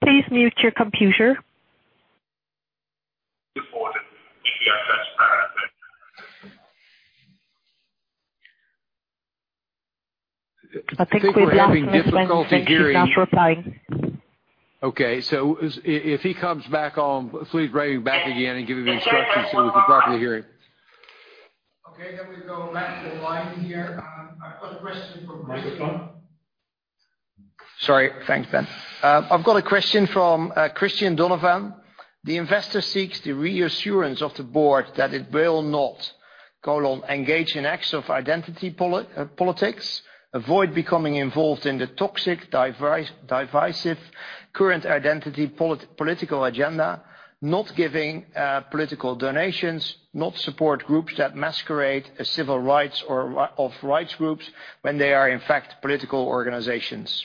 Please mute your computer. I think we're having difficulty hearing you. Okay. If he comes back on, please bring him back again and give him instructions so we can properly hear him. Okay, we go back to the line here. I've got a question from- Sorry. Thanks, Ben. I've got a question from Christian Donovan. The investor seeks the reassurance of the board that it will not, engage in acts of identity politics, avoid becoming involved in the toxic, divisive current identity political agenda, not giving political donations, not support groups that masquerade as civil rights or of rights groups when they are, in fact, political organizations.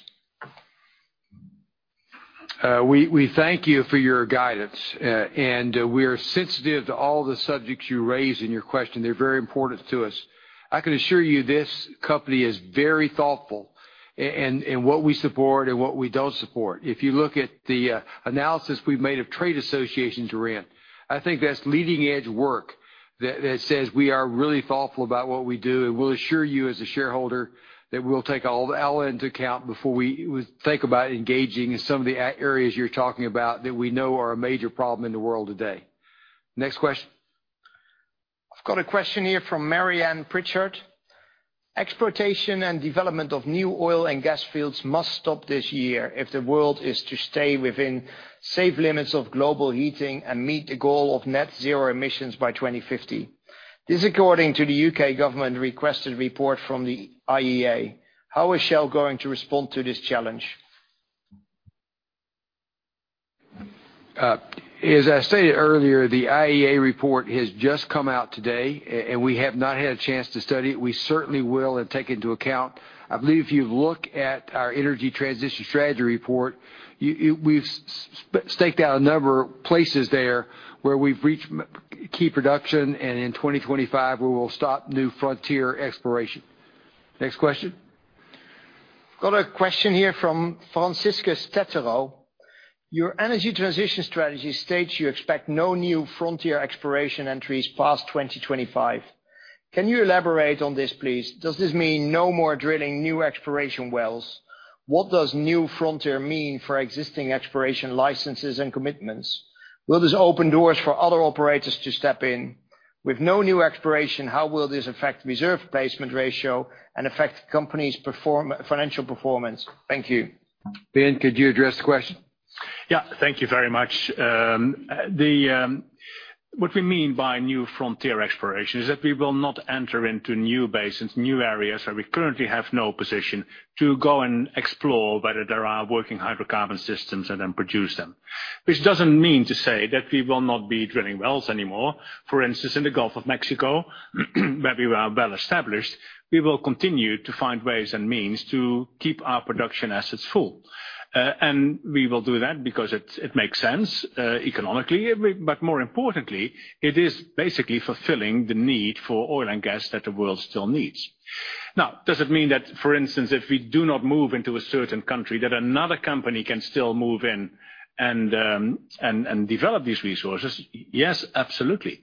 We thank you for your guidance, and we are sensitive to all the subjects you raise in your question. They're very important to us. I can assure you this company is very thoughtful in what we support and what we don't support. If you look at the analysis we made of trade associations, Wrenn, I think that's leading-edge work that says we are really thoughtful about what we do, and we'll assure you as a shareholder that we'll take all that into account before we think about engaging in some of the areas you're talking about that we know are a major problem in the world today. Next question. I've got a question here from Marianne Pritchard. Exploitation and development of new oil and gas fields must stop this year if the world is to stay within safe limits of global heating and meet the goal of net zero emissions by 2050. This according to the U.K. government-requested report from the IEA. How is Shell going to respond to this challenge? As I stated earlier, the IEA report has just come out today, and we have not had a chance to study it. We certainly will and take into account. I believe if you look at our energy transition strategy report, we've staked out a number of places there where we've reached key production, and in 2025, we will stop new frontier exploration. Next question. Got a question here from Francisco Stetero. Your energy transition strategy states you expect no new frontier exploration entries past 2025. Can you elaborate on this, please? Does this mean no more drilling new exploration wells? What does new frontier mean for existing exploration licenses and commitments? Will this open doors for other operators to step in? With no new exploration, how will this affect reserve replacement ratio and affect the company's financial performance? Thank you. Ben, could you address the question? Yeah. Thank you very much. What we mean by new frontier exploration is that we will not enter into new basins, new areas where we currently have no position to go and explore whether there are working hydrocarbon systems and then produce them. Which doesn't mean to say that we will not be drilling wells anymore. For instance, in the Gulf of Mexico, where we are well-established, we will continue to find ways and means to keep our production assets full. we will do that because it makes sense economically, but more importantly, it is basically fulfilling the need for oil and gas that the world still needs. Now, does it mean that, for instance, if we do not move into a certain country, that another company can still move in and develop these resources? Yes, absolutely.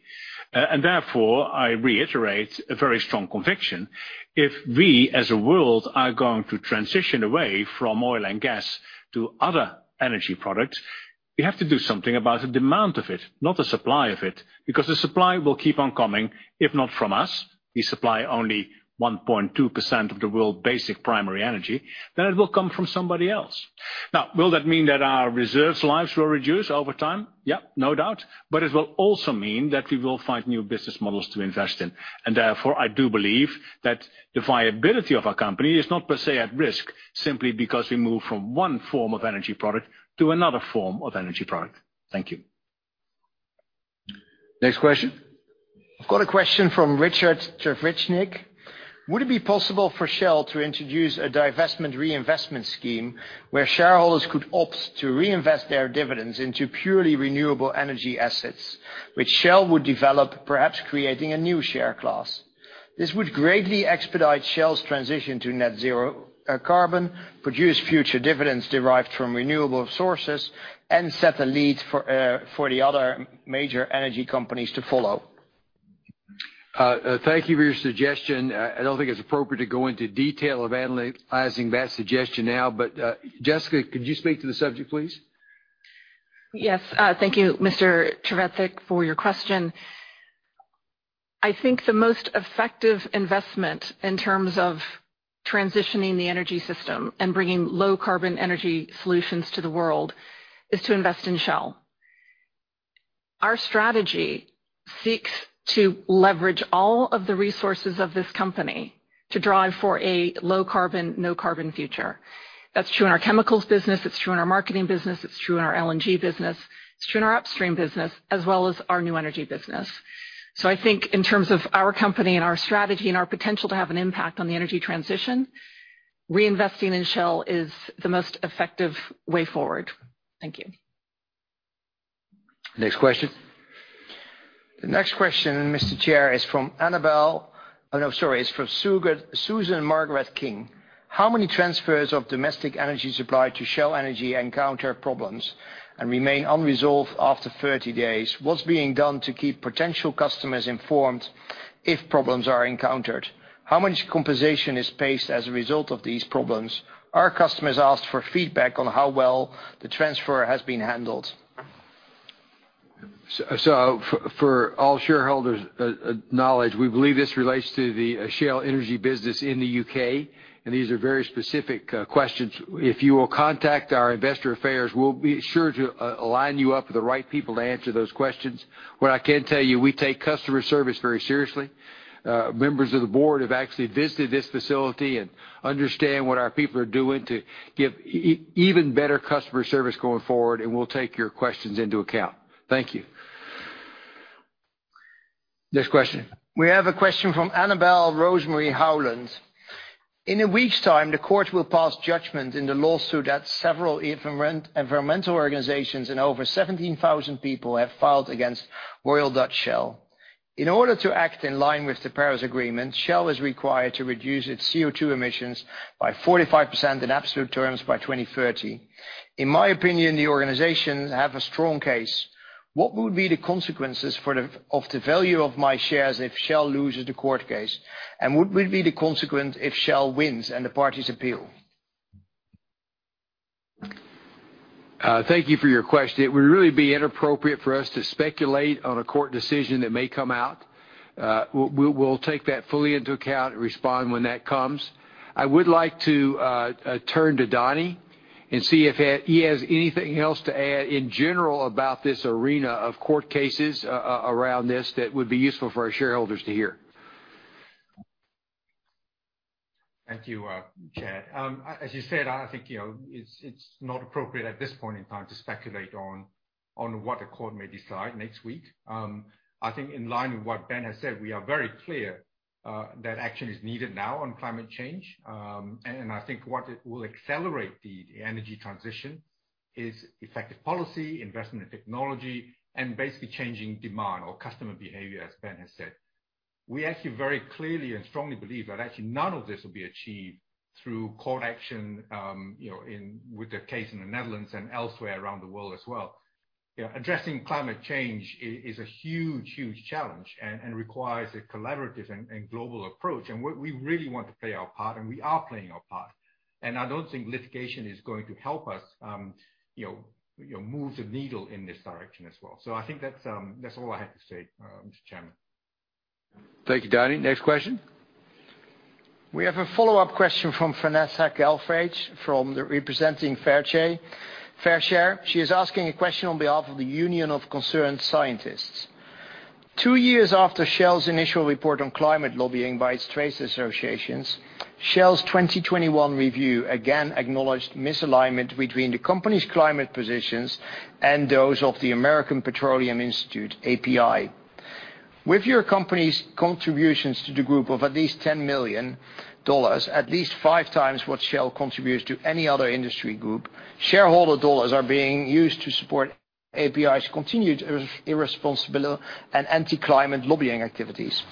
therefore, I reiterate a very strong conviction. If we, as a world, are going to transition away from oil and gas to other energy products, we have to do something about the demand of it, not the supply of it, because the supply will keep on coming, if not from us, we supply only 1.2% of the world basic primary energy, then it will come from somebody else. Now, will that mean that our reserves lives will reduce over time? Yeah, no doubt. It will also mean that we will find new business models to invest in. Therefore, I do believe that the viability of our company is not per se at risk simply because we move from one form of energy product to another form of energy product. Thank you. Next question. Got a question from Richard Trevithick. Would it be possible for Shell to introduce a divestment reinvestment scheme where shareholders could opt to reinvest their dividends into purely renewable energy assets, which Shell would develop, perhaps creating a new share class? This would greatly expedite Shell's transition to net zero carbon, produce future dividends derived from renewable sources, and set the lead for the other major energy companies to follow. Thank you for your suggestion. I don't think it's appropriate to go into detail of analyzing that suggestion now, but Jessica, could you speak to the subject, please? Yes. Thank you, Mr. Trevithick, for your question. I think the most effective investment in terms of transitioning the energy system and bringing low-carbon energy solutions to the world is to invest in Shell. Our strategy seeks to leverage all of the resources of this company to drive for a low-carbon, no-carbon future. That's true in our chemicals business, it's true in our marketing business, it's true in our LNG business, it's true in our upstream business, as well as our new energy business. I think in terms of our company and our strategy and our potential to have an impact on the energy transition, reinvesting in Shell is the most effective way forward. Thank you. Next question. The next question, Mr. Chair, is from Annabel. No, sorry, is from Susan Margaret King. How many transfers of domestic energy supply to Shell Energy encounter problems and remain unresolved after 30 days? What's being done to keep potential customers informed if problems are encountered? How much compensation is faced as a result of these problems? Are customers asked for feedback on how well the transfer has been handled? For all shareholders' knowledge, we believe this relates to the Shell Energy business in the U.K., and these are very specific questions. If you will contact our investor affairs, we'll be sure to align you up with the right people to answer those questions. What I can tell you, we take customer service very seriously. Members of the board have actually visited this facility and understand what our people are doing to give even better customer service going forward, and we'll take your questions into account. Thank you. Next question. We have a question from Annabel Rosemary Howland. In a week's time, the court will pass judgment in the lawsuit that several environmental organizations and over 17,000 people have filed against Royal Dutch Shell. In order to act in line with the Paris Agreement, Shell is required to reduce its CO2 emissions by 45% in absolute terms by 2030. In my opinion, the organizations have a strong case. What would be the consequences of the value of my shares if Shell loses the court case? What would be the consequence if Shell wins and the parties appeal? Thank you for your question. It would really be inappropriate for us to speculate on a court decision that may come out. We'll take that fully into account and respond when that comes. I would like to turn to Donny and see if he has anything else to add in general about this arena of court cases around this that would be useful for our shareholders to hear. Thank you, Chair. As you said, I think it's not appropriate at this point in time to speculate on what the court may decide next week. I think in line with what Ben has said, we are very clear that action is needed now on climate change. I think what will accelerate the energy transition is effective policy, investment in technology, and basically changing demand or customer behavior, as Ben has said. We actually very clearly and strongly believe that actually none of this will be achieved through court action, with the case in the Netherlands and elsewhere around the world as well. Addressing climate change is a huge challenge and requires a collaborative and global approach. We really want to play our part, and we are playing our part. I don't think litigation is going to help us move the needle in this direction as well. I think that's all I have to say, Mr. Chairman. Thank you, Donny. Next question. We have a follow-up question from Vanessa Gelfrage representing Fairshare. She is asking a question on behalf of the Union of Concerned Scientists. Two years after Shell's initial report on climate lobbying by its trade associations, Shell's 2021 review again acknowledged misalignment between the company's climate positions and those of the American Petroleum Institute, API. With your company's contributions to the group of at least $10 million, at least five times what Shell contributes to any other industry group, shareholder dollars are being used to support API's continued irresponsible and anti-climate lobbying activities.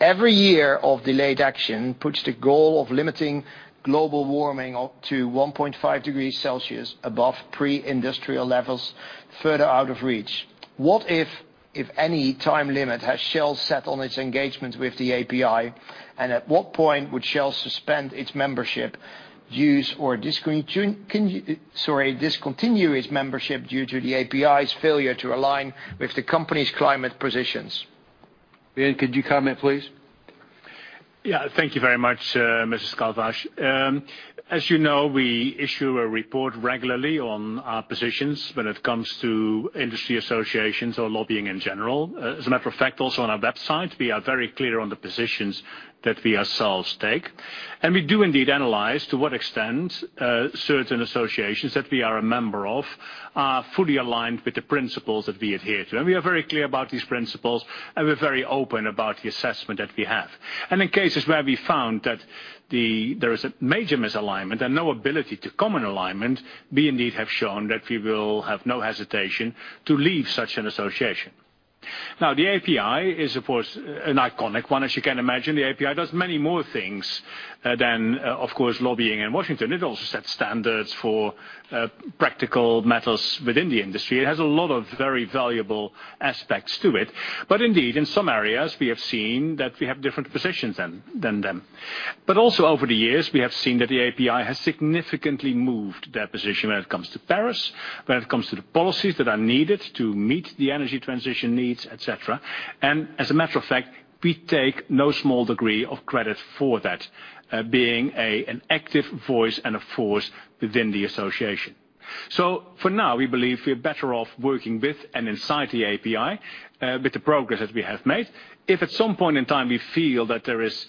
Every year of delayed action puts the goal of limiting global warming to 1.5 degrees Celsius above pre-industrial levels further out of reach. What, if any, time limit has Shell set on its engagement with the API, and at what point would Shell suspend its membership, use or discontinue its membership due to the API's failure to align with the company's climate positions? Ben, could you come in, please? Yeah. Thank you very much, Ms. Gelfrage. As you know, we issue a report regularly on our positions when it comes to industry associations or lobbying in general. As a matter of fact, also on our website, we are very clear on the positions that we ourselves take. We do indeed analyze to what extent certain associations that we are a member of are fully aligned with the principles that we adhere to. We are very clear about these principles, and we're very open about the assessment that we have. In cases where we found that there is a major misalignment and no ability to common alignment, we indeed have shown that we will have no hesitation to leave such an association. Now, the API is, of course, an iconic one. As you can imagine, the API does many more things than, of course, lobbying in Washington. It also sets standards for practical matters within the industry. It has a lot of very valuable aspects to it. Indeed, in some areas, we have seen that we have different positions than them. Also over the years, we have seen that the API has significantly moved their position when it comes to Paris, when it comes to the policies that are needed to meet the energy transition needs, et cetera. As a matter of fact, we take no small degree of credit for that, being an active voice and a force within the association. For now, we believe we're better off working with and inside the API with the progress that we have made. If at some point in time we feel that there is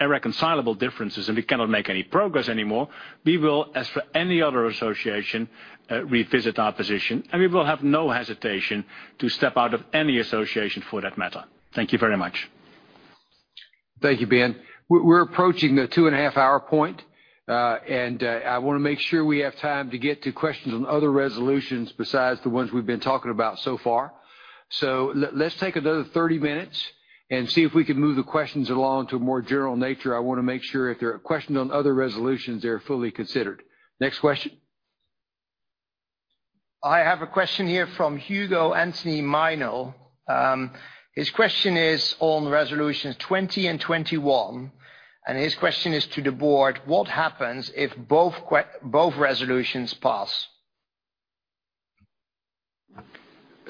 irreconcilable differences and we cannot make any progress anymore, we will, as for any other association, revisit our position, and we will have no hesitation to step out of any association for that matter. Thank you very much. Thank you, Ben. We're approaching the two-and-a-half-hour point, and I want to make sure we have time to get to questions on other resolutions besides the ones we've been talking about so far. Let's take another 30 minutes and see if we can move the questions along to a more general nature. I want to make sure if there are questions on other resolutions, they are fully considered. Next question. I have a question here from Hugo Anthony Mino. His question is on Resolutions 20 and 21, and his question is to the board, what happens if both resolutions pass?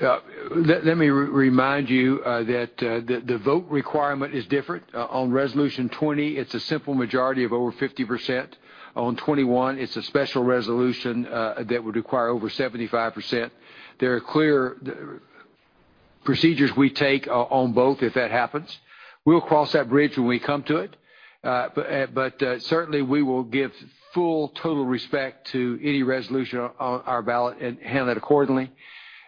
Let me remind you that the vote requirement is different. On Resolution 20, it's a simple majority of over 50%. On 21, it's a special resolution that would require over 75%. There are clear procedures we take on both if that happens. We'll cross that bridge when we come to it. Certainly we will give full, total respect to any resolution on our ballot and handle it accordingly.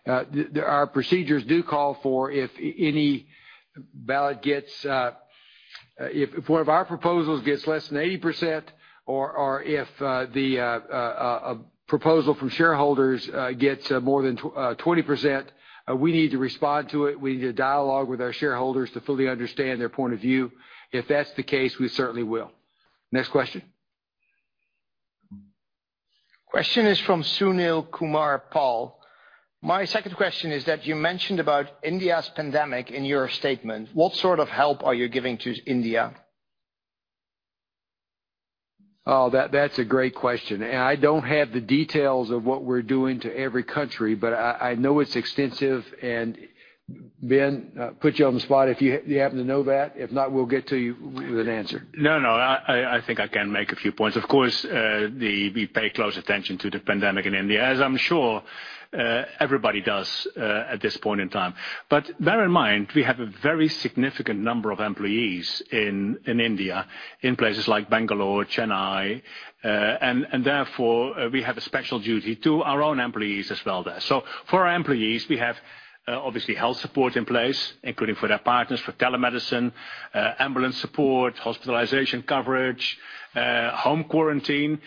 Our procedures do call for if one of our proposals gets less than 80% or if the proposal from shareholders gets more than 20%, we need to respond to it. We need to dialogue with our shareholders to fully understand their point of view. If that's the case, we certainly will. Next question. Question is from Sunil Kumar Paul. My second question is that you mentioned about India's pandemic in your statement. What sort of help are you giving to India? Oh, that's a great question. I don't have the details of what we're doing to every country, but I know it's extensive. Ben, put you on the spot if you happen to know that. If not, we'll get to you with an answer. No, I think I can make a few points. Of course, we pay close attention to the pandemic in India, as I'm sure everybody does at this point in time. Bear in mind, we have a very significant number of employees in India in places like Bangalore, Chennai, and therefore we have a special duty to our own employees as well there. For our employees, we have obviously health support in place, including for their partners for telemedicine, ambulance support, hospitalization coverage, home quarantine.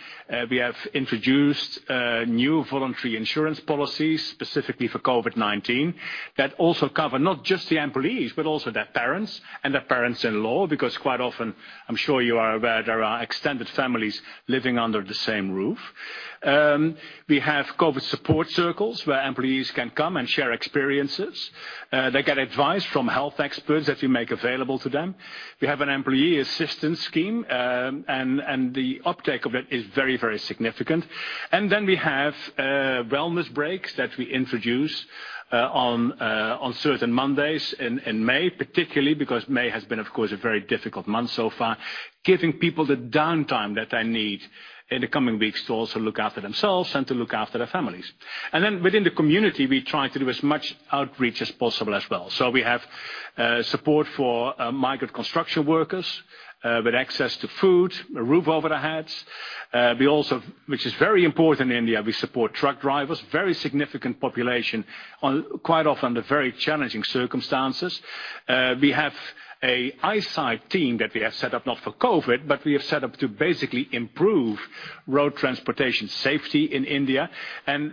We have introduced new voluntary insurance policies specifically for COVID-19 that also cover not just the employees, but also their parents and their parents-in-law, because quite often, I'm sure you are aware there are extended families living under the same roof. We have COVID support circles where employees can come and share experiences. They get advice from health experts that we make available to them. We have an employee assistance scheme, and the uptake of it is very, very significant. We have wellness breaks that we introduce on certain Mondays in May, particularly because May has been, of course, a very difficult month so far, giving people the downtime that they need in the coming weeks to also look after themselves and to look after their families. Within the community, we try to do as much outreach as possible as well. We have support for migrant construction workers with access to food, a roof over their heads. We also, which is very important in India, we support truck drivers, very significant population, quite often under very challenging circumstances. We have an eyesight team that we have set up not for COVID, but we have set up to basically improve road transportation safety in India.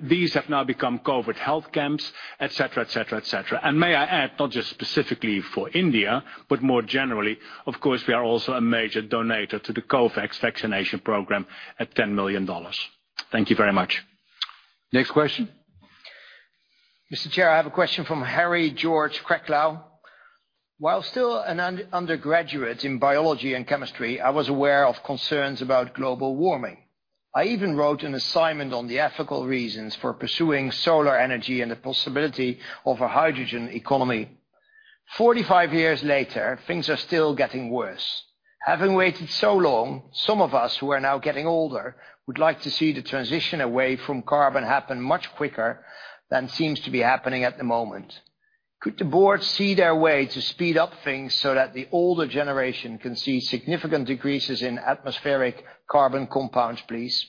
These have now become COVID health camps, et cetera. May I add, not just specifically for India, but more generally, of course, we are also a major donator to the COVAX vaccination program at $10 million. Thank you very much. Next question. Mr. Chair, I have a question from Harry George Cracklow. While still an undergraduate in biology and chemistry, I was aware of concerns about global warming. I even wrote an assignment on the ethical reasons for pursuing solar energy and the possibility of a hydrogen economy. Forty-five years later, things are still getting worse. Having waited so long, some of us who are now getting older would like to see the transition away from carbon happen much quicker than seems to be happening at the moment. Could the board see their way to speed up things so that the older generation can see significant decreases in atmospheric carbon compounds, please?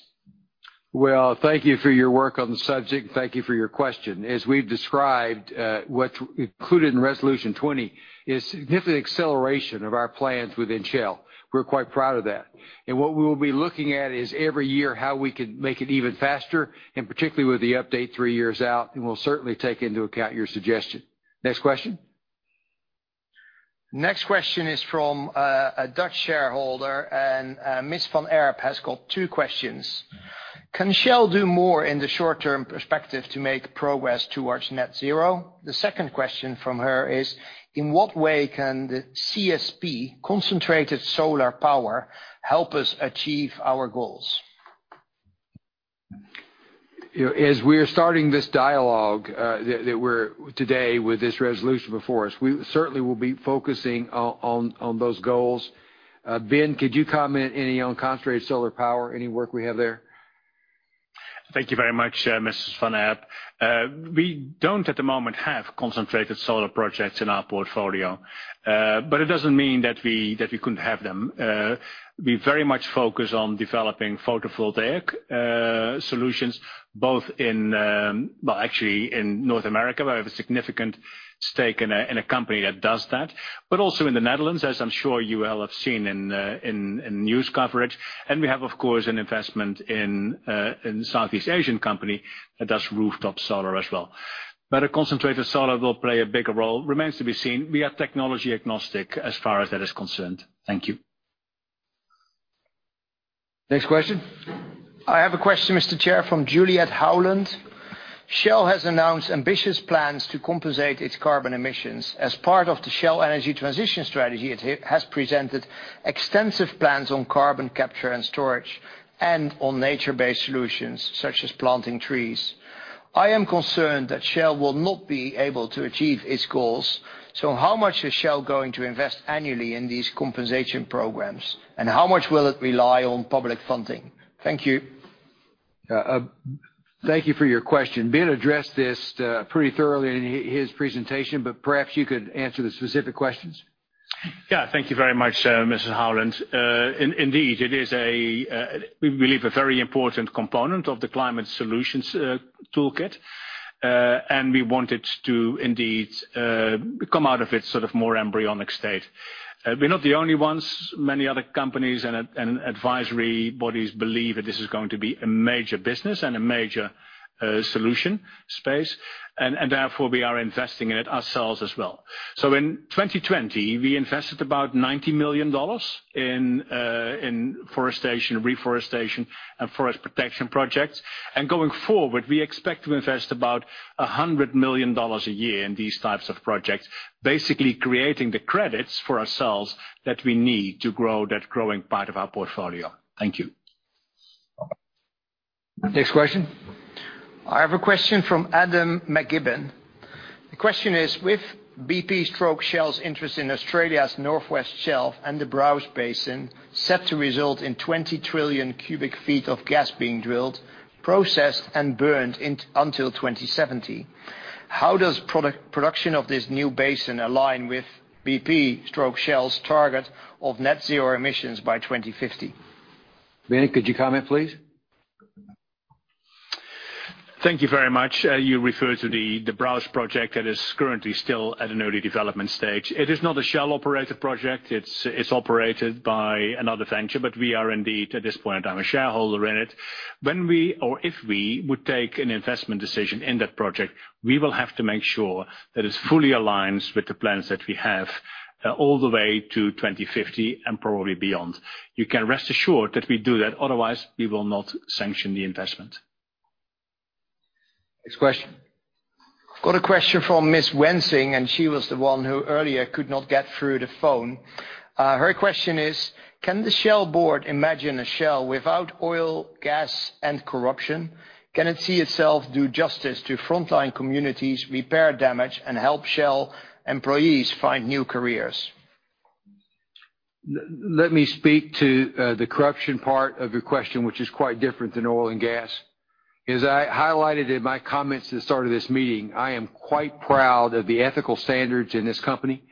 Well, thank you for your work on the subject. Thank you for your question. As we've described, what's included in Resolution 20 is significant acceleration of our plans within Shell. We're quite proud of that. What we will be looking at is every year how we can make it even faster, and particularly with the update three years out, and we'll certainly take into account your suggestion. Next question. Next question is from a Dutch shareholder, and Ms. van Earp has got two questions. Can Shell do more in the short-term perspective to make progress towards net zero? The second question from her is, in what way can CSP, concentrated solar power, help us achieve our goals? As we are starting this dialogue today with this resolution before us, we certainly will be focusing on those goals. Ben, could you comment any on concentrated solar power, any work we have there? Thank you very much, Ms. van Earp. We don't at the moment have concentrated solar projects in our portfolio, but it doesn't mean that we couldn't have them. We very much focus on developing photovoltaic solutions, both in, well, actually in North America, we have a significant stake in a company that does that, but also in the Netherlands, as I'm sure you all have seen in news coverage. We have, of course, an investment in a Southeast Asian company that does rooftop solar as well. Whether concentrated solar will play a bigger role remains to be seen. We are technology agnostic as far as that is concerned. Thank you. Next question. I have a question, Mr. Chair, from Juliet Howland. Shell has announced ambitious plans to compensate its carbon emissions. As part of the Shell Energy Transition Strategy, it has presented extensive plans on carbon capture and storage and on nature-based solutions such as planting trees. I am concerned that Shell will not be able to achieve its goals. How much is Shell going to invest annually in these compensation programs, and how much will it rely on public funding? Thank you. Thank you for your question. Ben addressed this pretty thoroughly in his presentation, but perhaps you could answer the specific questions. Yeah. Thank you very much, Mrs. Howland. Indeed, it is, we believe, a very important component of the climate solutions toolkit, and we want it to indeed come out of its more embryonic state. We're not the only ones. Many other companies and advisory bodies believe that this is going to be a major business and a major solution space, and therefore, we are investing in it ourselves as well. In 2020, we invested about $90 million in forestation, reforestation, and forest protection projects. Going forward, we expect to invest about $100 million a year in these types of projects, basically creating the credits for ourselves that we need to grow that growing part of our portfolio. Thank you. Next question. I have a question from Adam McKibbon. The question is: With BP/Shell's interest in Australia's North West Shelf and the Browse Basin set to result in 20 trillion cubic feet of gas being drilled, processed, and burned until 2070, how does production of this new basin align with BP/Shell's target of net zero emissions by 2050? Ben, could you comment, please? Thank you very much. You refer to the Browse project that is currently still at an early development stage. It is not a Shell-operated project. It's operated by another venture, but we are indeed, at this point, a shareholder in it. When we or if we would take an investment decision in that project, we will have to make sure that it's fully aligned with the plans that we have all the way to 2050 and probably beyond. You can rest assured that we do that, otherwise we will not sanction the investment. Next question. Got a question from Mrs. Wensing, and she was the one who earlier could not get through the phone. Her question is: Can the Shell board imagine a Shell without oil, gas, and corruption? Can it see itself do justice to frontline communities, repair damage, and help Shell employees find new careers? Let me speak to the corruption part of the question, which is quite different than oil and gas. As I highlighted in my comments at the start of this meeting, I am quite proud of the ethical standards in this company.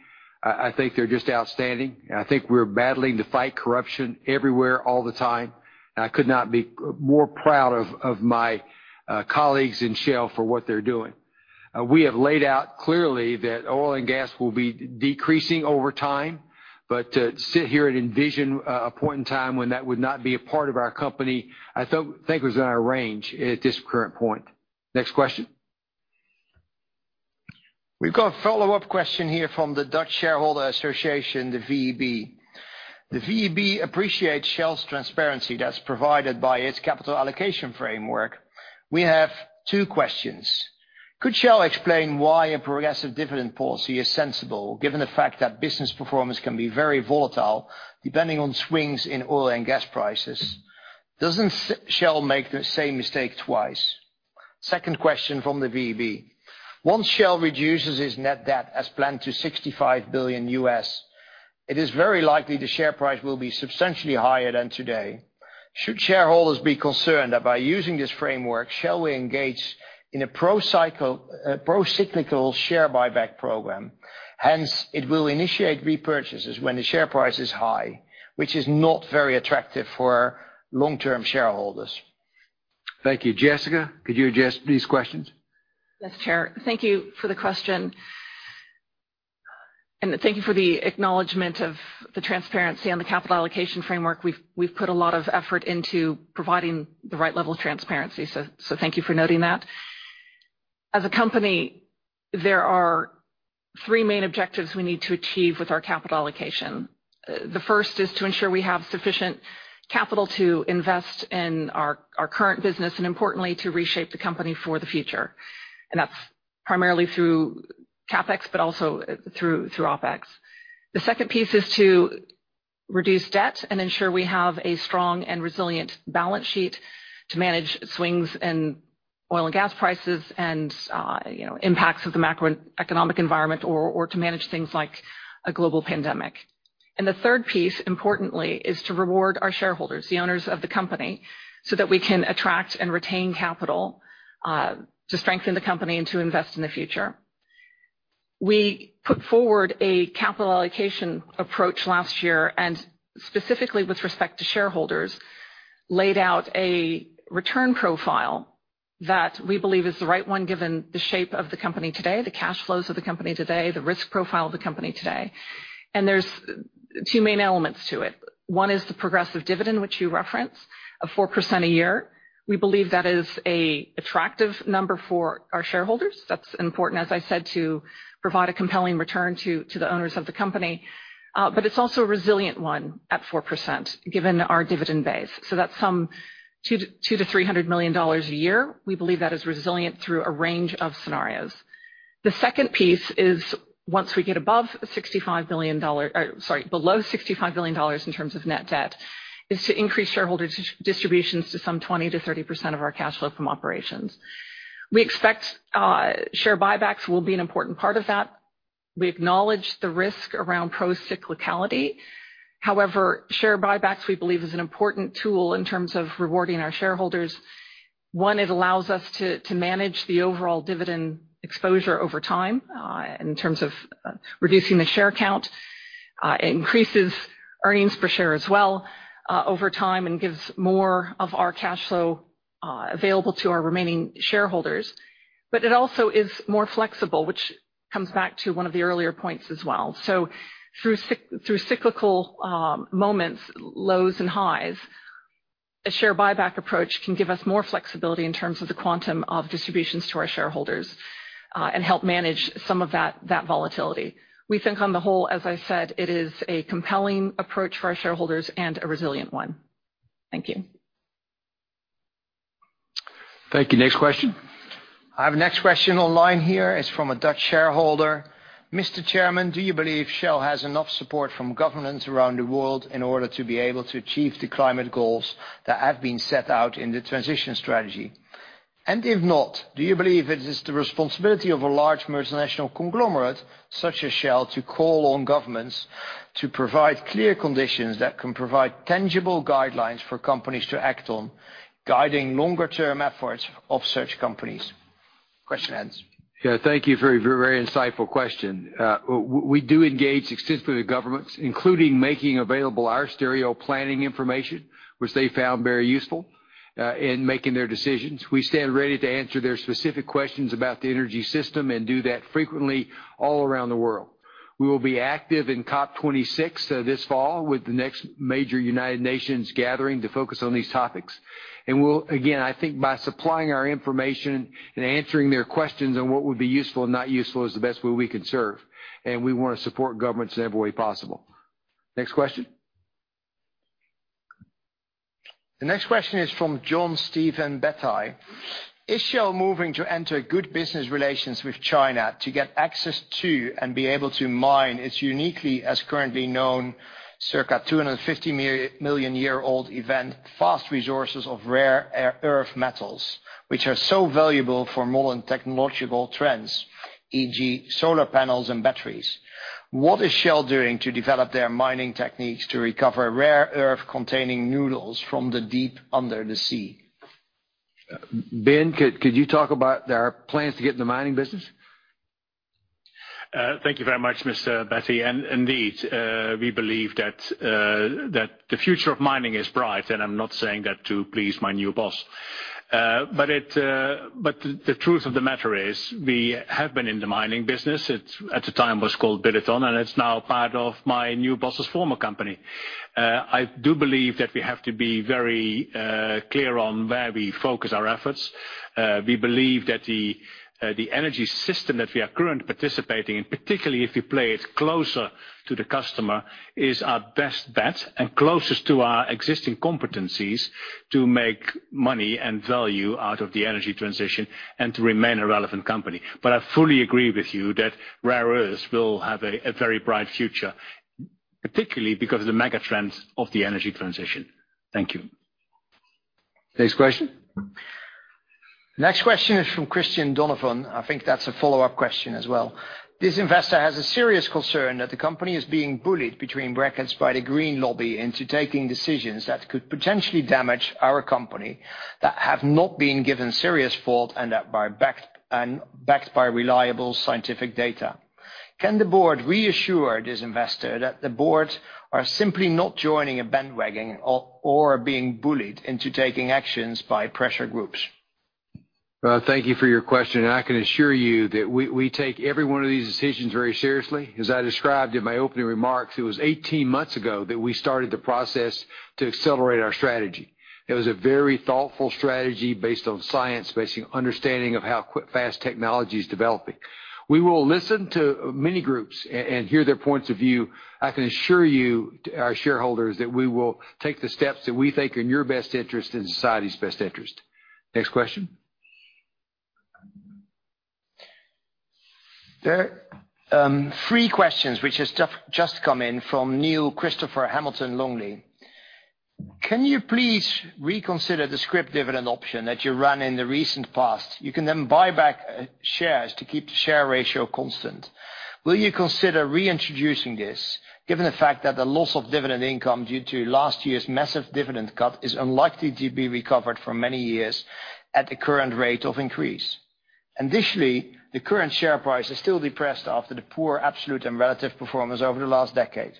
I think they're just outstanding. I think we're battling to fight corruption everywhere all the time, and I could not be more proud of my colleagues in Shell for what they're doing. We have laid out clearly that oil and gas will be decreasing over time, but to sit here and envision a point in time when that would not be a part of our company, I think is out of range at this current point. Next question. We've got a follow-up question here from the Dutch Shareholder Association, the VEB. The VEB appreciates Shell's transparency that's provided by its capital allocation framework. We have two questions. Could Shell explain why a progressive dividend policy is sensible given the fact that business performance can be very volatile depending on swings in oil and gas prices? Doesn't Shell make the same mistake twice? Second question from the VEB. Once Shell reduces its net debt as planned to $65 billion, it is very likely the share price will be substantially higher than today. Should shareholders be concerned that by using this framework, Shell will engage in a pro-cyclical share buyback program, hence it will initiate repurchases when the share price is high, which is not very attractive for long-term shareholders? Thank you. Jessica, could you address these questions? Yes, Chair. Thank you for the question, and thank you for the acknowledgment of the transparency on the capital allocation framework. We've put a lot of effort into providing the right level of transparency, so thank you for noting that. As a company, there are three main objectives we need to achieve with our capital allocation. The first is to ensure we have sufficient capital to invest in our current business, and importantly, to reshape the company for the future. That's primarily through CapEx, but also through OpEx. The second piece is to reduce debt and ensure we have a strong and resilient balance sheet to manage swings in oil and gas prices and impacts of the macroeconomic environment or to manage things like a global pandemic. the third piece, importantly, is to reward our shareholders, the owners of the company, so that we can attract and retain capital to strengthen the company and to invest in the future. We put forward a capital allocation approach last year, and specifically with respect to shareholders laid out a return profile that we believe is the right one given the shape of the company today, the cash flows of the company today, the risk profile of the company today. There's two main elements to it. One is the progressive dividend, which you referenced, of 4% a year. We believe that is an attractive number for our shareholders. That's important, as I said, to provide a compelling return to the owners of the company. It's also a resilient one at 4%, given our dividend base. That's some $200 million-$300 million a year. We believe that is resilient through a range of scenarios. The second piece is once we get below $65 billion in terms of net debt, is to increase shareholder distributions to some 20%-30% of our cash flow from operations. We expect share buybacks will be an important part of that. We acknowledge the risk around pro-cyclicality. However, share buybacks we believe is an important tool in terms of rewarding our shareholders. One, it allows us to manage the overall dividend exposure over time, in terms of reducing the share count. It increases earnings per share as well, over time, and gives more of our cash flow available to our remaining shareholders. It also is more flexible, which comes back to one of the earlier points as well. Through cyclical moments, lows and highs, a share buyback approach can give us more flexibility in terms of the quantum of distributions to our shareholders, and help manage some of that volatility. We think on the whole, as I said, it is a compelling approach for our shareholders and a resilient one. Thank you. Thank you. Next question. Our next question on the line here is from a Dutch shareholder. "Mr. Chairman, do you believe Shell has enough support from governments around the world in order to be able to achieve the climate goals that have been set out in the transition strategy? If not, do you believe it is the responsibility of a large multinational conglomerate such as Shell to call on governments to provide clear conditions that can provide tangible guidelines for companies to act on, guiding longer-term efforts of such companies?" Question ends. Yeah, thank you for your very insightful question. We do engage extensively with governments, including making available our scenario planning information, which they found very useful in making their decisions. We stand ready to answer their specific questions about the energy system and do that frequently all around the world. We will be active in COP26 this fall with the next major United Nations gathering to focus on these topics. We'll, again, I think by supplying our information and answering their questions on what would be useful and not useful is the best way we can serve. We want to support governments in every way possible. Next question. The next question is from John Steven Bettai. "Is Shell moving to enter good business relations with China to get access to and be able to mine its uniquely, as currently known, circa 250-million-year-old event, vast resources of rare earth metals, which are so valuable for modern technological trends, e.g. solar panels and batteries. What is Shell doing to develop their mining techniques to recover rare earth-containing nodules from the deep under the sea? Ben, could you talk about our plans to get in the mining business? Thank you very much, Mr. Bettai. Indeed, we believe that the future of mining is bright, and I'm not saying that to please my new boss. The truth of the matter is we have been in the mining business. At the time it was called Billiton, and it's now part of my new boss's former company. I do believe that we have to be very clear on where we focus our efforts. We believe that the energy system that we are currently participating in, particularly if you play it closer to the customer, is our best bet and closest to our existing competencies to make money and value out of the energy transition and to remain a relevant company. I fully agree with you that rare earths will have a very bright future, particularly because of the megatrends of the energy transition. Thank you. Next question. Next question is from Christian Donovan. I think that's a follow-up question as well. This investor has a serious concern that the company is being bullied between brackets by the green lobby into taking decisions that could potentially damage our company that have not been given serious thought and backed by reliable scientific data. Can the board reassure this investor that the board are simply not joining a bandwagon or are being bullied into taking actions by pressure groups? Thank you for your question, and I can assure you that we take every one of these decisions very seriously. As I described in my opening remarks, it was 18 months ago that we started the process to accelerate our strategy. It was a very thoughtful strategy based on science, based on understanding of how fast technology is developing. We will listen to many groups and hear their points of view. I can assure you, our shareholders, that we will take the steps that we think are in your best interest and society's best interest. Next question. There are three questions which have just come in from Neil Christopher Hamilton Longley. "Can you please reconsider the scrip dividend option that you ran in the recent past? You can then buy back shares to keep the share ratio constant. Will you consider reintroducing this given the fact that the loss of dividend income due to last year's massive dividend cut is unlikely to be recovered for many years at the current rate of increase?" Additionally, the current share price is still depressed after the poor absolute and relative performance over the last decade.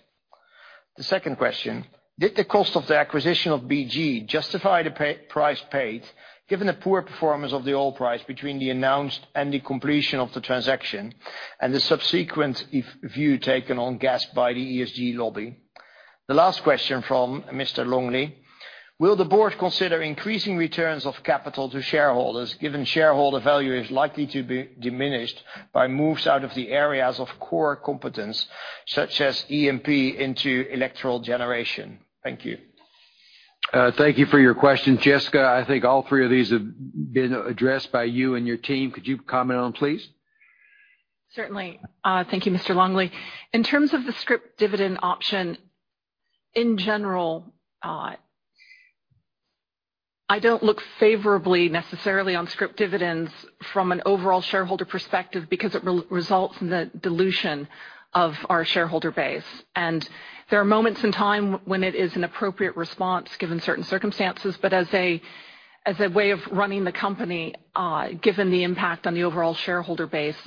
The second question, did the cost of the acquisition of BG justify the price paid given the poor performance of the oil price between the announced and the completion of the transaction and the subsequent view taken on gas by the ESG lobby? The last question from Mr. Longley, will the board consider increasing returns of capital to shareholders given shareholder value is likely to be diminished by moves out of the areas of core competence such as E&P into electrical generation? Thank you. Thank you for your question, Jessica. I think all three of these have been addressed by you and your team. Could you comment on, please? Certainly. Thank you, Mr. Longley. In terms of the scrip dividend option, in general, I don't look favorably necessarily on scrip dividends from an overall shareholder perspective because it results in the dilution of our shareholder base. There are moments in time when it is an appropriate response given certain circumstances, but as a way of running the company, given the impact on the overall shareholder base,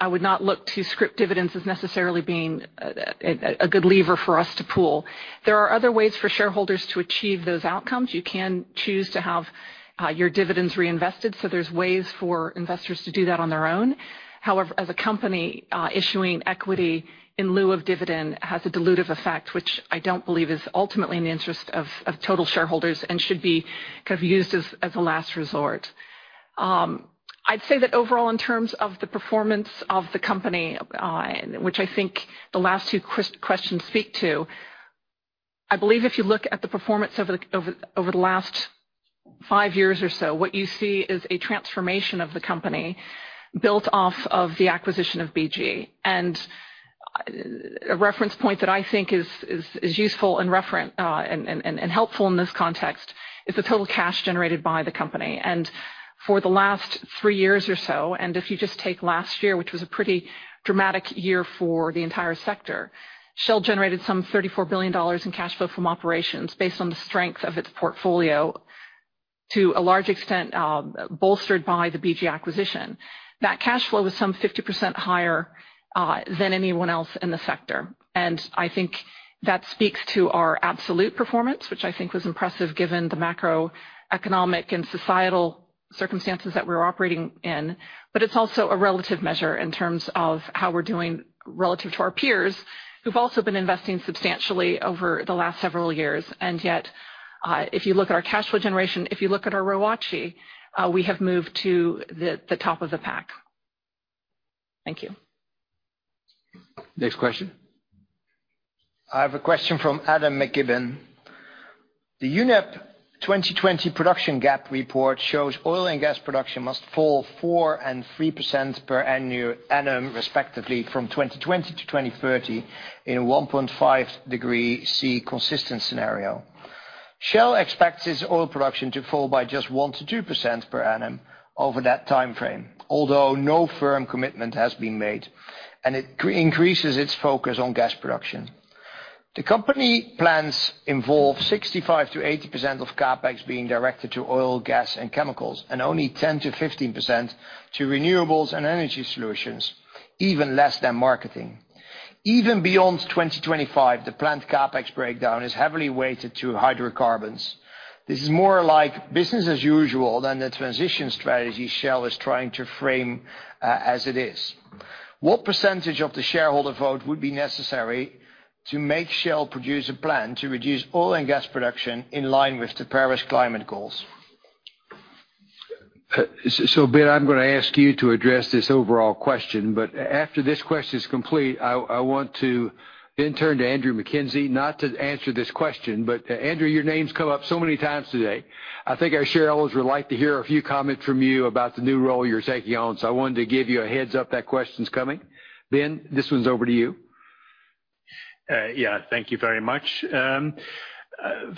I would not look to scrip dividends as necessarily being a good lever for us to pull. There are other ways for shareholders to achieve those outcomes. You can choose to have your dividends reinvested. There's ways for investors to do that on their own. However, as a company, issuing equity in lieu of dividend has a dilutive effect, which I don't believe is ultimately in the interest of total shareholders and should be used as a last resort. I'd say that overall in terms of the performance of the company, which I think the last two questions speak to, I believe if you look at the performance over the last five years or so, what you see is a transformation of the company built off of the acquisition of BG. A reference point that I think is useful and helpful in this context is the total cash generated by the company. For the last three years or so, and if you just take last year, which was a pretty dramatic year for the entire sector, Shell generated some $34 billion in cash flow from operations based on the strength of its portfolio to a large extent, bolstered by the BG acquisition. That cash flow was some 50% higher than anyone else in the sector. I think that speaks to our absolute performance, which I think was impressive given the macroeconomic and societal circumstances that we're operating in. It's also a relative measure in terms of how we're doing relative to our peers who've also been investing substantially over the last several years, and yet if you look at our cash flow generation, if you look at our ROACE, we have moved to the top of the pack. Thank you. Next question. I have a question from Adam McKibbon. The UNEP 2020 production gap report shows oil and gas production must fall 4% and 3% per annum respectively from 2020 to 2030 in 1.5°C consistent scenario. Shell expects its oil production to fall by just 1%-2% per annum over that timeframe, although no firm commitment has been made, and it increases its focus on gas production. The company plans involve 65%-80% of CapEx being directed to oil, gas, and chemicals, and only 10%-15% to renewables and energy solutions, even less than marketing. Even beyond 2025, the planned CapEx breakdown is heavily weighted to hydrocarbons. This is more like business as usual than the transition strategy Shell is trying to frame as it is. What percentage of the shareholder vote would be necessary to make Shell produce a plan to reduce oil and gas production in line with the Paris climate goals? Ben, I'm going to ask you to address this overall question, but after this question is complete, I want to then turn to Andrew Mackenzie, not to answer this question. Andrew, your name's come up so many times today. I think our shareholders would like to hear a few comments from you about the new role you're taking on. I wanted to give you a heads up that question's coming. Ben, this one's over to you. Thank you very much.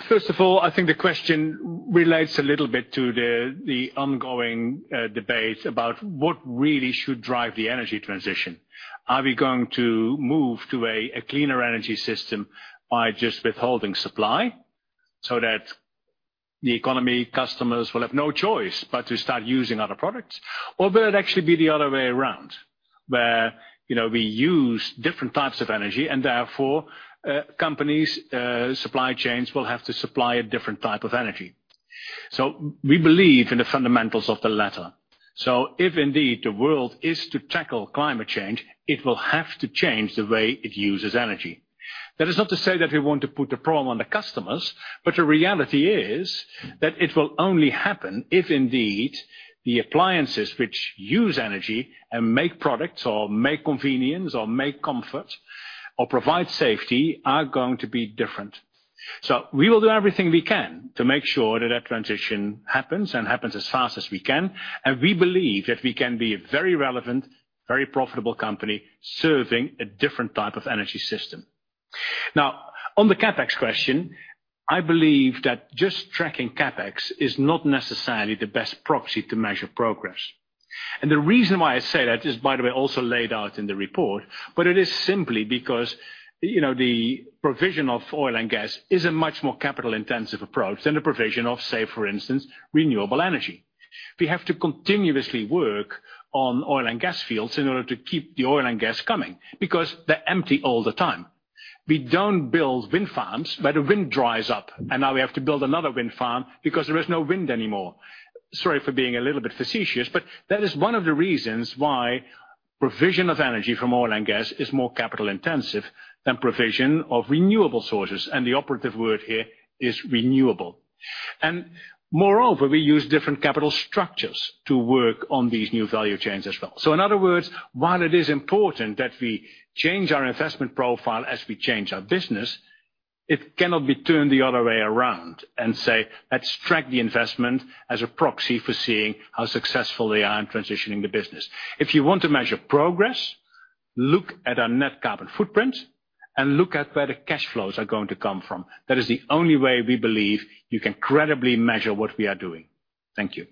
First of all, I think the question relates a little bit to the ongoing debate about what really should drive the energy transition. Are we going to move to a cleaner energy system by just withholding supply so that the economy customers will have no choice but to start using other products? Will it actually be the other way around where we use different types of energy and therefore companies, supply chains will have to supply a different type of energy. We believe in the fundamentals of the latter. If indeed the world is to tackle climate change, it will have to change the way it uses energy. That is not to say that we want to put the problem on the customers, but the reality is that it will only happen if indeed the appliances which use energy and make products or make convenience or make comfort or provide safety are going to be different. We will do everything we can to make sure that that transition happens and happens as fast as we can. We believe that we can be a very relevant, very profitable company serving a different type of energy system. Now, on the CapEx question, I believe that just tracking CapEx is not necessarily the best proxy to measure progress. The reason why I say that is by the way, also laid out in the report, but it is simply because the provision of oil and gas is a much more capital-intensive approach than a provision of, say for instance, renewable energy. We have to continuously work on oil and gas fields in order to keep the oil and gas coming, because they're empty all the time. We don't build wind farms where the wind dries up, and now we have to build another wind farm because there is no wind anymore. Sorry for being a little bit facetious, but that is one of the reasons why provision of energy from oil and gas is more capital-intensive than provision of renewable sources, and the operative word here is renewable. Moreover, we use different capital structures to work on these new value chains as well. In other words, while it is important that we change our investment profile as we change our business, it cannot be turned the other way around and say, "Let's track the investment as a proxy for seeing how successful we are in transitioning the business." If you want to measure progress, look at our net carbon footprint and look at where the cash flows are going to come from. That is the only way we believe you can credibly measure what we are doing. Thank you.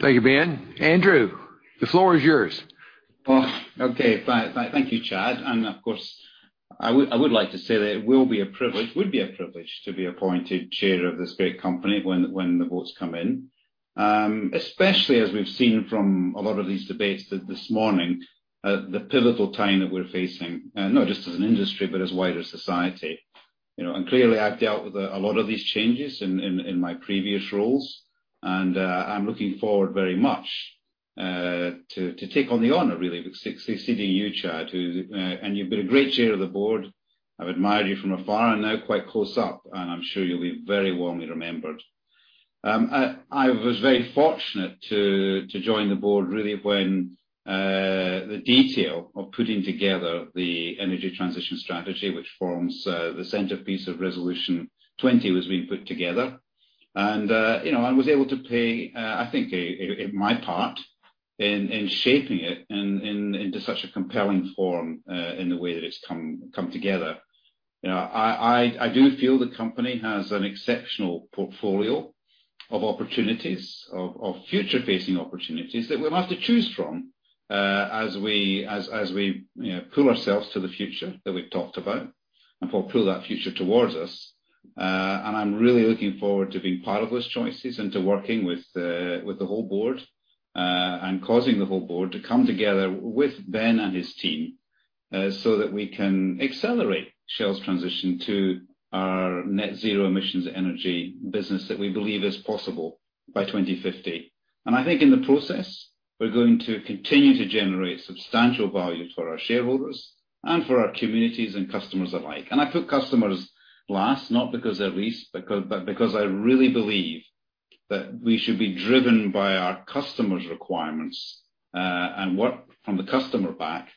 Thank you, Ben. Andrew, the floor is yours. Okay. Thank you, Chad. Of course, I would like to say that it would be a privilege to be appointed chair of this great company when the votes come in, especially as we've seen from a lot of these debates this morning, the pivotal time that we're facing, not just as an industry, but as wider society. Clearly, I've dealt with a lot of these changes in my previous roles, and I'm looking forward very much to take on the honor, really, succeeding you, Chad. You've been a great chair of the board. I've admired you from afar and now quite close up, and I'm sure you'll be very warmly remembered. I was very fortunate to join the board really when the detail of putting together the Energy Transition Strategy, which forms the centerpiece of Resolution 20 was being put together. I was able to play, I think, my part in shaping it into such a compelling form in the way that it's come together. I do feel the company has an exceptional portfolio of future-facing opportunities that we'll have to choose from as we pull ourselves to the future that we've talked about or pull that future towards us. I'm really looking forward to being part of those choices and to working with the whole board, and causing the whole board to come together with Ben and his team so that we can accelerate Shell's transition to our net-zero emissions energy business that we believe is possible by 2050. I think in the process, we're going to continue to generate substantial value for our shareholders and for our communities and customers alike. I put customers last, not because they're least, but because I really believe that we should be driven by our customers' requirements and work from the customer back.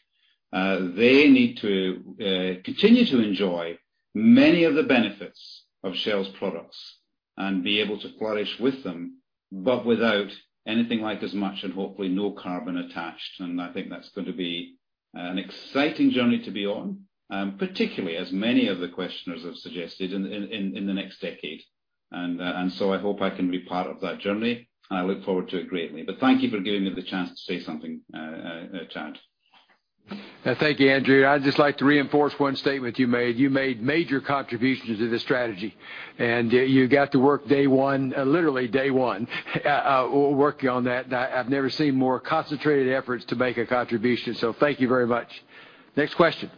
They need to continue to enjoy many of the benefits of Shell's products and be able to flourish with them, but without anything like as much and hopefully no carbon attached. I think that's going to be an exciting journey to be on, particularly as many of the questioners have suggested in the next decade. I hope I can be part of that journey, and I look forward to it greatly. Thank you for giving me the chance to say something, Chad. Thank you, Andrew. I'd just like to reinforce one statement you made. You made major contributions to the strategy, and you got to work day one, literally day one, working on that. I've never seen more concentrated efforts to make a contribution. Thank you very much. Next question.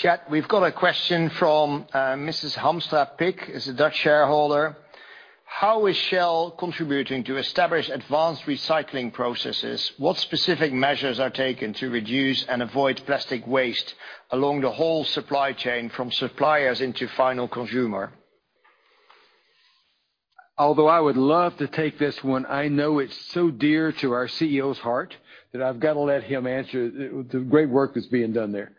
Chad, we've got a question from Mrs. Hamstra-Pik, is a Dutch shareholder. How is Shell contributing to establish advanced recycling processes? What specific measures are taken to reduce and avoid plastic waste along the whole supply chain from suppliers into final consumer? Although I would love to take this one, I know it's so dear to our CEO's heart that I've got to let him answer the great work that's being done there.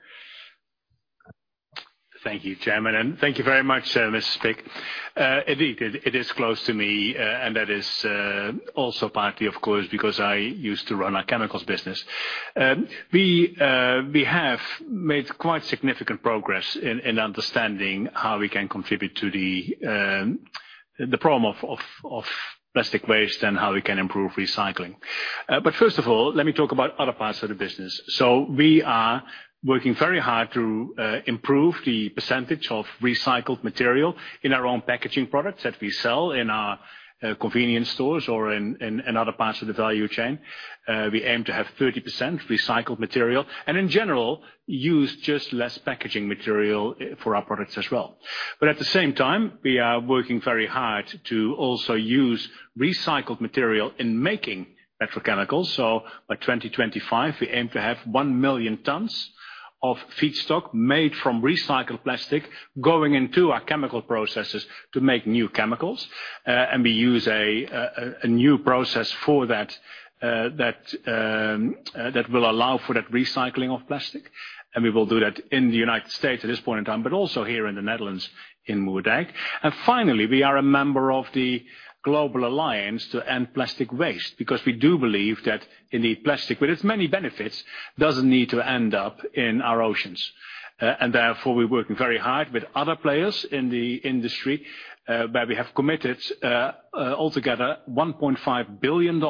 Thank you, Chairman. Thank you very much, Mrs. Hamstra-Pik. Indeed, it is close to me. That is also partly, of course, because I used to run our chemicals business. We have made quite significant progress in understanding how we can contribute to the problem of plastic waste and how we can improve recycling. First of all, let me talk about other parts of the business. We are working very hard to improve the percentage of recycled material in our own packaging products that we sell in our convenience stores or in other parts of the value chain. We aim to have 30% recycled material and in general, use just less packaging material for our products as well. At the same time, we are working very hard to also use recycled material in making petrochemicals. By 2025, we aim to have 1 million tons of feedstock made from recycled plastic going into our chemical processes to make new chemicals. We use a new process for that that will allow for that recycling of plastic. We will do that in the United States at this point in time, but also here in the Netherlands in Moerdijk. Finally, we are a member of the Alliance to End Plastic Waste, because we do believe that indeed plastic with its many benefits doesn't need to end up in our oceans. Therefore, we are working very hard with other players in the industry, where we have committed altogether $1.5 billion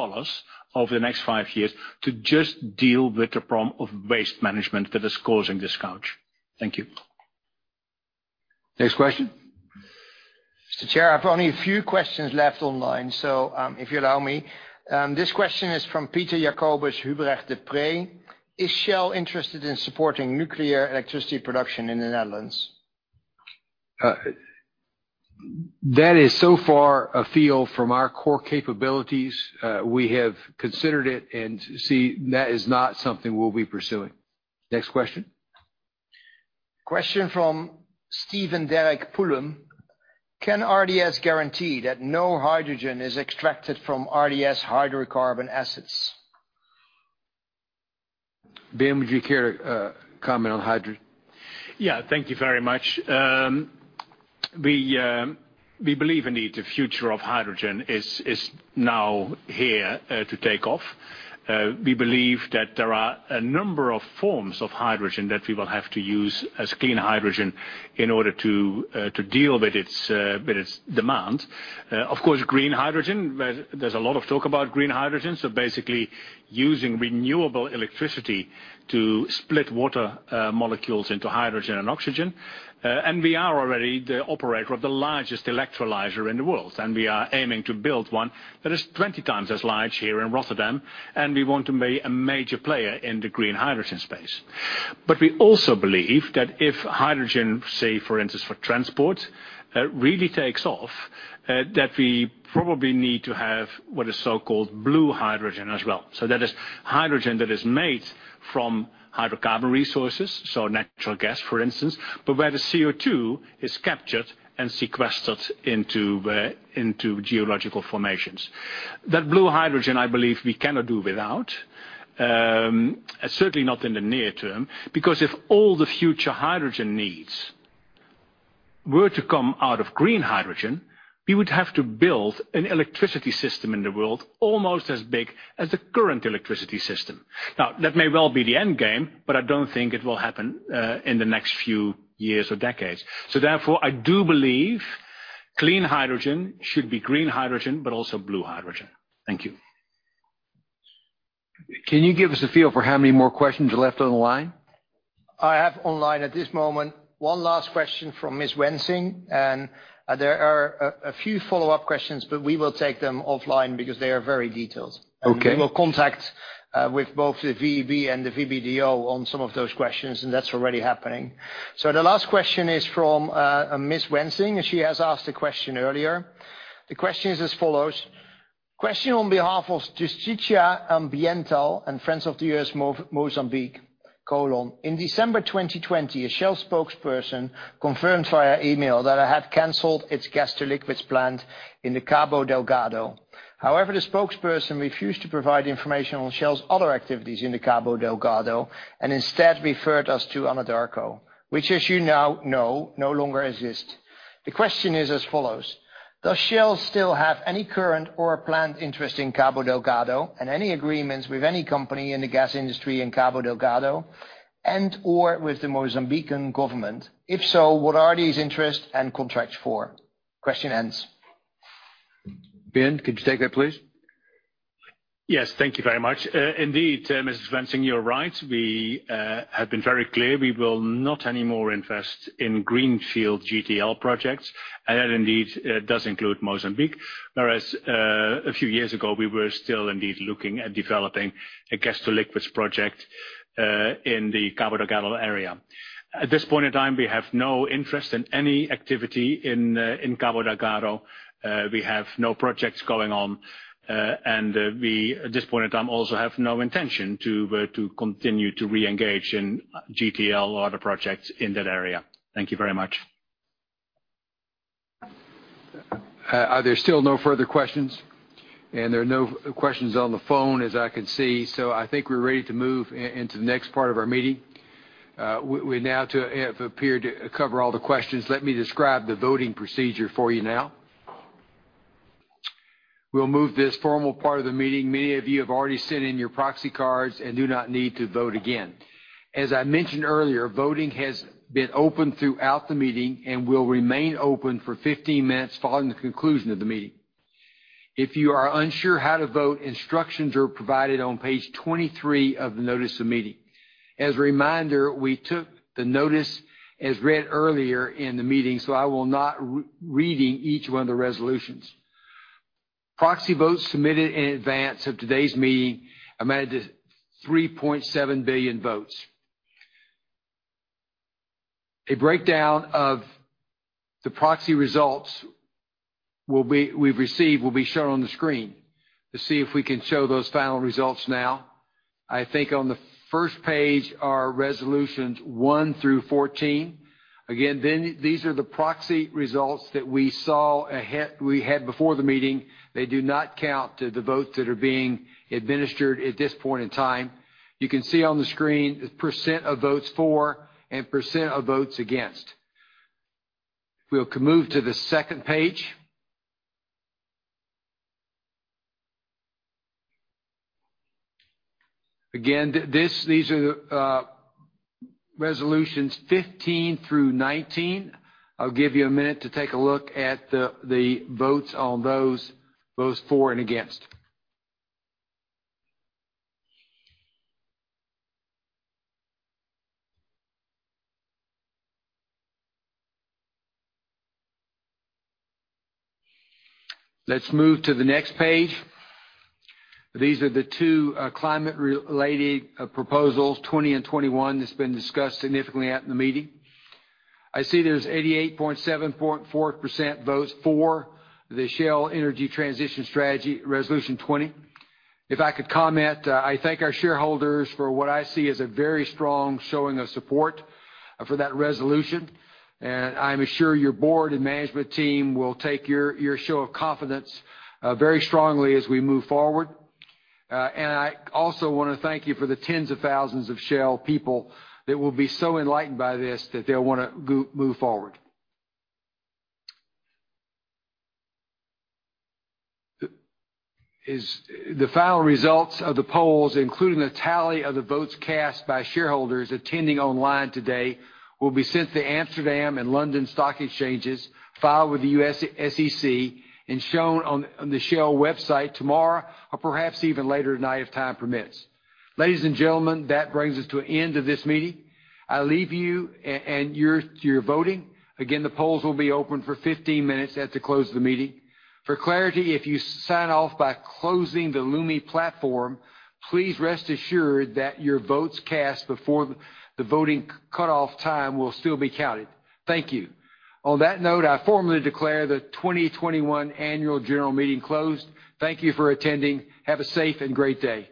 over the next five years to just deal with the problem of waste management that is causing this damage. Thank you. Next question. Mr. Chair, I have only a few questions left online, so if you allow me. This question is from Peter Jacobus Hubrecht de Pree. Is Shell interested in supporting nuclear electricity production in the Netherlands? That is so far afield from our core capabilities. We have considered it and seen that is not something we'll be pursuing. Next question. Question from Steven Derek Pullum. Can RDS guarantee that no hydrogen is extracted from RDS hydrocarbon assets? Ben, would you care to comment on hydrogen? Yeah. Thank you very much. We believe indeed the future of hydrogen is now here to take off. We believe that there are a number of forms of hydrogen that people have to use as clean hydrogen in order to deal with its demand. Of course, green hydrogen, there's a lot of talk about green hydrogen, so basically using renewable electricity to split water molecules into hydrogen and oxygen. We are already the operator of the largest electrolyzer in the world. We are aiming to build one that is 20 times as large here in Rotterdam, and we want to be a major player in the green hydrogen space. We also believe that if hydrogen, say for instance for transport, really takes off, that we probably need to have what is so-called blue hydrogen as well. That is hydrogen that is made from hydrocarbon resources, so natural gas for instance, but where the CO2 is captured and sequestered into geological formations. That blue hydrogen, I believe we cannot do without, certainly not in the near term, because if all the future hydrogen needs were to come out of green hydrogen, we would have to build an electricity system in the world almost as big as the current electricity system. That may well be the end game, but I don't think it will happen in the next few years or decades. Therefore, I do believe clean hydrogen should be green hydrogen, but also blue hydrogen. Thank you. Can you give us a feel for how many more questions are left on the line? I have online at this moment one last question from Mrs. Wensing. There are a few follow-up questions, but we will take them offline because they are very detailed. Okay. We will contact with both the VEB and the VBDO on some of those questions. That's already happening. The last question is from Ms. Wensing. She has asked a question earlier. The question is as follows: Question on behalf of Justiça Ambiental and Friends of the Earth Mozambique: In December 2020, a Shell spokesperson confirmed via email that it had canceled its gas to liquids plant in the Cabo Delgado. The spokesperson refused to provide information on Shell's other activities in the Cabo Delgado and instead referred us to Anadarko, which as you now know, no longer exists. The question is as follows: Does Shell still have any current or planned interest in Cabo Delgado and any agreements with any company in the gas industry in Cabo Delgado and/or with the Mozambican Government? If so, what are these interests and contracts for? Ben, could you take it, please? Yes. Thank you very much. Indeed, Mrs. Wensing, you're right. We have been very clear. We will not anymore invest in greenfield GTL projects, and that indeed does include Mozambique. Whereas a few years ago, we were still indeed looking at developing a gas to liquids project in the Cabo Delgado area. At this point in time, we have no interest in any activity in Cabo Delgado. We have no projects going on, and we at this point in time, also have no intention to continue to re-engage in GTL or other projects in that area. Thank you very much. There's still no further questions. There are no questions on the phone as I can see. I think we're ready to move into the next part of our meeting. We now have appeared to cover all the questions. Let me describe the voting procedure for you now. We'll move to this formal part of the meeting. Many of you have already sent in your proxy cards and do not need to vote again. As I mentioned earlier, voting has been open throughout the meeting and will remain open for 15 minutes following the conclusion of the meeting. If you are unsure how to vote, instructions are provided on page 23 of the notice of meeting. As a reminder, we took the notice as read earlier in the meeting. I will not be reading each one of the resolutions. Proxy votes submitted in advance of today's meeting amounted to 3.7 billion votes. A breakdown of the proxy results we've received will be shown on the screen. Let's see if we can show those final results now. I think on the first page are Resolutions 1 through 14. Again, these are the proxy results that we saw, we had before the meeting. They do not count to the votes that are being administered at this point in time. You can see on the screen the % of votes for and % of votes against. If we can move to the second page. Again, these are resolutions 15 through 19. I'll give you a minute to take a look at the votes on those for and against. Let's move to the next page. These are the two climate-related proposals, 20 and 21, that's been discussed significantly at the meeting. I see there's 88.74% votes for the Shell Energy Transition Strategy, resolution 20. If I could comment, I thank our shareholders for what I see as a very strong showing of support for that resolution, and I'm assured your board and management team will take your show of confidence very strongly as we move forward. I also want to thank you for the tens of thousands of Shell people that will be so enlightened by this that they'll want to move forward. The final results of the polls, including the tally of the votes cast by shareholders attending online today, will be sent to Amsterdam and London stock exchanges, filed with the U.S. SEC, and shown on the Shell website tomorrow or perhaps even later tonight if time permits. Ladies and gentlemen, that brings us to the end of this meeting. I leave you and your voting. The polls will be open for 15 minutes after the close of the meeting. For clarity, if you sign off by closing the Lumi platform, please rest assured that your votes cast before the voting cutoff time will still be counted. Thank you. On that note, I formally declare the 2021 annual general meeting closed. Thank you for attending. Have a safe and great day.